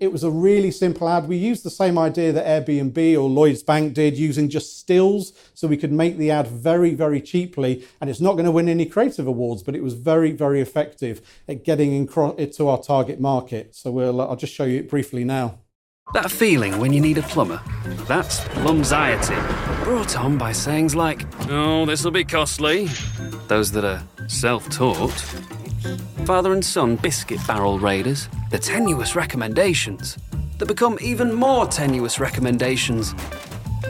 It was a really simple ad. We used the same idea that Airbnb or Lloyds Bank did, using just stills, so we could make the ad very, very cheaply, and it's not gonna win any creative awards, but it was very, very effective at getting into our target market. So I'll just show you briefly now. That feeling when you need a plumber, that's plumbxiety, brought on by sayings like, "Oh, this'll be costly," those that are self-taught, father and son biscuit barrel raiders, the tenuous recommendations that become even more tenuous recommendations.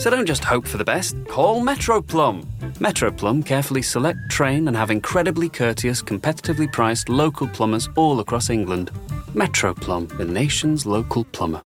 So don't just hope for the best, call Metro Plumb. Metro Plumb carefully select, train, and have incredibly courteous, competitively priced local plumbers all across England. Metro Plumb, the nation's local plumber. ...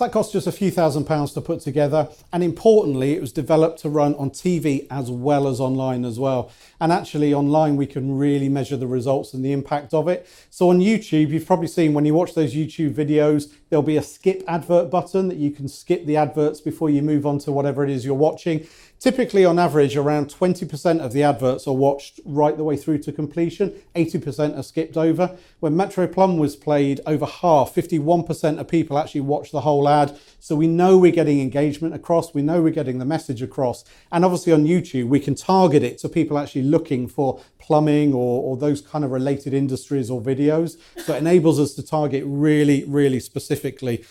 So that cost just a few thousand GBP to put together, and importantly, it was developed to run on TV as well as online as well. Actually, online, we can really measure the results and the impact of it. So on YouTube, you've probably seen when you watch those YouTube videos, there'll be a skip advert button, that you can skip the adverts before you move on to whatever it is you're watching. Typically, on average, around 20% of the adverts are watched right the way through to completion, 80% are skipped over. When Metro Plumb was played, over half, 51% of people actually watched the whole ad, so we know we're getting engagement across, we know we're getting the message across. And obviously, on YouTube, we can target it to people actually looking for plumbing or, or those kind of related industries or videos. It enables us to target really, really specifically.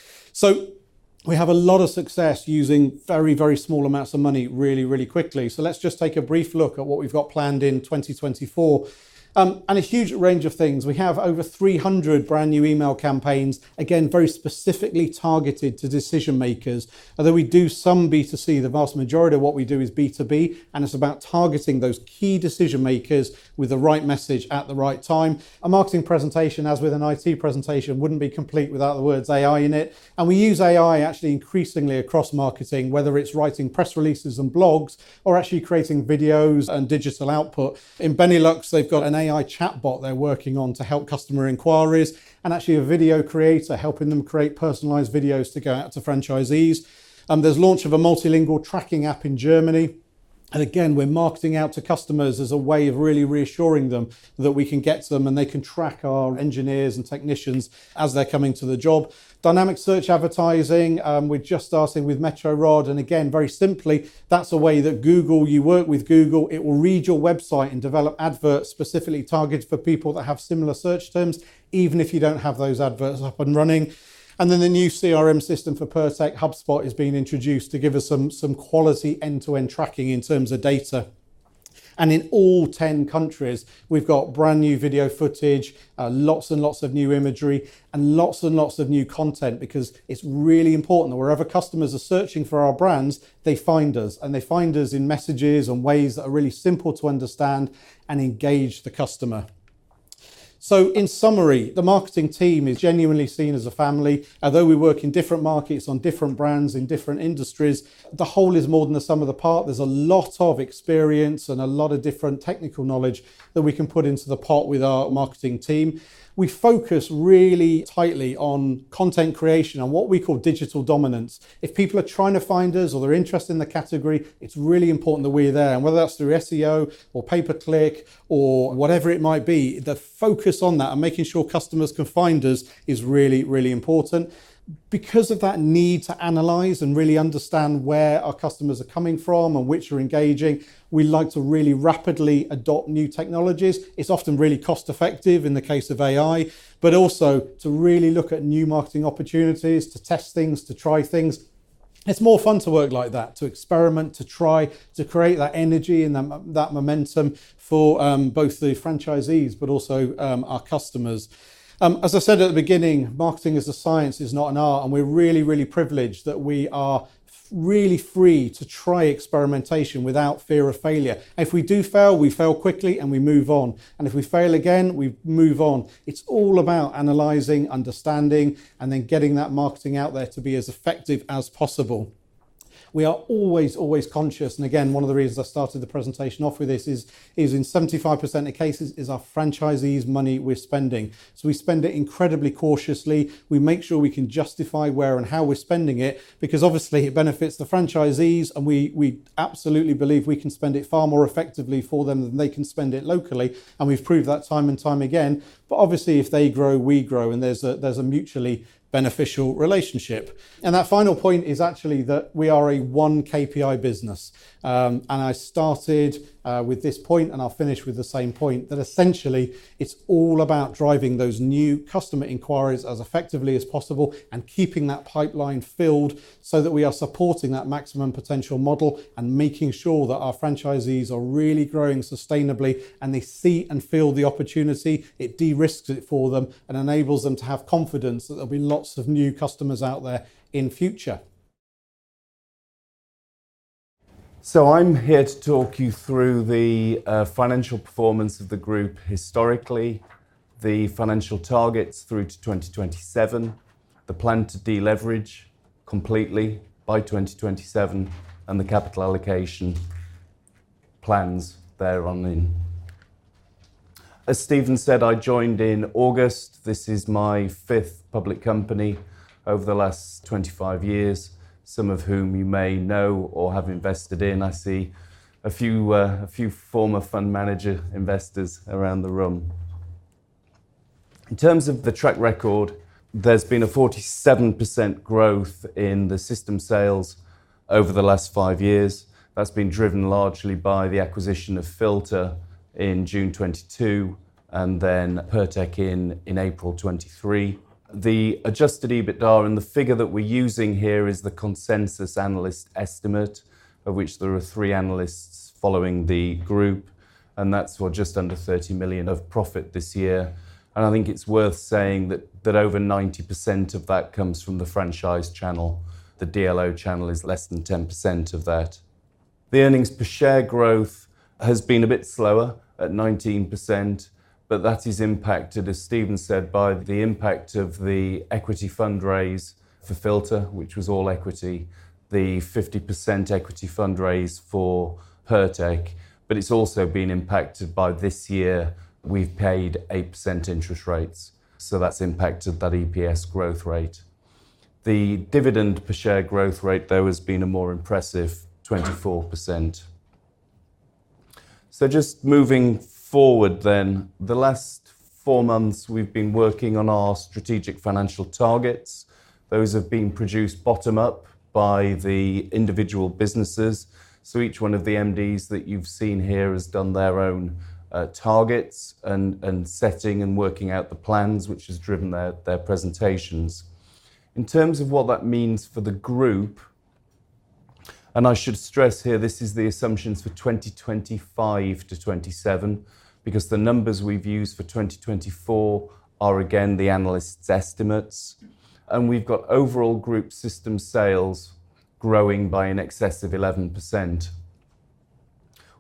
We have a lot of success using very, very small amounts of money really, really quickly. Let's just take a brief look at what we've got planned in 2024. And a huge range of things. We have over 300 brand-new email campaigns, again, very specifically targeted to decision-makers. Although we do some B2C, the vast majority of what we do is B2B, and it's about targeting those key decision-makers with the right message at the right time. A marketing presentation, as with an IT presentation, wouldn't be complete without the words AI in it. We use AI actually increasingly across marketing, whether it's writing press releases and blogs or actually creating videos and digital output. In Benelux, they've got an AI chatbot they're working on to help customer inquiries, and actually a video creator helping them create personalized videos to go out to franchisees. There's launch of a multilingual tracking app in Germany, and again, we're marketing out to customers as a way of really reassuring them that we can get to them, and they can track our engineers and technicians as they're coming to the job. Dynamic search advertising, we're just starting with Metro Rod, and again, very simply, that's a way that Google, you work with Google, it will read your website and develop adverts specifically targeted for people that have similar search terms, even if you don't have those adverts up and running. And then the new CRM system for Pirtek, HubSpot, is being introduced to give us some, some quality end-to-end tracking in terms of data. In all 10 countries, we've got brand-new video footage, lots and lots of new imagery, and lots and lots of new content, because it's really important that wherever customers are searching for our brands, they find us, and they find us in messages and ways that are really simple to understand and engage the customer. In summary, the marketing team is genuinely seen as a family. Although we work in different markets, on different brands, in different industries, the whole is more than the sum of the part. There's a lot of experience and a lot of different technical knowledge that we can put into the pot with our marketing team. We focus really tightly on content creation and what we call digital dominance. If people are trying to find us or they're interested in the category, it's really important that we're there, and whether that's through SEO or pay-per-click or whatever it might be, the focus on that and making sure customers can find us is really, really important. Because of that need to analyze and really understand where our customers are coming from and which are engaging, we like to really rapidly adopt new technologies. It's often really cost-effective in the case of AI, but also to really look at new marketing opportunities, to test things, to try things. It's more fun to work like that, to experiment, to try to create that energy and that, that momentum for, both the franchisees, but also, our customers. As I said at the beginning, marketing is a science, it's not an art, and we're really, really privileged that we are really free to try experimentation without fear of failure. If we do fail, we fail quickly, and we move on. And if we fail again, we move on. It's all about analyzing, understanding, and then getting that marketing out there to be as effective as possible. We are always, always conscious, and again, one of the reasons I started the presentation off with this is in 75% of cases, it's our franchisees' money we're spending. So we spend it incredibly cautiously. We make sure we can justify where and how we're spending it, because obviously, it benefits the franchisees, and we, we absolutely believe we can spend it far more effectively for them than they can spend it locally, and we've proved that time and time again. But obviously, if they grow, we grow, and there's a, there's a mutually beneficial relationship. And that final point is actually that we are a one-KPI business. And I started with this point, and I'll finish with the same point, that essentially, it's all about driving those new customer inquiries as effectively as possible and keeping that pipeline filled so that we are supporting that Maximum Potential Model and making sure that our franchisees are really growing sustainably, and they see and feel the opportunity. It de-risks it for them and enables them to have confidence that there'll be lots of new customers out there in future. So I'm here to talk you through the financial performance of the group historically, the financial targets through to 2027, the plan to deleverage completely by 2027, and the capital allocation plans thereon in. As Stephen said, I joined in August. This is my fifth public company over the last 25 years, some of whom you may know or have invested in. I see a few former fund manager investors around the room. In terms of the track record, there's been a 47% growth in the system sales over the last 5 years. That's been driven largely by the acquisition of Filta in June 2022 and then Pirtek in April 2023. Adjusted EBITDA, and the figure that we're using here, is the consensus analyst estimate, of which there are three analysts following the group, and that's for just under 30 million of profit this year. And I think it's worth saying that, that over 90% of that comes from the franchise channel. The DLO channel is less than 10% of that. The earnings per share growth has been a bit slower at 19%, but that is impacted, as Stephen said, by the impact of the equity fundraise for Filta, which was all equity, the 50% equity fundraise for Pirtek, but it's also been impacted by this year, we've paid 8% interest rates, so that's impacted that EPS growth rate. The dividend per share growth rate, though, has been a more impressive 24%. So just moving forward then, the last four months we've been working on our strategic financial targets. Those have been produced bottom up by the individual businesses, so each one of the MDs that you've seen here has done their own, targets and setting and working out the plans, which has driven their presentations. In terms of what that means for the group, and I should stress here, this is the assumptions for 2025 to 2027, because the numbers we've used for 2024 are again, the analyst's estimates, and we've got overall group system sales growing by in excess of 11%.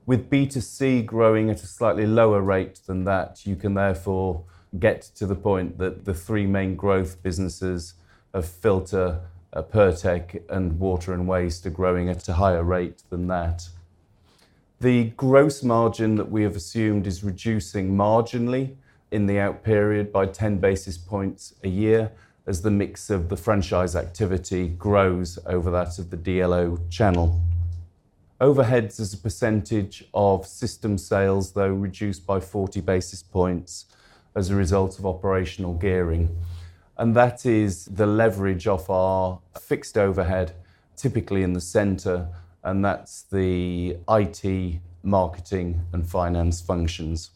With B2C growing at a slightly lower rate than that, you can therefore get to the point that the three main growth businesses of Filta, Pirtek, and Water & Waste are growing at a higher rate than that. The gross margin that we have assumed is reducing marginally in the out period by 10 basis points a year as the mix of the franchise activity grows over that of the DLO channel. Overheads as a percentage of system sales, though, reduced by 40 basis points as a result of operational gearing. That is the leverage of our fixed overhead, typically in the center, and that's the IT, marketing, and finance functions.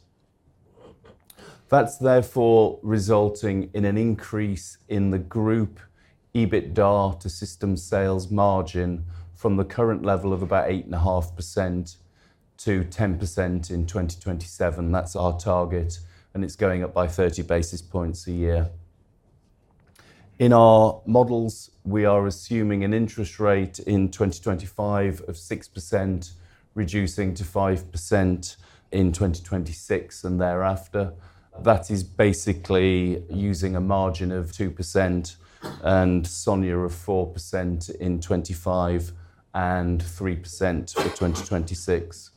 That's therefore resulting in an increase in the group EBITDA to system sales margin from the current level of about 8.5% to 10% in 2027. That's our target, and it's going up by 30 basis points a year. In our models, we are assuming an interest rate in 2025 of 6%, reducing to 5% in 2026 and thereafter. That is basically using a margin of 2% and SONIA of 4% in 2025, and 3% for 2026.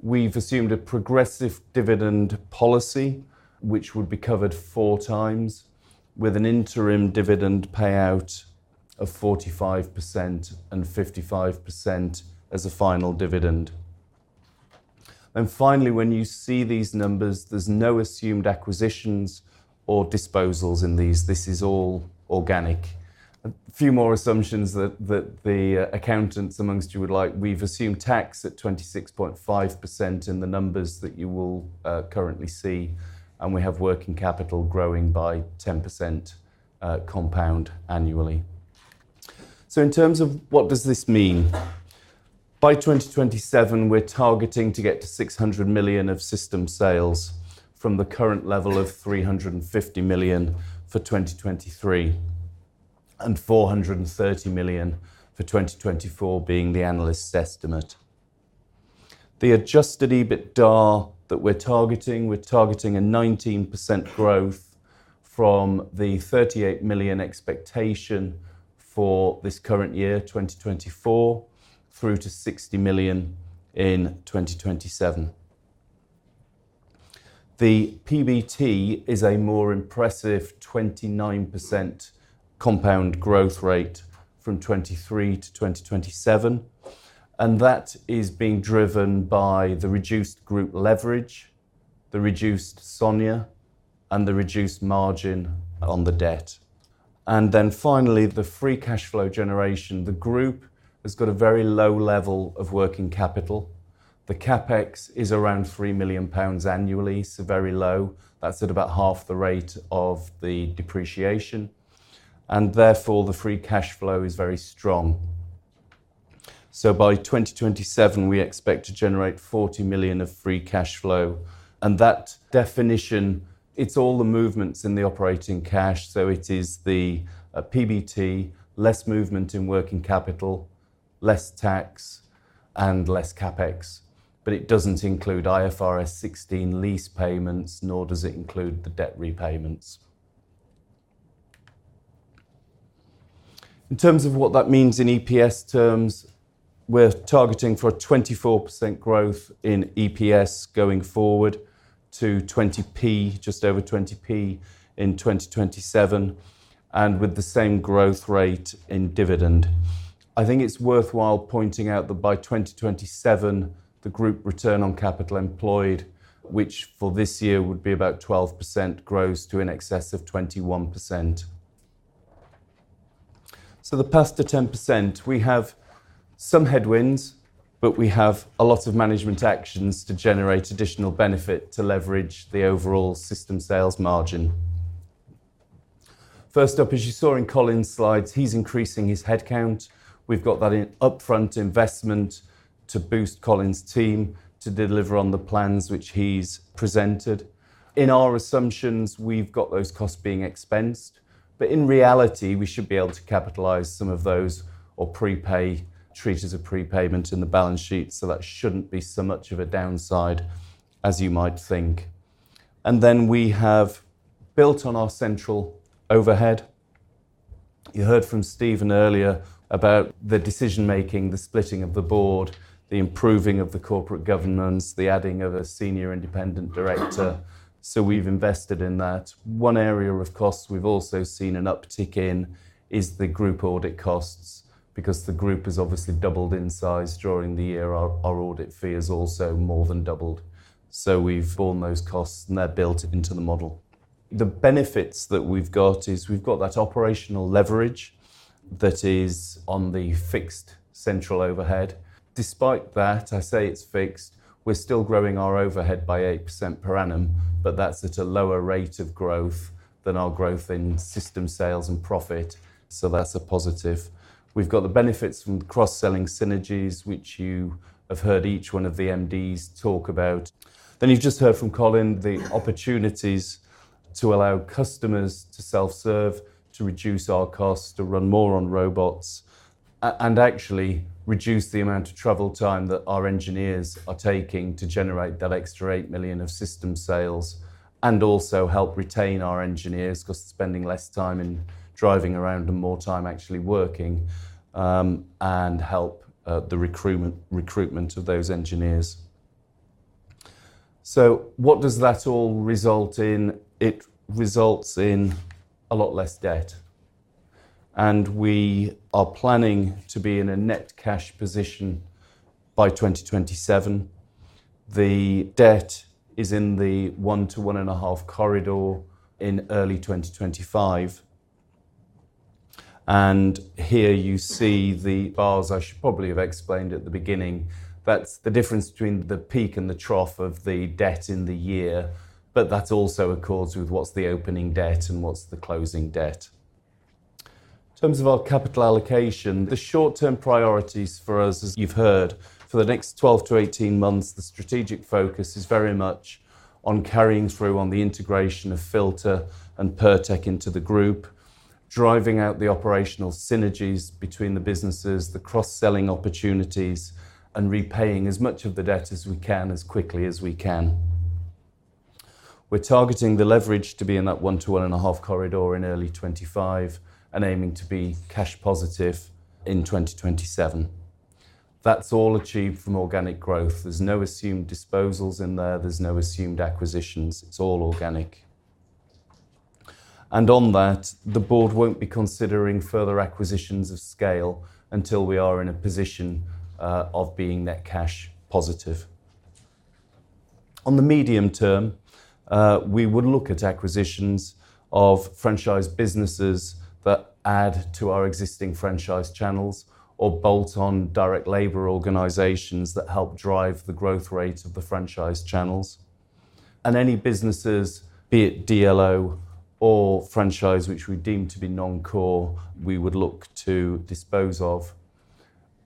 We've assumed a progressive dividend policy, which would be covered 4 times, with an interim dividend payout of 45% and 55% as a final dividend. And finally, when you see these numbers, there's no assumed acquisitions or disposals in these. This is all organic. A few more assumptions that the accountants amongst you would like. We've assumed tax at 26.5% in the numbers that you will currently see, and we have working capital growing by 10%, compound annually. So in terms of what does this mean? By 2027, we're targeting to get to 600 million of system sales from the current level of 350 million for 2023, and 430 million for 2024 being the analyst's estimate. Adjusted EBITDA that we're targeting, we're targeting a 19% growth from the 38 million expectation for this current year, 2024, through to 60 million in 2027. The PBT is a more impressive 29% compound growth rate from 2023 to 2027, and that is being driven by the reduced group leverage, the reduced SONIA, and the reduced margin on the debt. And then finally, the free cash flow generation. The group has got a very low level of working capital. The CapEx is around 3 million pounds annually, so very low. That's at about half the rate of the depreciation, and therefore, the free cash flow is very strong. So by 2027, we expect to generate 40 million of free cash flow, and that definition, it's all the movements in the operating cash, so it is the PBT, less movement in working capital, less tax, and less CapEx, but it doesn't include IFRS 16 lease payments, nor does it include the debt repayments. In terms of what that means in EPS terms, we're targeting for a 24% growth in EPS going forward to 20p, just over 20p in 2027, and with the same growth rate in dividend. I think it's worthwhile pointing out that by 2027, the group return on capital employed, which for this year would be about 12%, grows to in excess of 21%. So the path to 10%, we have some headwinds, but we have a lot of management actions to generate additional benefit to leverage the overall system sales margin. First up, as you saw in Colin's slides, he's increasing his headcount. We've got that in upfront investment to boost Colin's team to deliver on the plans which he's presented. In our assumptions, we've got those costs being expensed, but in reality, we should be able to capitalize some of those or prepay, treat as a prepayment in the balance sheet, so that shouldn't be so much of a downside as you might think. And then we have built on our central overhead. You heard from Stephen earlier about the decision-making, the splitting of the board, the improving of the corporate governance, the adding of a senior independent director, so we've invested in that. One area of costs we've also seen an uptick in is the group audit costs. Because the group has obviously doubled in size during the year, our audit fee has also more than doubled. So we've borne those costs, and they're built into the model. The benefits that we've got is we've got that operational leverage that is on the fixed central overhead. Despite that, I say it's fixed, we're still growing our overhead by 8% per annum, but that's at a lower rate of growth than our growth in system sales and profit, so that's a positive. We've got the benefits from cross-selling synergies, which you have heard each one of the MDs talk about. Then you've just heard from Colin, the opportunities to allow customers to self-serve, to reduce our costs, to run more on robots, and actually reduce the amount of travel time that our engineers are taking to generate that extra 8 million of system sales, and also help retain our engineers because spending less time in driving around and more time actually working, and help the recruitment of those engineers. So what does that all result in? It results in a lot less debt, and we are planning to be in a net cash position by 2027. The debt is in the 1-1.5 corridor in early 2025. Here you see the bars, I should probably have explained at the beginning. That's the difference between the peak and the trough of the debt in the year, but that also accords with what's the opening debt and what's the closing debt. In terms of our capital allocation, the short-term priorities for us, as you've heard, for the next 12-18 months, the strategic focus is very much on carrying through on the integration of Filta and Pirtek into the group, driving out the operational synergies between the businesses, the cross-selling opportunities, and repaying as much of the debt as we can, as quickly as we can. We're targeting the leverage to be in that 1-1.5 corridor in early 2025 and aiming to be cash positive in 2027. That's all achieved from organic growth. There's no assumed disposals in there. There's no assumed acquisitions. It's all organic. And on that, the board won't be considering further acquisitions of scale until we are in a position of being net cash positive. On the medium term, we would look at acquisitions of franchise businesses that add to our existing franchise channels or bolt on direct labour organizations that help drive the growth rate of the franchise channels. And any businesses, be it DLO or franchise, which we deem to be non-core, we would look to dispose of.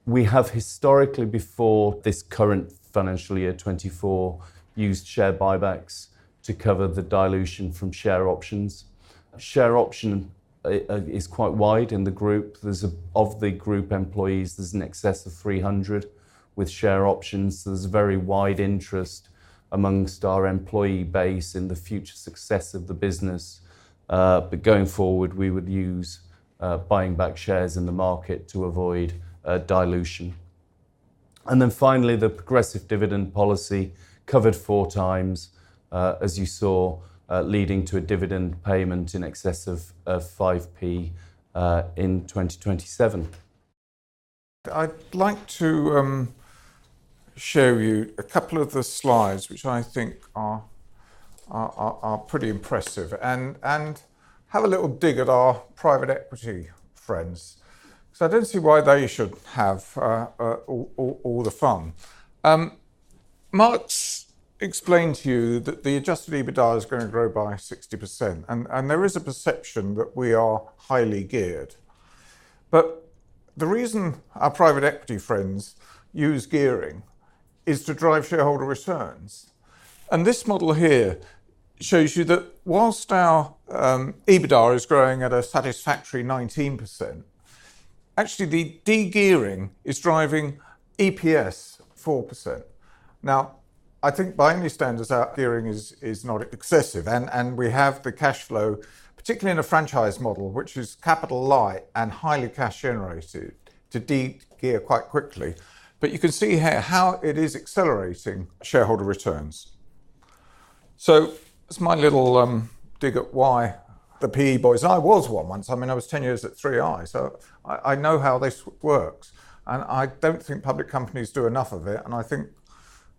We have historically, before this current financial year, 2024, used share buybacks to cover the dilution from share options. Share option is quite wide in the group. Of the group employees, there's in excess of 300 with share options, so there's a very wide interest amongst our employee base in the future success of the business. But going forward, we would use buying back shares in the market to avoid dilution. And then finally, the progressive dividend policy covered four times, as you saw, leading to a dividend payment in excess of 0.05 in 2027. I'd like to show you a couple of the slides, which I think are pretty impressive and have a little dig at our private equity friends, so I don't see why they should have all the fun. Mark's explained to you that Adjusted EBITDA is going to grow by 60%, and there is a perception that we are highly geared. But the reason our private equity friends use gearing is to drive shareholder returns. This model here shows you that whilst our EBITDA is growing at a satisfactory 19%, actually, the de-gearing is driving EPS 4%. Now, I think by any standards, our gearing is not excessive, and we have the cash flow, particularly in a franchise model, which is capital light and highly cash generative, to de-gear quite quickly. But you can see here how it is accelerating shareholder returns. So that's my little dig at why the PE boys... I was one once. I mean, I was 10 years at 3i, so I know how this works, and I don't think public companies do enough of it, and I think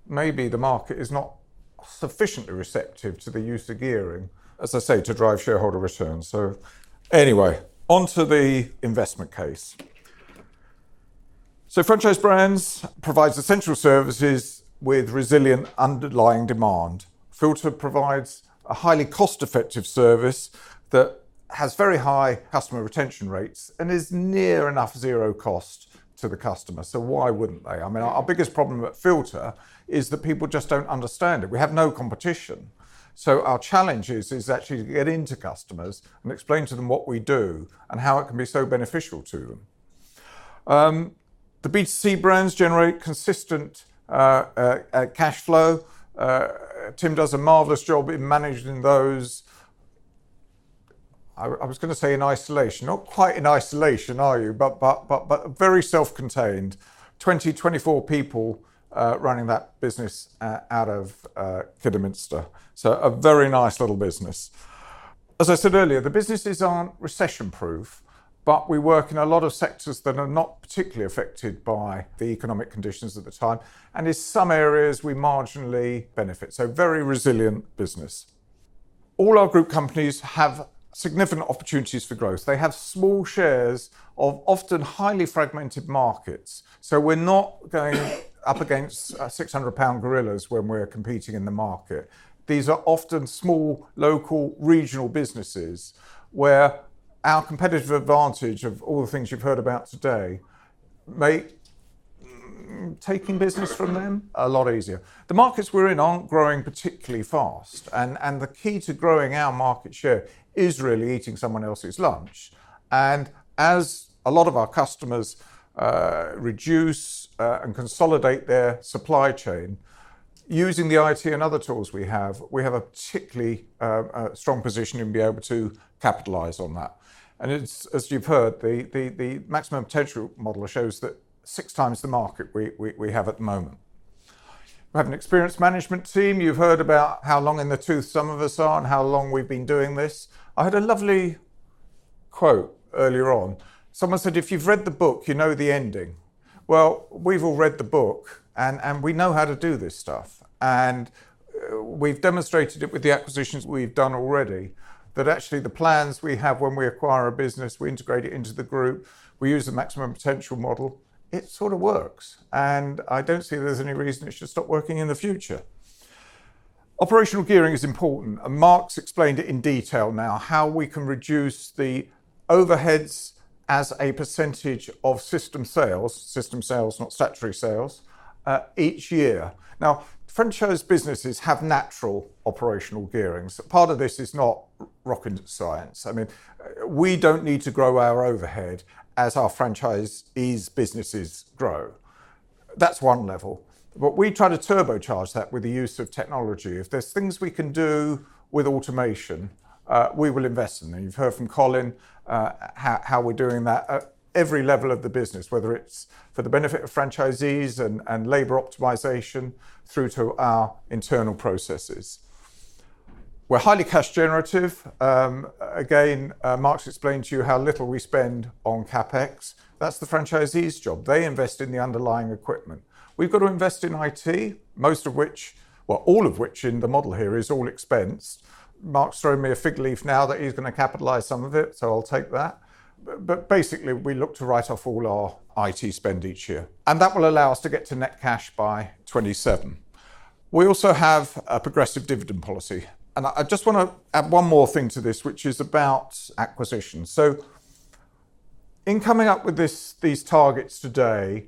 maybe the market is not sufficiently receptive to the use of gearing, as I say, to drive shareholder returns. So anyway, on to the investment case. So Franchise Brands provides essential services with resilient underlying demand. Filta provides a highly cost-effective service that has very high customer retention rates and is near enough zero cost to the customer, so why wouldn't they? I mean, our biggest problem at Filta is that people just don't understand it. We have no competition, so our challenge is actually to get into customers and explain to them what we do and how it can be so beneficial to them. The B2C brands generate consistent cash flow. Tim does a marvelous job in managing those. I was gonna say in isolation. Not quite in isolation, are you? But very self-contained. 24 people running that business out of Kidderminster, so a very nice little business. As I said earlier, the businesses aren't recession-proof, but we work in a lot of sectors that are not particularly affected by the economic conditions at the time, and in some areas, we marginally benefit, so very resilient business. All our group companies have significant opportunities for growth. They have small shares of often highly fragmented markets, so we're not going up against 600-pound gorillas when we're competing in the market. These are often small, local, regional businesses, where our competitive advantage of all the things you've heard about today make taking business from them a lot easier. The markets we're in aren't growing particularly fast, and the key to growing our market share is really eating someone else's lunch. And as a lot of our customers reduce and consolidate their supply chain, using the IT and other tools we have, we have a particularly strong position to be able to capitalize on that. And it's, as you've heard, the Maximum Potential Model shows that 6 times the market we have at the moment. We have an experienced management team. You've heard about how long in the tooth some of us are and how long we've been doing this. I had a lovely quote earlier on. Someone said, "If you've read the book, you know the ending." Well, we've all read the book, and, and we know how to do this stuff, and, we've demonstrated it with the acquisitions we've done already, that actually the plans we have when we acquire a business, we integrate it into the group, we use the Maximum Potential Model. It sort of works, and I don't see there's any reason it should stop working in the future. Operational gearing is important, and Mark's explained it in detail now, how we can reduce the overheads as a percentage of system sales, system sales, not statutory sales, each year. Now, franchise businesses have natural operational gearings. Part of this is not rocket science. I mean, we don't need to grow our overhead as our franchisees' businesses grow. That's one level. But we try to turbocharge that with the use of technology. If there's things we can do with automation, we will invest in them. And you've heard from Colin, how we're doing that at every level of the business, whether it's for the benefit of franchisees and labor optimization, through to our internal processes. We're highly cash generative. Again, Mark's explained to you how little we spend on CapEx. That's the franchisee's job. They invest in the underlying equipment. We've got to invest in IT, most of which... well, all of which in the model here is all expense. Mark's thrown me a fig leaf now that he's going to capitalize some of it, so I'll take that. But basically, we look to write off all our IT spend each year, and that will allow us to get to net cash by 2027. We also have a progressive dividend policy, and I just want to add one more thing to this, which is about acquisition. So in coming up with these targets today,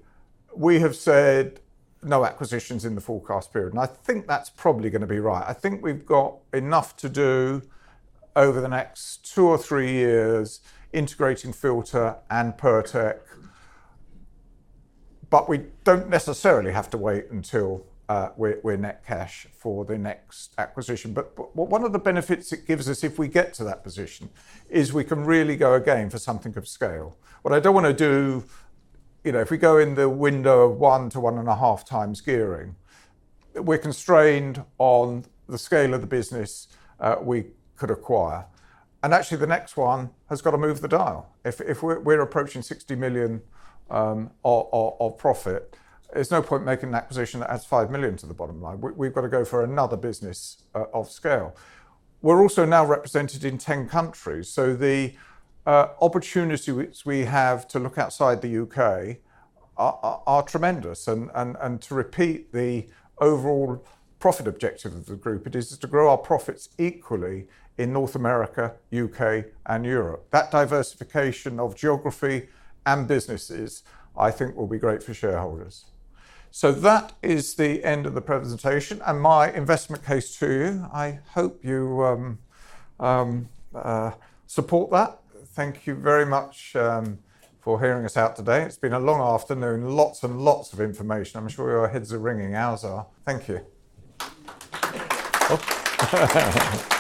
we have said no acquisitions in the forecast period, and I think that's probably going to be right. I think we've got enough to do over the next two or three years, integrating Filta and Pirtek, but we don't necessarily have to wait until we're net cash for the next acquisition. But one of the benefits it gives us if we get to that position is we can really go again for something of scale. What I don't want to do, you know, if we go in the window of 1 to 1.5 times gearing, we're constrained on the scale of the business we could acquire, and actually, the next one has got to move the dial. If we're approaching 60 million of profit, there's no point making an acquisition that adds 5 million to the bottom line. We've got to go for another business of scale. We're also now represented in 10 countries, so the opportunity which we have to look outside the UK are tremendous. To repeat the overall profit objective of the group, it is to grow our profits equally in North America, UK, and Europe. That diversification of geography and businesses, I think, will be great for shareholders. So that is the end of the presentation and my investment case to you. I hope you support that. Thank you very much for hearing us out today. It's been a long afternoon. Lots and lots of information. I'm sure your heads are ringing. Ours are. Thank you. Oh.